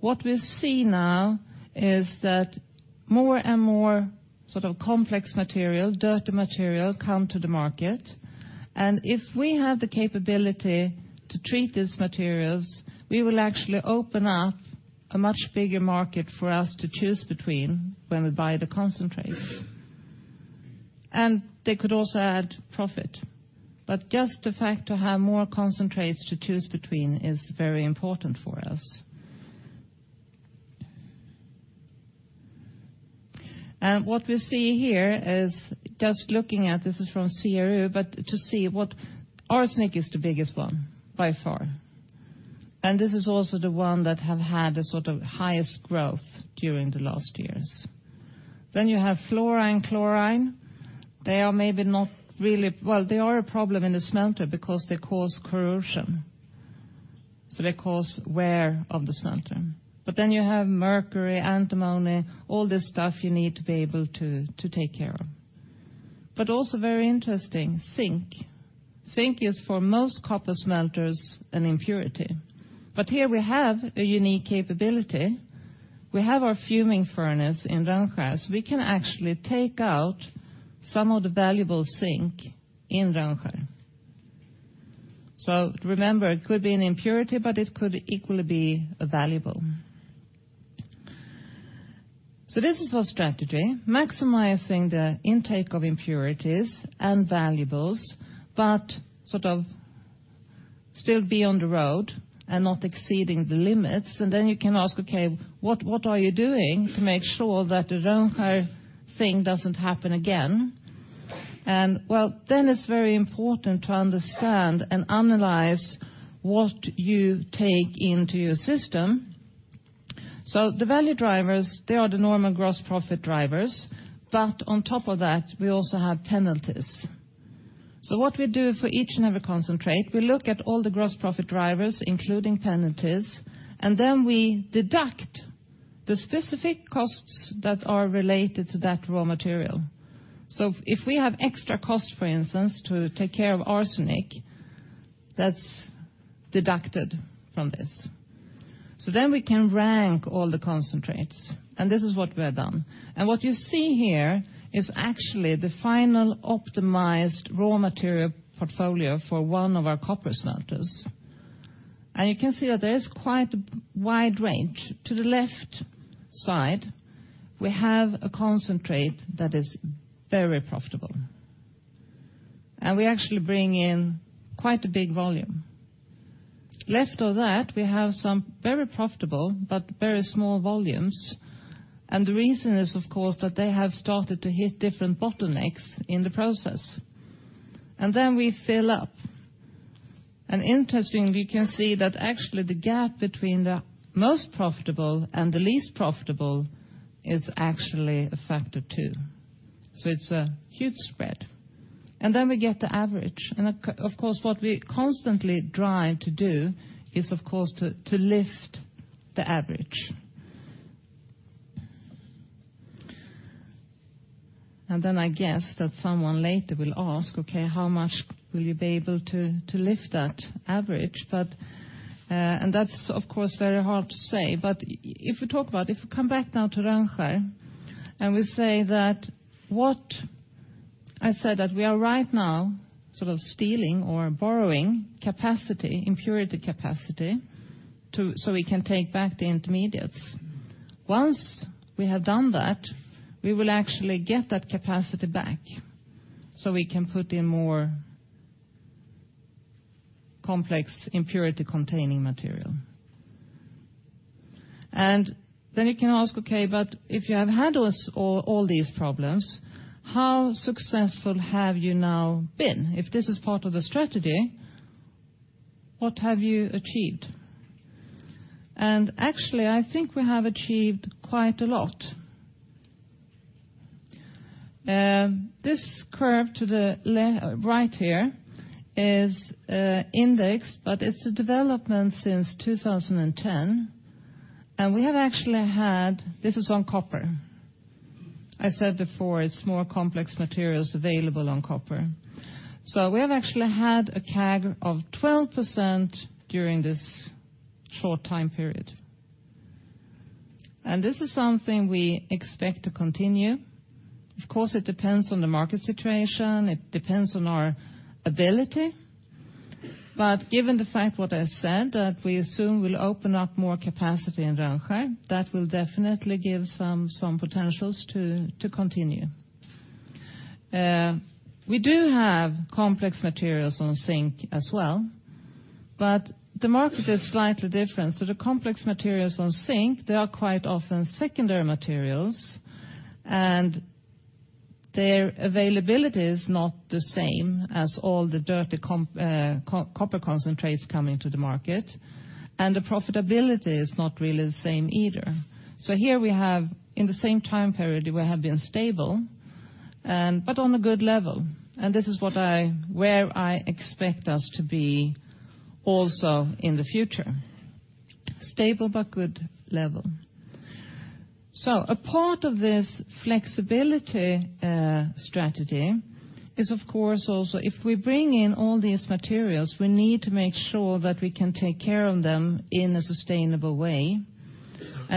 What we see now is that more and more sort of complex material, dirty material, come to the market. If we have the capability to treat these materials, we will actually open up a much bigger market for us to choose between when we buy the concentrates. They could also add profit. Just the fact to have more concentrates to choose between is very important for us. What we see here is just looking at, this is from CRU, to see what arsenic is the biggest one by far. This is also the one that have had a sort of highest growth during the last years. You have fluorine, chlorine. They are a problem in the smelter because they cause corrosion. They cause wear of the smelter. Then you have mercury, antimony, all this stuff you need to be able to take care of. Also very interesting, zinc. Zinc is for most copper smelters an impurity. Here we have a unique capability. We have our fuming furnace in Rönnskär. We can actually take out some of the valuable zinc in Rönnskär. Remember, it could be an impurity, it could equally be a valuable. This is our strategy, maximizing the intake of impurities and valuables, sort of still be on the road and not exceeding the limits. Then you can ask, okay, what are you doing to make sure that the Rönnskär thing doesn't happen again? Well, then it's very important to understand and analyze what you take into your system. The value drivers, they are the normal gross profit drivers, on top of that, we also have penalties. What we do for each and every concentrate, we look at all the gross profit drivers, including penalties, then we deduct the specific costs that are related to that raw material. If we have extra cost, for instance, to take care of arsenic, that's deducted from this. Then we can rank all the concentrates, this is what we have done. What you see here is actually the final optimized raw material portfolio for one of our copper smelters. You can see that there is quite a wide range. To the left side, we have a concentrate that is very profitable, we actually bring in quite a big volume. Left of that, we have some very profitable but very small volumes. The reason is, of course, that they have started to hit different bottlenecks in the process. Then we fill up. Interesting, we can see that actually the gap between the most profitable and the least profitable is actually a factor two. It's a huge spread. Then we get the average. Of course, what we constantly drive to do is, of course, to lift the average. Then I guess that someone later will ask, "Okay, how much will you be able to lift that average?" That's, of course, very hard to say. If we talk about it, if we come back now to Rönnskär, I said that we are right now sort of stealing or borrowing capacity, impurity capacity, so we can take back the intermediates. Once we have done that, we will actually get that capacity back so we can put in more complex impurity-containing material. Then you can ask, "Okay, but if you have had all these problems, how successful have you now been? If this is part of the strategy, what have you achieved?" Actually, I think we have achieved quite a lot. This curve to the right here is indexed, but it's a development since 2010. This is on copper. I said before, it's more complex materials available on copper. We have actually had a CAG of 12% during this short time period. This is something we expect to continue. Of course, it depends on the market situation. It depends on our ability. Given the fact what I said, that we soon will open up more capacity in Rönnskär, that will definitely give some potentials to continue. We do have complex materials on zinc as well, but the market is slightly different. The complex materials on zinc, they are quite often secondary materials, and their availability is not the same as all the dirty copper concentrates coming to the market, and the profitability is not really the same either. Here we have, in the same time period, we have been stable but on a good level. This is where I expect us to be also in the future. Stable but good level. A part of this flexibility strategy is, of course, also if we bring in all these materials, we need to make sure that we can take care of them in a sustainable way.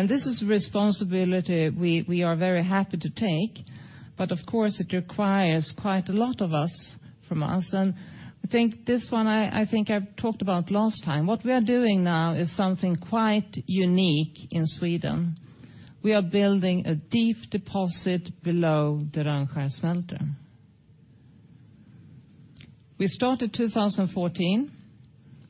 This is a responsibility we are very happy to take. Of course, it requires quite a lot from us. I think this one I think I've talked about last time. What we are doing now is something quite unique in Sweden. We are building a deep deposit below the Rönnskär smelter. We started 2014.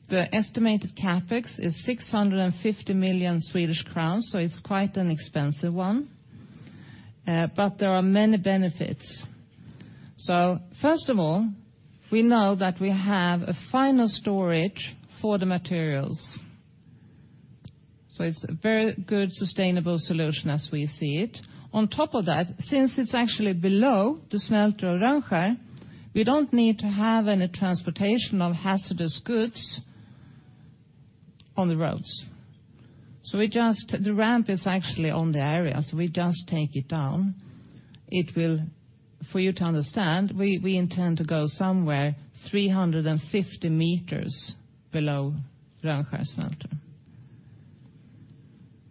The estimated CapEx is 650 million Swedish crowns, so it's quite an expensive one. There are many benefits. First of all, we know that we have a final storage for the materials. It's a very good sustainable solution as we see it. On top of that, since it's actually below the smelter of Rönnskär, we don't need to have any transportation of hazardous goods on the roads. The ramp is actually on the area, so we just take it down. For you to understand, we intend to go somewhere 350 meters below Rönnskär smelter.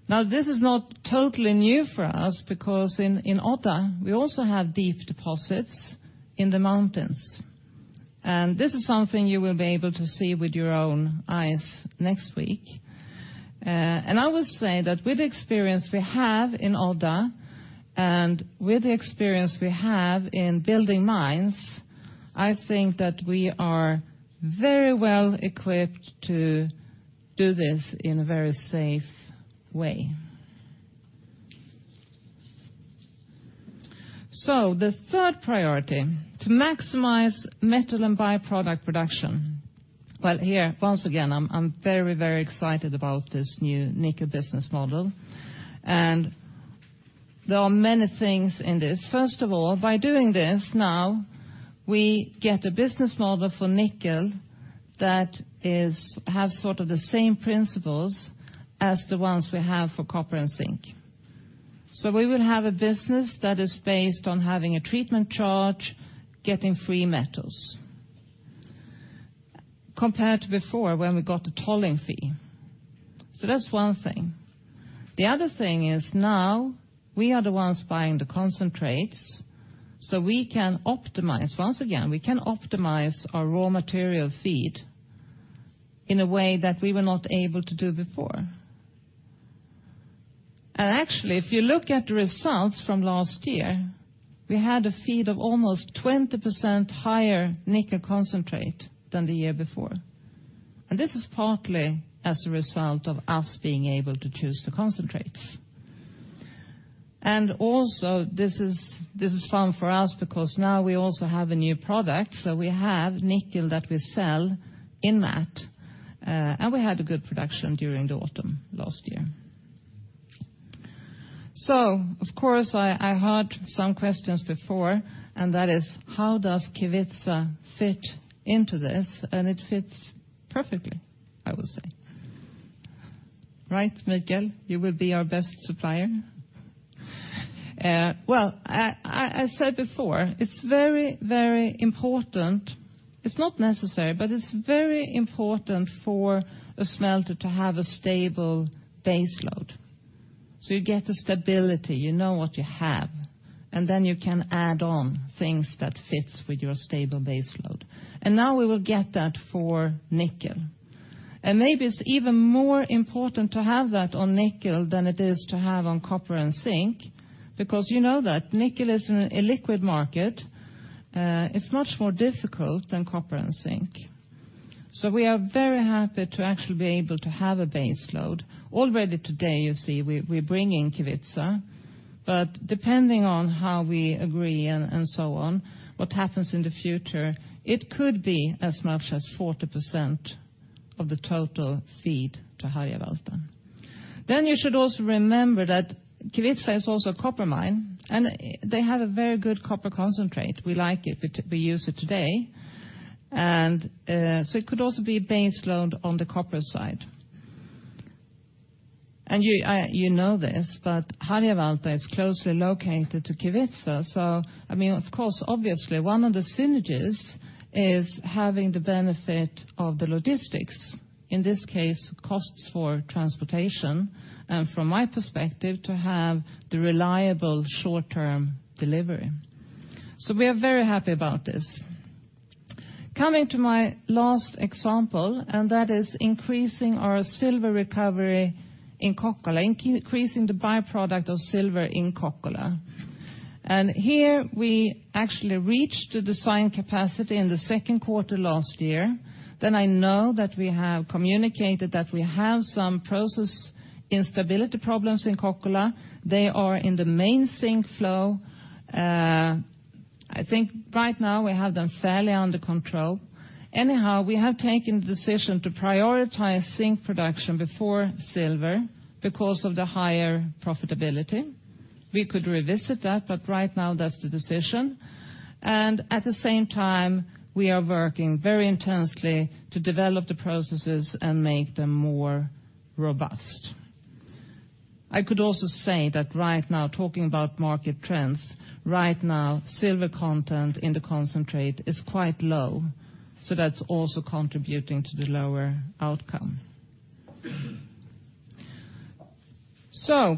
Now, this is not totally new for us because in Odda, we also have deep deposits in the mountains. This is something you will be able to see with your own eyes next week. I will say that with the experience we have in Odda and with the experience we have in building mines, I think that we are very well equipped to do this in a very safe way. The third priority, to maximize metal and byproduct production. Well, here, once again, I'm very excited about this new nickel business model. There are many things in this. First of all, by doing this now, we get a business model for nickel that has sort of the same principles as the ones we have for copper and zinc. We will have a business that is based on having a treatment charge, getting free metals, compared to before when we got a tolling fee. That's one thing. The other thing is now we are the ones buying the concentrates, we can optimize. Once again, we can optimize our raw material feed in a way that we were not able to do before. Actually, if you look at the results from last year, we had a feed of almost 20% higher nickel concentrate than the year before. This is partly as a result of us being able to choose the concentrates. Also, this is fun for us because now we also have a new product. We have nickel that we sell in that, and we had a good production during the autumn last year. Of course, I heard some questions before, and that is, how does Kevitsa fit into this? It fits perfectly, I would say. Right, Mikael? You will be our best supplier. Well, I said before, it's very, very important. It's not necessary, but it's very important for a smelter to have a stable base load. You get the stability, you know what you have, and then you can add on things that fits with your stable base load. Now we will get that for nickel. Maybe it's even more important to have that on nickel than it is to have on copper and zinc, because you know that nickel is an illiquid market. It's much more difficult than copper and zinc. We are very happy to actually be able to have a base load. Already today, you see we bring in Kevitsa, but depending on how we agree and so on, what happens in the future, it could be as much as 40% of the total feed to Harjavalta. You should also remember that Kevitsa is also a copper mine, and they have a very good copper concentrate. We like it. We use it today. It could also be a base load on the copper side. You know this, but Harjavalta is closely located to Kevitsa. I mean, of course, obviously, one of the synergies is having the benefit of the logistics. In this case, costs for transportation, and from my perspective, to have the reliable short-term delivery. We are very happy about this. Coming to my last example, and that is increasing our silver recovery in Kokkola, increasing the by-product of silver in Kokkola. Here we actually reached the design capacity in the second quarter last year. I know that we have communicated that we have some process instability problems in Kokkola. They are in the main zinc flow. I think right now we have them fairly under control. We have taken the decision to prioritize zinc production before silver because of the higher profitability. We could revisit that, but right now that's the decision. At the same time, we are working very intensely to develop the processes and make them more robust. I could also say that right now, talking about market trends, right now, silver content in the concentrate is quite low. That's also contributing to the lower outcome.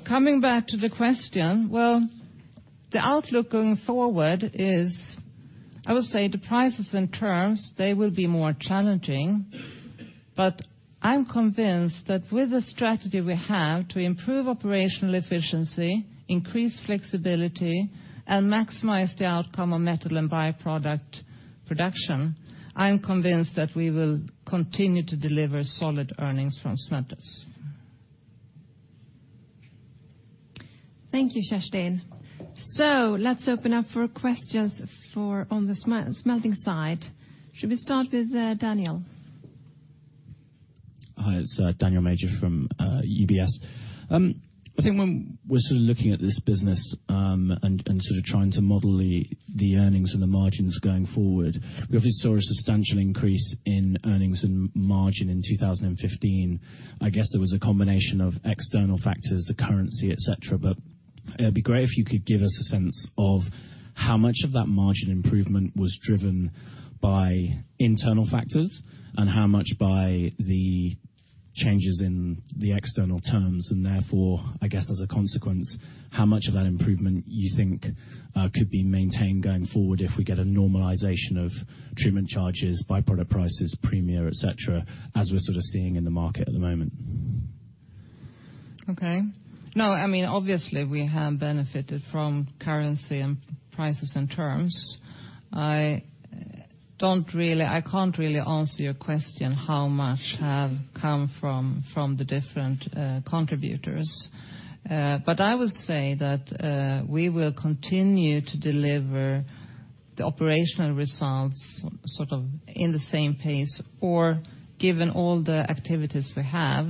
Coming back to the question, well, the outlook going forward is, I would say the prices and terms, they will be more challenging. I'm convinced that with the strategy we have to improve operational efficiency, increase flexibility, and maximize the outcome of metal and by-product production, I'm convinced that we will continue to deliver solid earnings from smelters. Thank you, Kerstin. Let's open up for questions on the smelting side. Should we start with Daniel? Hi, it's Daniel Major from UBS. I think when we're sort of looking at this business, and sort of trying to model the earnings and the margins going forward, we obviously saw a substantial increase in earnings and margin in 2015. I guess there was a combination of external factors, the currency, et cetera, but it would be great if you could give us a sense of how much of that margin improvement was driven by internal factors and how much by the changes in the external terms, and therefore, I guess as a consequence, how much of that improvement you think could be maintained going forward if we get a normalization of treatment charges, by-product prices, premium, et cetera, as we're sort of seeing in the market at the moment. Okay. No, I mean, obviously, we have benefited from currency and prices and terms. I can't really answer your question, how much have come from the different contributors. I will say that we will continue to deliver the operational results in the same pace, or given all the activities we have,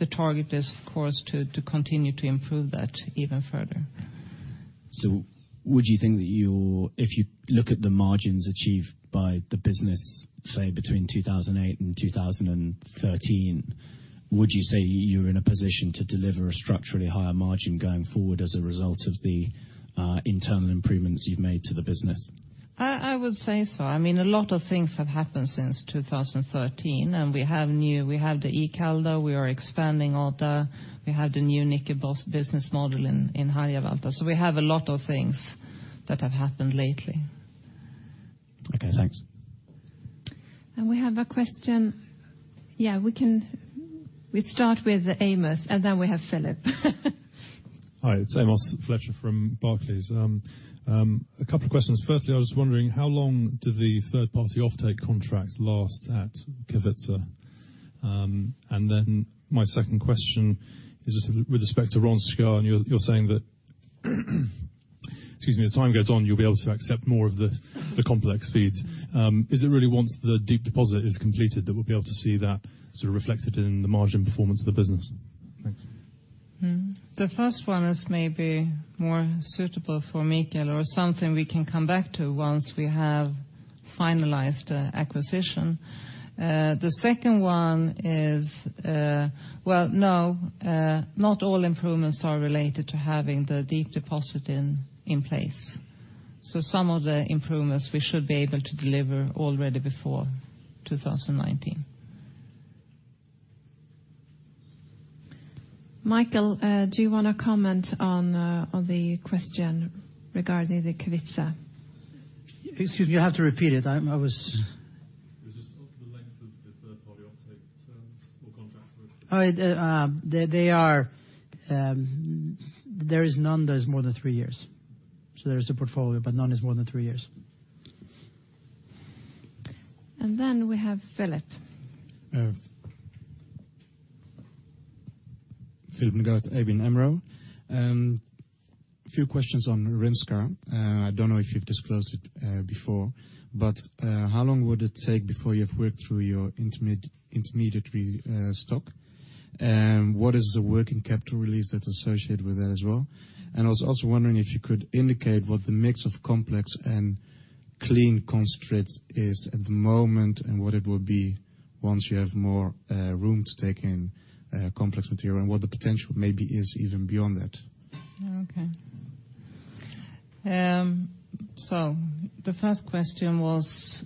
the target is, of course, to continue to improve that even further. Would you think that if you look at the margins achieved by the business, say, between 2008 and 2013, would you say you're in a position to deliver a structurally higher margin going forward as a result of the internal improvements you've made to the business? I would say so. A lot of things have happened since 2013. We have the e-Kaldo. We are expanding order. We have the new nickel business model in Harjavalta. We have a lot of things that have happened lately. Okay, thanks. We have a question. Yeah, we start with Amos, and then we have Philip. Hi, it's Amos Fletcher from Barclays. A couple of questions. Firstly, I was wondering, how long do the third-party offtake contracts last at Kevitsa? My second question is with respect to Rönnskär, and you're saying that, excuse me, as time goes on, you'll be able to accept more of the complex feeds. Is it really once the deep deposit is completed that we'll be able to see that reflected in the margin performance of the business? Thanks. The first one is maybe more suitable for Mikael or something we can come back to once we have finalized the acquisition. The second one, not all improvements are related to having the deep deposit in place. Some of the improvements we should be able to deliver already before 2019. Mikael, do you want to comment on the question regarding the Kevitsa? Excuse me, you have to repeat it. It was just the length of the third-party offtake terms or contracts. There is none that is more than three years. There is a portfolio, but none is more than three years. Then we have Philip. Philip Ngart, ABN Amro. A few questions on Rönnskär. I don't know if you've disclosed it before, but how long would it take before you've worked through your intermediate stock? What is the working capital release that's associated with that as well? I was also wondering if you could indicate what the mix of complex and clean concentrates is at the moment, and what it will be once you have more room to take in complex material, and what the potential maybe is even beyond that. Okay. The first question was?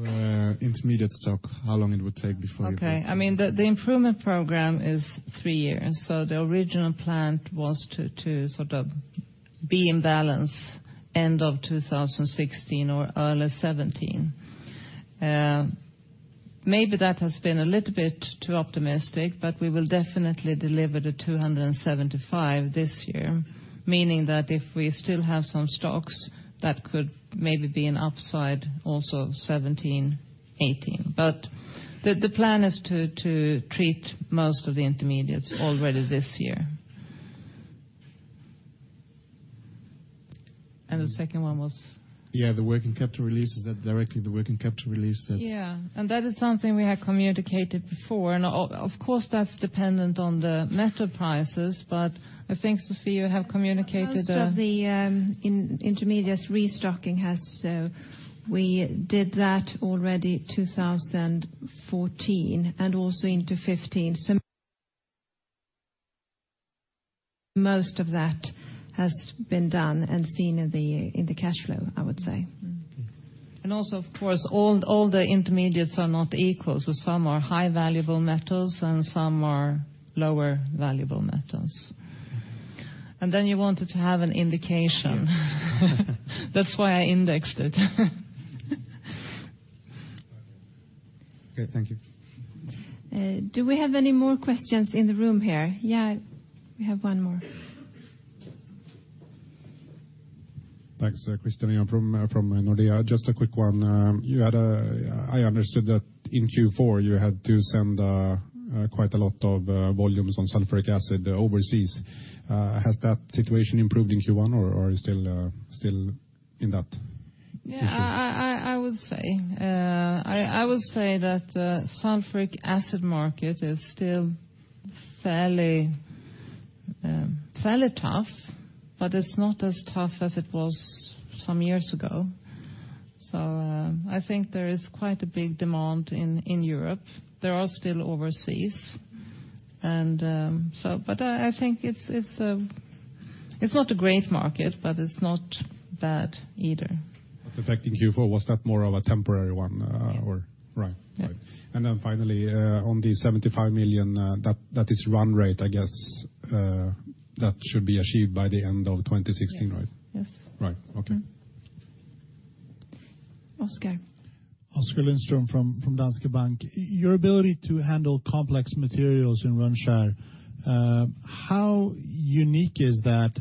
The intermediate stock, how long it would take before you- Okay. The improvement program is three years, the original plan was to be in balance end of 2016 or early 2017. Maybe that has been a little bit too optimistic, we will definitely deliver the 275 this year, meaning that if we still have some stocks, that could maybe be an upside also 2017, 2018. The plan is to treat most of the intermediates already this year. The second one was? Yeah, the working capital release. Is that directly the working capital release that- Yeah. That is something we had communicated before. Of course, that's dependent on the metal prices, I think Sophie you have communicated- Most of the intermediates restocking has. We did that already 2014 and also into 2015. Most of that has been done and seen in the cash flow, I would say. Also, of course, all the intermediates are not equal. Some are high valuable metals and some are lower valuable metals. You wanted to have an indication. That's why I indexed it. Okay, thank you. Do we have any more questions in the room here? Yeah, we have one more. Thanks. Christian from Nordea. Just a quick one. I understood that in Q4, you had to send quite a lot of volumes on sulfuric acid overseas. Has that situation improved in Q1, or are you still in that issue? Yeah. I would say that sulfuric acid market is still fairly tough, but it's not as tough as it was some years ago. I think there is quite a big demand in Europe. There are still overseas. I think it's not a great market, but it's not bad either. The fact in Q4, was that more of a temporary one? Yeah. Right. Yeah. Finally, on the 75 million, that is run rate, I guess, that should be achieved by the end of 2016, right? Yes. Right. Okay. Oskar. Oskar Lindström from Danske Bank. Your ability to handle complex materials in Rönnskär, how unique is that?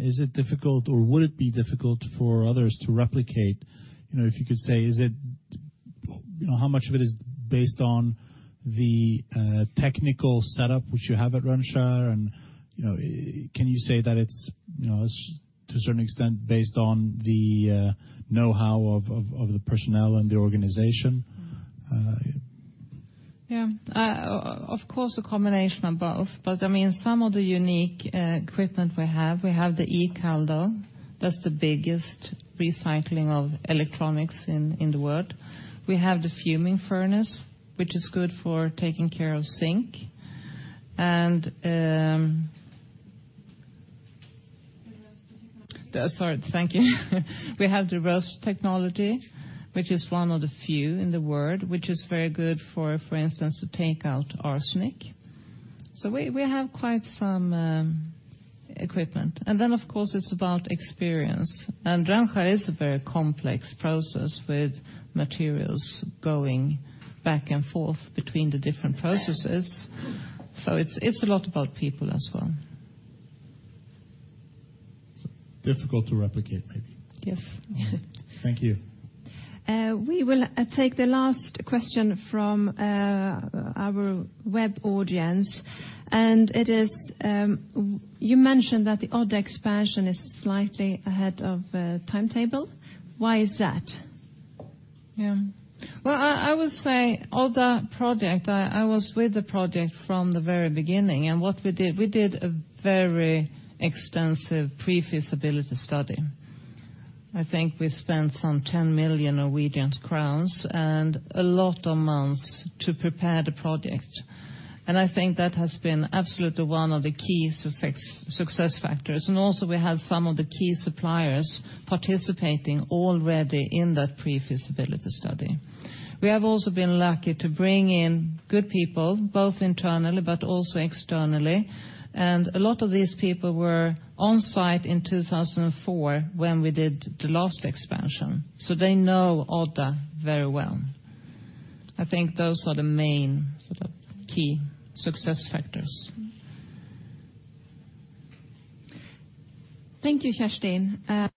Is it difficult, or would it be difficult for others to replicate? If you could say, is it how much of it is based on the technical setup which you have at Rönnskär, and can you say that it's, to a certain extent, based on the know-how of the personnel and the organization? Yeah. Of course, a combination of both. Some of the unique equipment we have, we have the e-Kaldo, that's the biggest recycling of electronics in the world. We have the fuming furnace, which is good for taking care of zinc. The roasting technology. Sorry. Thank you. We have the roasting technology, which is one of the few in the world, which is very good for instance, to take out arsenic. We have quite some equipment. Then, of course, it's about experience. Rönnskär is a very complex process with materials going back and forth between the different processes. It's a lot about people as well. Difficult to replicate, maybe. Yes. Thank you. We will take the last question from our web audience. You mentioned that the Odda expansion is slightly ahead of timetable. Why is that? Yeah. Well, I will say Odda project, I was with the project from the very beginning, and what we did, we did a very extensive pre-feasibility study. I think we spent some 10 million Norwegian crowns and a lot of months to prepare the project. I think that has been absolutely one of the key success factors. Also we had some of the key suppliers participating already in that pre-feasibility study. We have also been lucky to bring in good people, both internally, but also externally. A lot of these people were on-site in 2004 when we did the last expansion, so they know Odda very well. I think those are the main sort of key success factors. Thank you, Kerstin.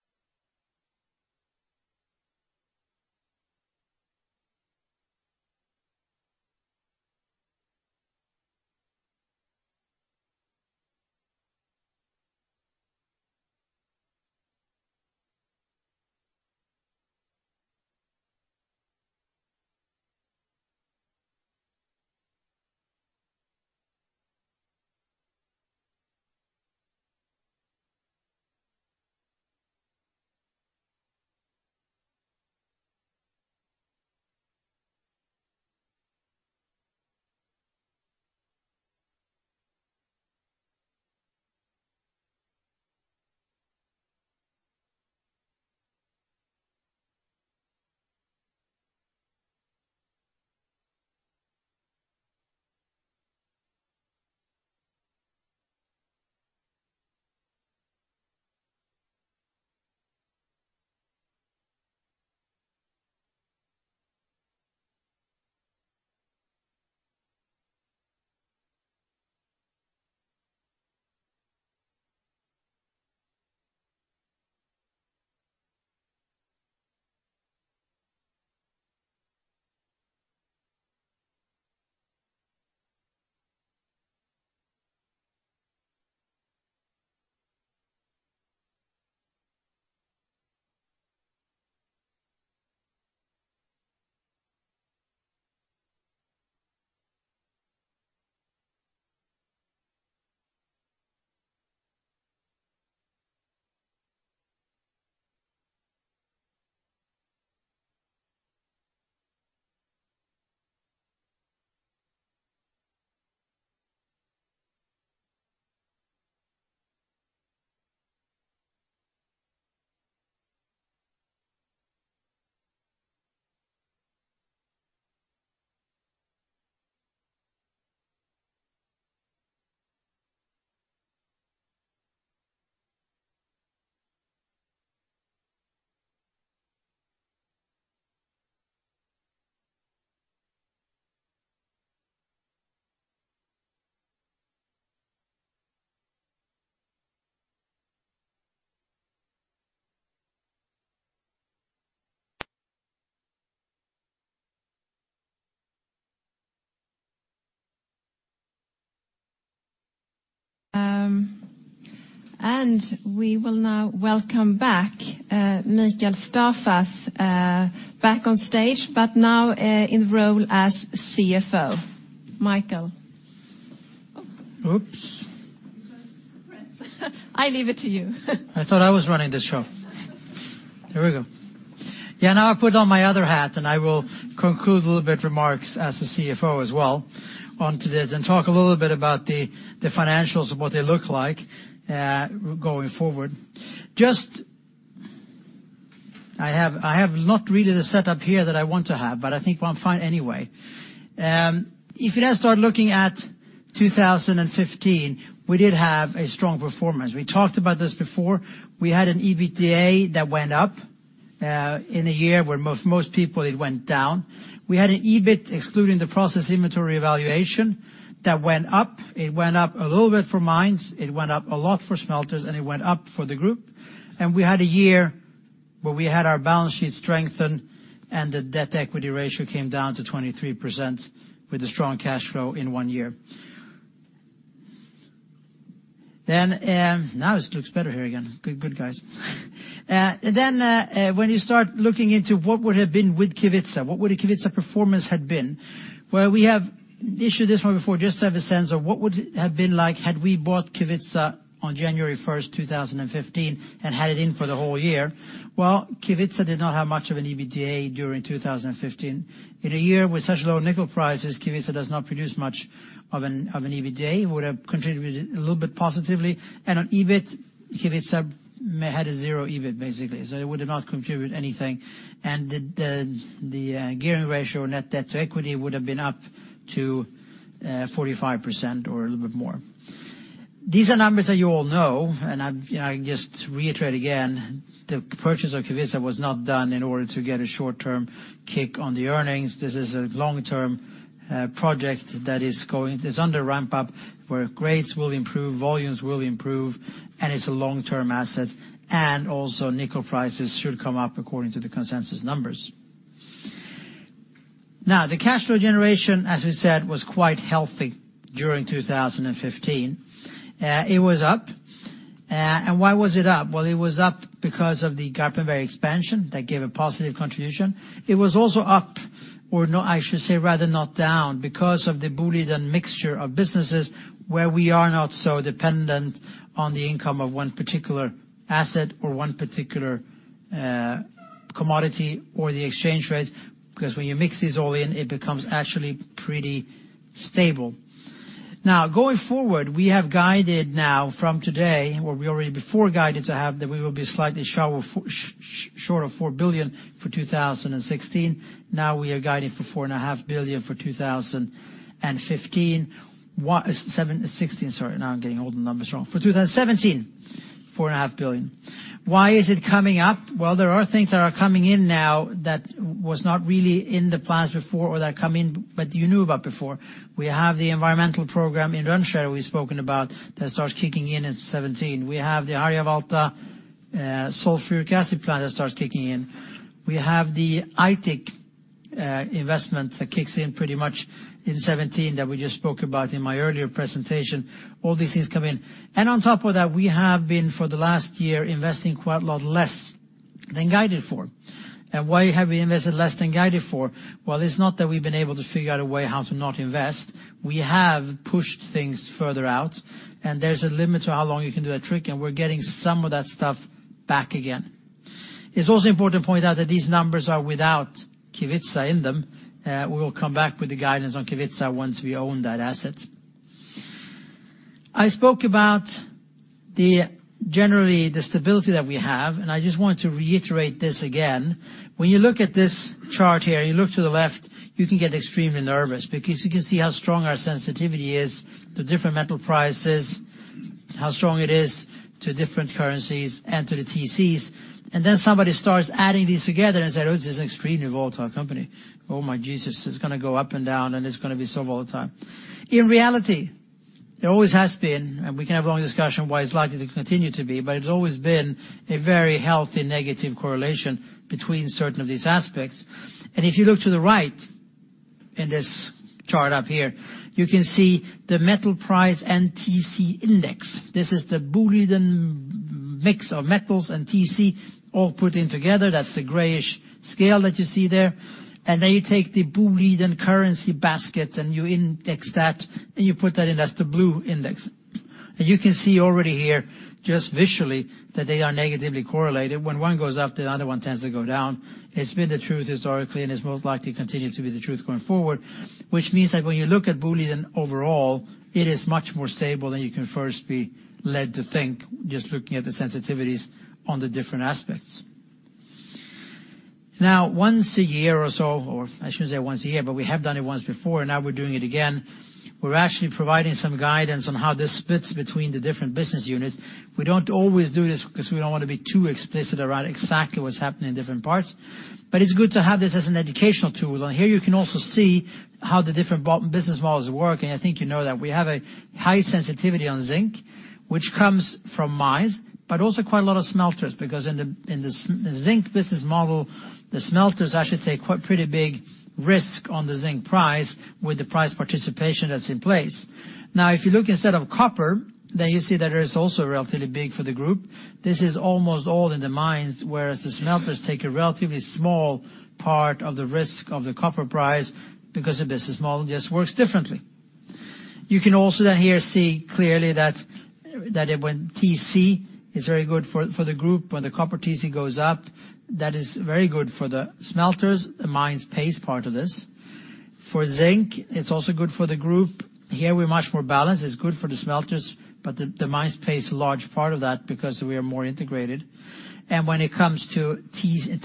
We will now welcome back Mikael Staffas back on stage, but now in role as CFO. Mikael. Oops. I leave it to you. I thought I was running the show. Here we go. Yeah, now I put on my other hat, and I will conclude a little bit remarks as the CFO as well onto this and talk a little bit about the financials of what they look like going forward. I have not really the setup here that I want to have, but I think we're fine anyway. If you now start looking at 2015, we did have a strong performance. We talked about this before. We had an EBITDA that went up in a year where most people, it went down. We had an EBIT, excluding the process inventory evaluation, that went up. It went up a little bit for Mines, it went up a lot for Smelters, and it went up for the group. We had a year where we had our balance sheet strengthened and the debt-equity ratio came down to 23% with the strong cash flow in one year. Now it looks better here again. Good guys. When you start looking into what would have been with Kevitsa, what would a Kevitsa performance had been? We have issued this one before just to have a sense of what would it have been like had we bought Kevitsa on January 1st, 2015, and had it in for the whole year. Kevitsa did not have much of an EBITDA during 2015. In a year with such low nickel prices, Kevitsa does not produce much of an EBITDA, would have contributed a little bit positively, and on EBIT, Kevitsa had a zero EBIT basically. It would have not contributed anything, and the gearing ratio, net debt-to-equity, would have been up to 45% or a little bit more. These are numbers that you all know, and I just reiterate again, the purchase of Kevitsa was not done in order to get a short-term kick on the earnings. This is a long-term project that is under ramp-up, where grades will improve, volumes will improve, and it's a long-term asset. Also nickel prices should come up according to the consensus numbers. The cash flow generation, as we said, was quite healthy during 2015. It was up. Why was it up? It was up because of the Garpenberg expansion that gave a positive contribution. It was also up or I should say rather not down because of the Boliden mixture of businesses where we are not so dependent on the income of 1 particular asset or 1 particular commodity or the exchange rates, because when you mix these all in, it becomes actually pretty stable. Going forward, we have guided now from today, where we already before guided to have that we will be slightly short of 4 billion for 2016. We are guiding for 4.5 billion for 2015. 2016, sorry. I'm getting all the numbers wrong. For 2017, 4.5 billion. Why is it coming up? There are things that are coming in now that was not really in the plans before or that are coming, but you knew about before. We have the environmental program in Rönnskär we've spoken about that starts kicking in in 2017. We have the Harjavalta sulfuric acid plant that starts kicking in. We have the Aitik investment that kicks in pretty much in 2017 that we just spoke about in my earlier presentation. All these things come in. On top of that, we have been for the last year investing quite a lot less than guided for. Why have we invested less than guided for? It's not that we've been able to figure out a way how to not invest. We have pushed things further out, and there's a limit to how long you can do that trick, and we're getting some of that stuff back again. It's also important to point out that these numbers are without Kevitsa in them. We will come back with the guidance on Kevitsa once we own that asset. I spoke about generally the stability that we have. I just want to reiterate this again. When you look at this chart here, you look to the left, you can get extremely nervous because you can see how strong our sensitivity is to different metal prices, how strong it is to different currencies and to the TCs. Somebody starts adding these together and says, "Oh, this is an extremely volatile company. Oh, my Jesus, it's going to go up and down, and it's going to be so volatile." In reality, there always has been, and we can have a long discussion why it's likely to continue to be, but it's always been a very healthy negative correlation between certain of these aspects. If you look to the right in this chart up here, you can see the metal price and TC index. This is the Boliden mix of metals and TC all put in together. That's the grayish scale that you see there. You take the Boliden currency basket and you index that, and you put that in. That's the blue index. You can see already here just visually that they are negatively correlated. When one goes up, the other one tends to go down. It's been the truth historically, and it's most likely continue to be the truth going forward, which means that when you look at Boliden overall, it is much more stable than you can first be led to think just looking at the sensitivities on the different aspects. Once a year or so, or I shouldn't say once a year, but we have done it once before, and now we're doing it again. We're actually providing some guidance on how this splits between the different business units. We don't always do this because we don't want to be too explicit around exactly what's happening in different parts. It's good to have this as an educational tool. Here you can also see how the different business models work. I think you know that we have a high sensitivity on zinc, which comes from mines, but also quite a lot of smelters because in the zinc business model, the smelters actually take pretty big risk on the zinc price with the price participation that's in place. If you look instead of copper, then you see that it is also relatively big for the group. This is almost all in the mines, whereas the smelters take a relatively small part of the risk of the copper price because the business model just works differently. You can also then here see clearly that when TC is very good for the group, when the copper TC goes up, that is very good for the smelters. The mines pays part of this. For zinc, it's also good for the group. Here we're much more balanced. It's good for the smelters, but the mines pays a large part of that because we are more integrated. When it comes to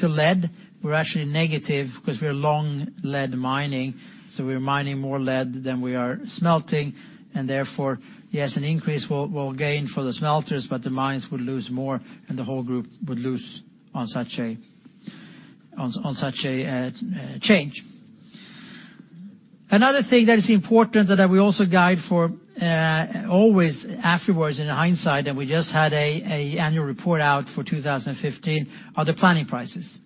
lead, we're actually negative because we're long lead mining, so we're mining more lead than we are smelting, and therefore, yes, an increase will gain for the smelters, but the mines would lose more, and the whole group would lose on such a change. Another thing that is important that we also guide for always afterwards in hindsight, we just had an annual report out for 2015, are the planning prices.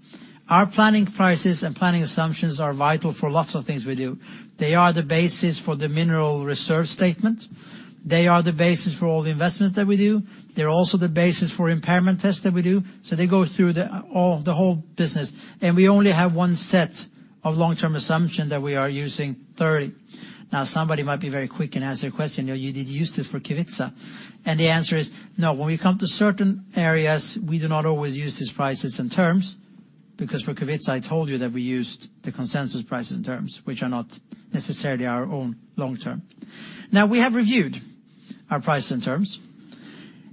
Our planning prices and planning assumptions are vital for lots of things we do. They are the basis for the mineral reserve statement. They are the basis for all the investments that we do. They're also the basis for impairment tests that we do. They go through the whole business, and we only have one set of long-term assumption that we are using, 30. Somebody might be very quick and ask the question, "You did use this for Kevitsa?" The answer is no. When we come to certain areas, we do not always use these prices and terms, because for Kevitsa, I told you that we used the consensus prices and terms, which are not necessarily our own long term. We have reviewed our prices and terms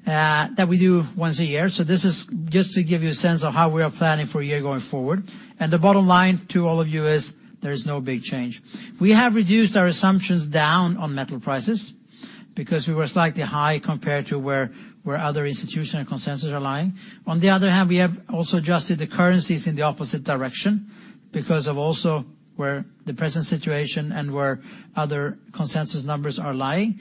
that we do once a year. This is just to give you a sense of how we are planning for a year going forward. The bottom line to all of you is there is no big change. We have reduced our assumptions down on metal prices because we were slightly high compared to where other institutional consensus are lying. On the other hand, we have also adjusted the currencies in the opposite direction because of also where the present situation and where other consensus numbers are lying.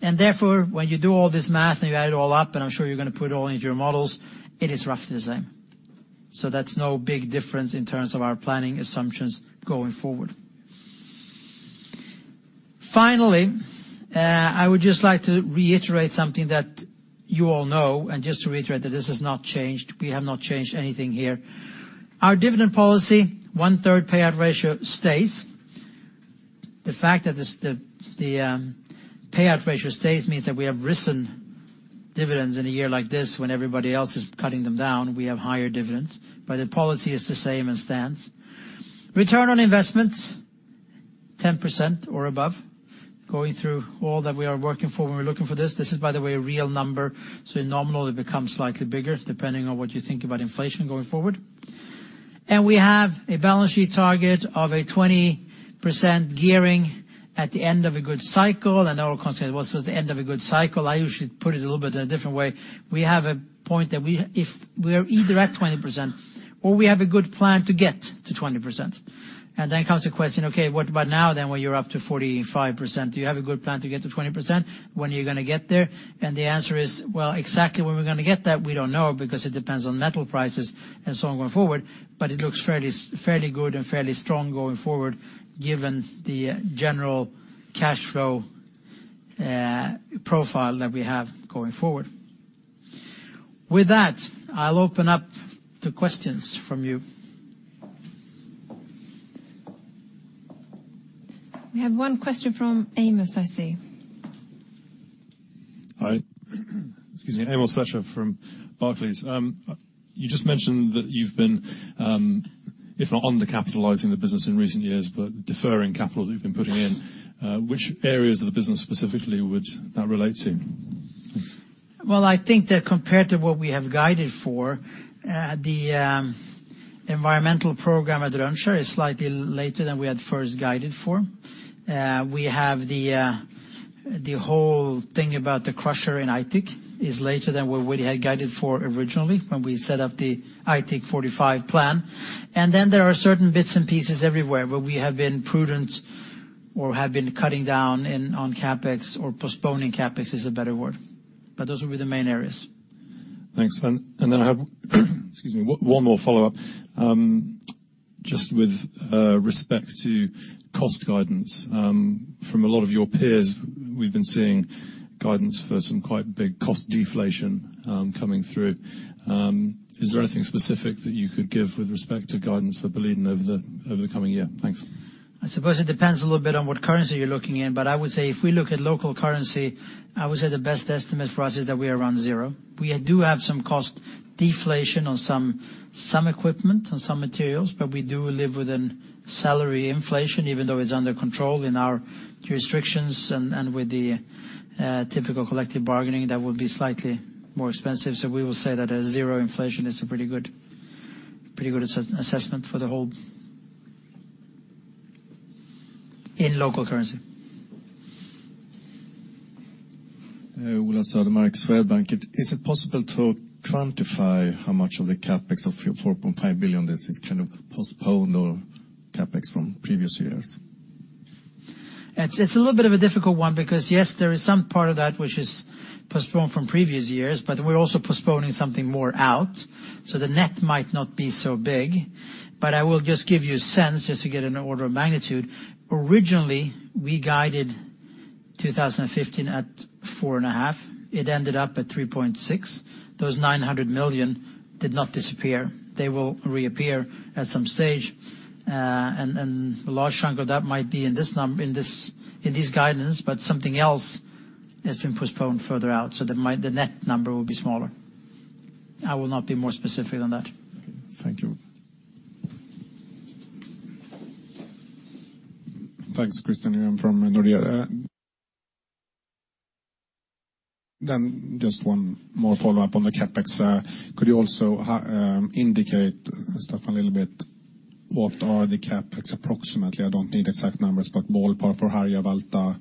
Therefore, when you do all this math and you add it all up, and I'm sure you're going to put it all into your models, it is roughly the same. That's no big difference in terms of our planning assumptions going forward. Finally, I would just like to reiterate something that you all know and just to reiterate that this has not changed. We have not changed anything here. Our dividend policy, one-third payout ratio stays. The fact that the payout ratio stays means that we have risen dividends in a year like this when everybody else is cutting them down, we have higher dividends. The policy is the same and stands. Return on investments, 10% or above, going through all that we are working for when we're looking for this. This is, by the way, a real number, in nominal, it becomes slightly bigger depending on what you think about inflation going forward. We have a balance sheet target of a 20% gearing at the end of a good cycle and our concept was at the end of a good cycle. I usually put it a little bit in a different way. We have a point that if we're either at 20% or we have a good plan to get to 20%. Then comes the question, okay, what about now then when you're up to 45%? Do you have a good plan to get to 20%? When are you going to get there? The answer is, well, exactly when we're going to get that, we don't know because it depends on metal prices and so on going forward, but it looks fairly good and fairly strong going forward given the general cash flow profile that we have going forward. With that, I'll open up to questions from you. We have one question from Amos, I see. Hi. Excuse me. Amos Fletcher from Barclays. You just mentioned that you've been, if not undercapitalizing the business in recent years, but deferring capital you've been putting in. Which areas of the business specifically would that relate to? Well, I think that compared to what we have guided for, the environmental program at Rönnskär is slightly later than we had first guided for. We have the whole thing about the crusher in Aitik is later than what we had guided for originally when we set up the Aitik 45 plan. Then there are certain bits and pieces everywhere where we have been prudent or have been cutting down on CapEx or postponing CapEx is a better word. Those would be the main areas. Thanks. I have, excuse me, one more follow-up. Just with respect to cost guidance. From a lot of your peers, we've been seeing guidance for some quite big cost deflation coming through. Is there anything specific that you could give with respect to guidance for Boliden over the coming year? Thanks. I suppose it depends a little bit on what currency you're looking in. I would say if we look at local currency, I would say the best estimate for us is that we are around zero. We do have some cost deflation on some equipment and some materials, we do live within salary inflation, even though it's under control in our jurisdictions and with the typical collective bargaining, that would be slightly more expensive. We will say that zero inflation is a pretty good assessment for the whole in local currency. Ola Södermark, Swedbank. Is it possible to quantify how much of the CapEx of 4.5 billion this is kind of postponed or CapEx from previous years? It's a little bit of a difficult one because, yes, there is some part of that which is postponed from previous years, we're also postponing something more out. The net might not be so big. I will just give you a sense just to get an order of magnitude. Originally, we guided 2015 at four and a half. It ended up at 3.6. Those 900 million did not disappear. They will reappear at some stage. A large chunk of that might be in this guidance, something else has been postponed further out so that the net number will be smaller. I will not be more specific than that. Okay. Thank you. Thanks. Christian Kopfer from Nordea. Just one more follow-up on the CapEx. Could you also indicate, Staffas, a little bit, what are the CapEx approximately? I don't need exact numbers, but ballpark for Harjavalta,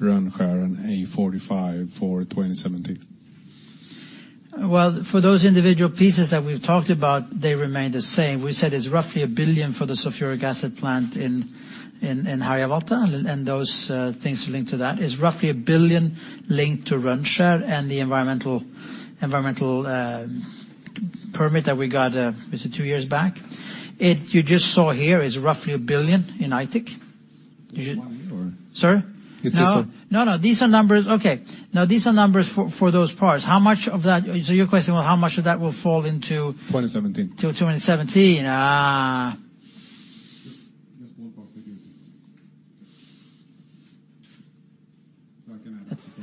Rönnskär, and A45 for 2017. Well, for those individual pieces that we've talked about, they remain the same. We said it's roughly 1 billion for the sulfuric acid plant in Harjavalta, and those things linked to that. It's roughly 1 billion linked to Rönnskär and the environmental permit that we got, was it two years back? You just saw here is roughly 1 billion in Aitik. Sir? No, these are numbers for those parts. Your question was how much of that will fall into- 2017. 2017. Just ballpark figures.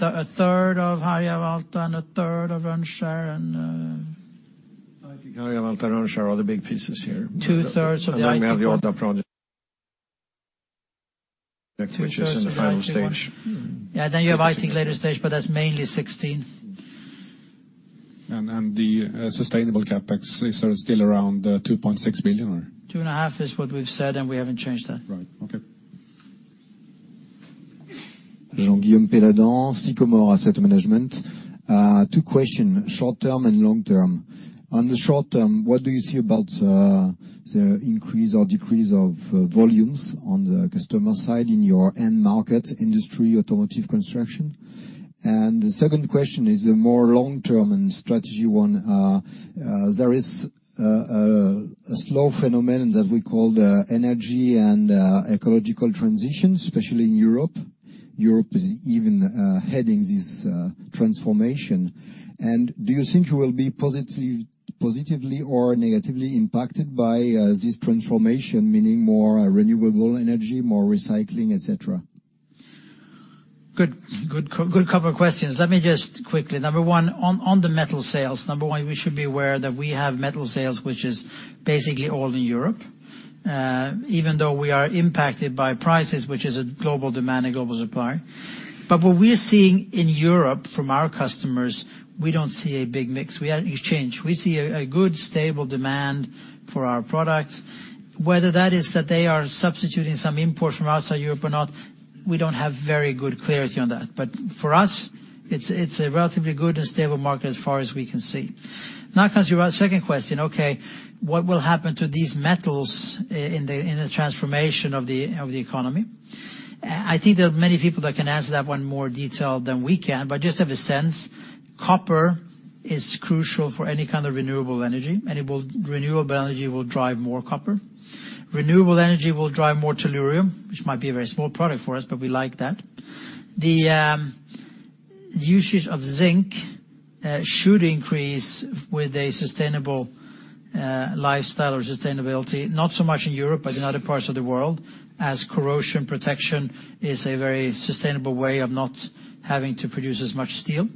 A third of Harjavalta and a third of Rönnskär and. I think Harjavalta and Rönnskär are the big pieces here. Two thirds of the Aitik one. We have the Odda project, which is in the final stage. You have Aitik later stage. That's mainly 2016. The sustainable CapEx is still around 2.6 billion or? two and a half is what we've said, and we haven't changed that. Right. Okay. Jean-Guillaume Peladan, Sycomore Asset Management. Two question, short-term and long-term. On the short-term, what do you see about the increase or decrease of volumes on the customer side in your end market industry, automotive construction? The second question is a more long-term and strategy one. There is a slow phenomenon that we call the energy and ecological transition, especially in Europe. Europe is even heading this transformation. Do you think you will be positively or negatively impacted by this transformation, meaning more renewable energy, more recycling, et cetera? Good couple of questions. Let me just quickly. Number one, on the metal sales. Number one, we should be aware that we have metal sales, which is basically all in Europe. Even though we are impacted by prices, which is a global demand and global supply. What we're seeing in Europe from our customers, we don't see a big mix. We have change. We see a good, stable demand for our products. Whether that is that they are substituting some imports from outside Europe or not, we don't have very good clarity on that. For us, it's a relatively good and stable market as far as we can see. Now it comes to your second question, okay, what will happen to these metals in the transformation of the economy? I think there are many people that can answer that one in more detail than we can. Just have a sense, copper is crucial for any kind of renewable energy, and renewable energy will drive more copper. Renewable energy will drive more tellurium, which might be a very small product for us, but we like that. The usage of zinc should increase with a sustainable lifestyle or sustainability, not so much in Europe, but in other parts of the world, as corrosion protection is a very sustainable way of not having to produce as much steel.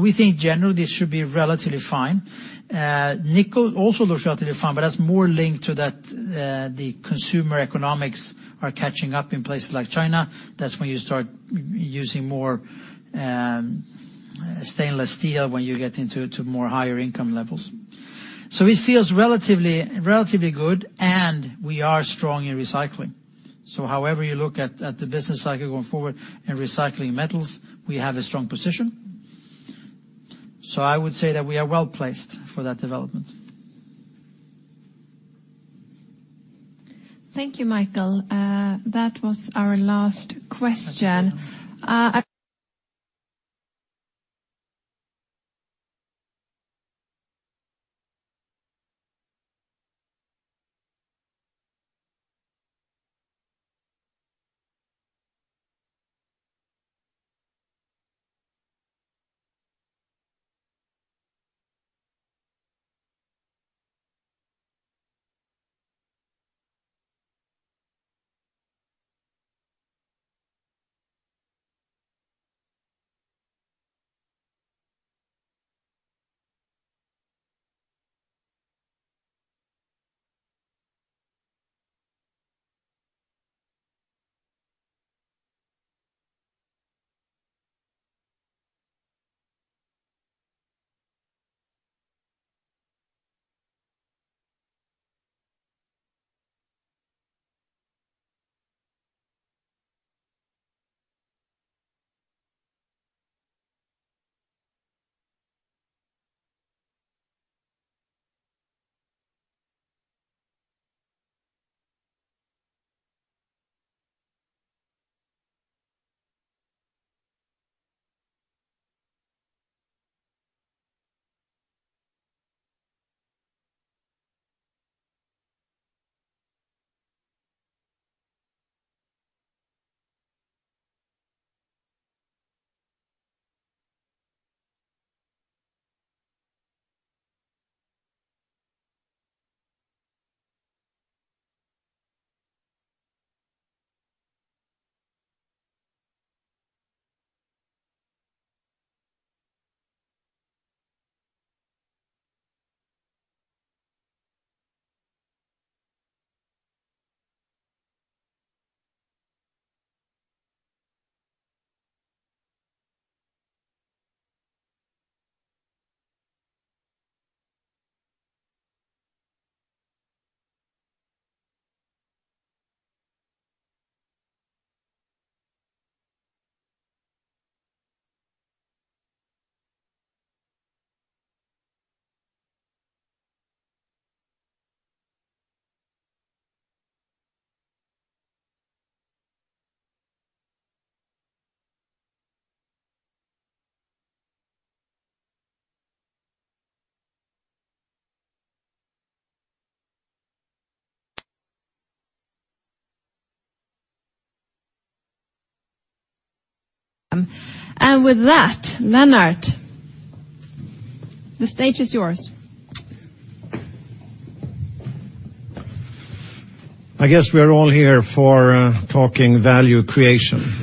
We think generally this should be relatively fine. nickel also looks relatively fine, but that's more linked to the consumer economics are catching up in places like China. That's when you start using more stainless steel, when you get into more higher income levels. It feels relatively good, and we are strong in recycling. However you look at the business cycle going forward in recycling metals, we have a strong position. I would say that we are well-placed for that development. Thank you, Mikael. That was our last question. That's it. With that, Lennart, the stage is yours. I guess we are all here for talking value creation.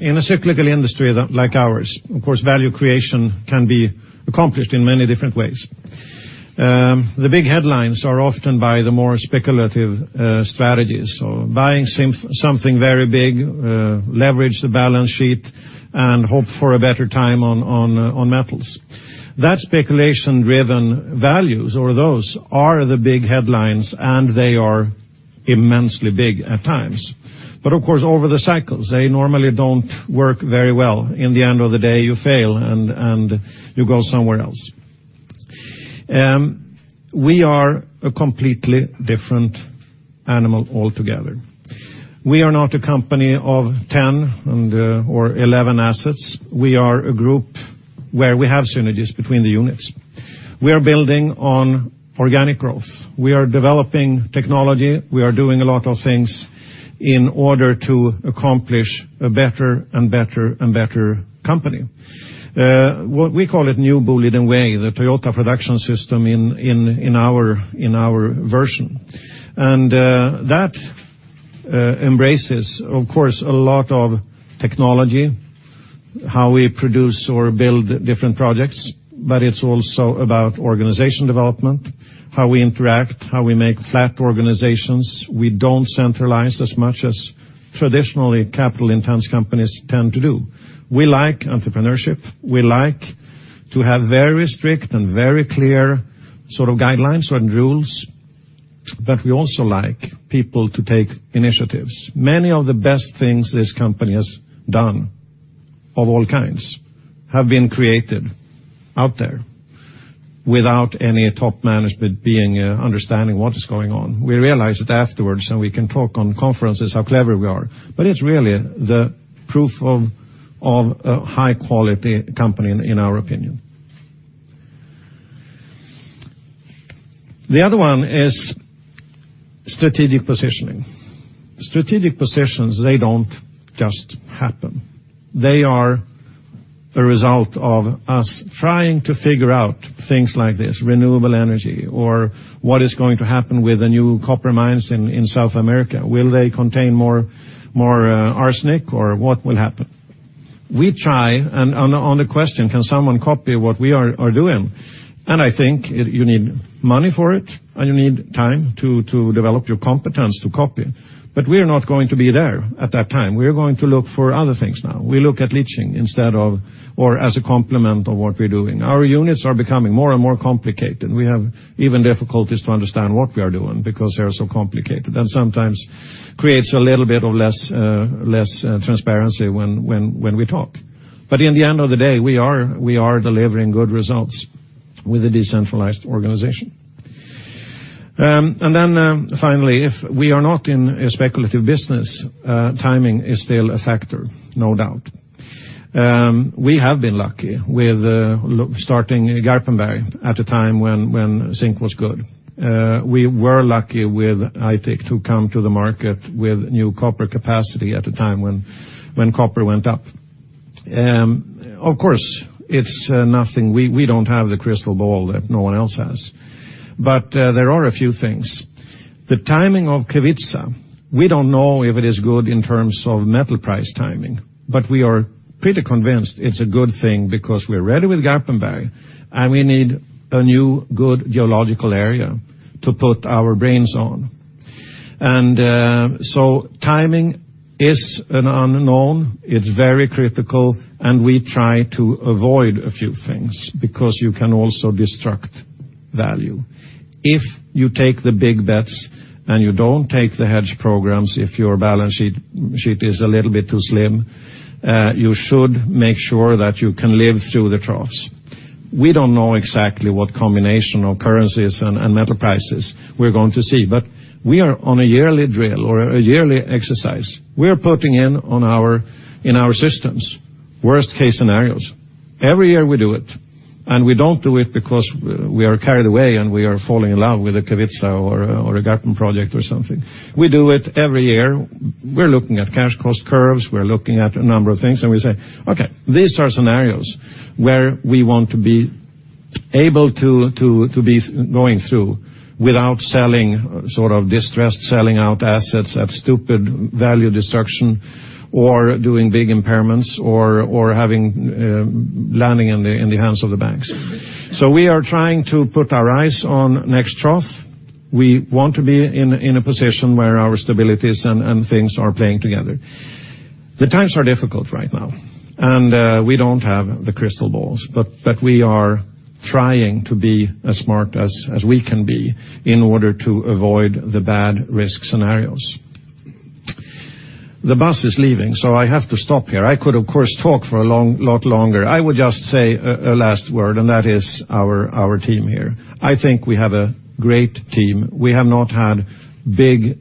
In a cyclical industry like ours, of course, value creation can be accomplished in many different ways. The big headlines are often by the more speculative strategies. Buying something very big, leverage the balance sheet, and hope for a better time on metals. That speculation-driven values or those are the big headlines, and they are immensely big at times. Of course, over the cycles, they normally don't work very well. In the end of the day, you fail and you go somewhere else. We are a completely different animal altogether. We are not a company of 10 or 11 assets. We are a group where we have synergies between the units. We are building on organic growth. We are developing technology. We are doing a lot of things in order to accomplish a better and better and better company. We call it New Boliden Way, the Toyota Production System in our version. That embraces, of course, a lot of technology, how we produce or build different projects, but it's also about organization development, how we interact, how we make flat organizations. We don't centralize as much as traditionally capital-intensive companies tend to do. We like entrepreneurship. We like to have very strict and very clear sort of guidelines and rules, but we also like people to take initiatives. Many of the best things this company has done of all kinds have been created out there without any top management understanding what is going on. We realize it afterwards, and we can talk on conferences how clever we are. It's really the proof of a high-quality company in our opinion. The other one is strategic positioning. Strategic positions, they don't just happen. They are a result of us trying to figure out things like this, renewable energy, or what is going to happen with the new copper mines in South America. Will they contain more arsenic, or what will happen? We try on the question, can someone copy what we are doing? I think you need money for it, and you need time to develop your competence to copy. We are not going to be there at that time. We are going to look for other things now. We look at leaching instead of or as a complement of what we're doing. Our units are becoming more and more complicated, and we have even difficulties to understand what we are doing because they are so complicated. That sometimes creates a little bit of less transparency when we talk. In the end of the day, we are delivering good results with a decentralized organization. Finally, if we are not in a speculative business, timing is still a factor, no doubt. We have been lucky with starting Garpenberg at a time when zinc was good. We were lucky with Aitik to come to the market with new copper capacity at a time when copper went up. Of course, it's nothing. We don't have the crystal ball that no one else has. There are a few things. The timing of Kevitsa, we don't know if it is good in terms of metal price timing, we are pretty convinced it's a good thing because we're ready with Garpenberg, and we need a new, good geological area to put our brains on. Timing is an unknown. It's very critical. We try to avoid a few things because you can also destruct value. If you take the big bets and you don't take the hedge programs, if your balance sheet is a little bit too slim, you should make sure that you can live through the troughs. We don't know exactly what combination of currencies and metal prices we're going to see, but we are on a yearly drill or a yearly exercise. We're putting in on our systems worst-case scenarios. Every year we do it. We don't do it because we are carried away and we are falling in love with a Kevitsa or a Garpen project or something. We do it every year. We're looking at cash cost curves. We're looking at a number of things. We say, "Okay, these are scenarios where we want to be able to be going through without selling, sort of distressed selling out assets at stupid value destruction or doing big impairments or having landing in the hands of the banks." We are trying to put our eyes on next trough. We want to be in a position where our stabilities and things are playing together. The times are difficult right now. We don't have the crystal balls, but we are trying to be as smart as we can be in order to avoid the bad risk scenarios. The bus is leaving. I have to stop here. I could, of course, talk for a lot longer. I would just say a last word. That is our team here. I think we have a great team. We have not had big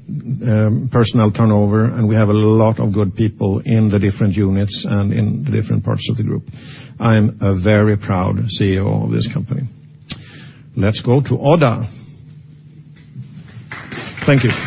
personnel turnover. We have a lot of good people in the different units and in the different parts of the group. I am a very proud CEO of this company. Let's go to Odda. Thank you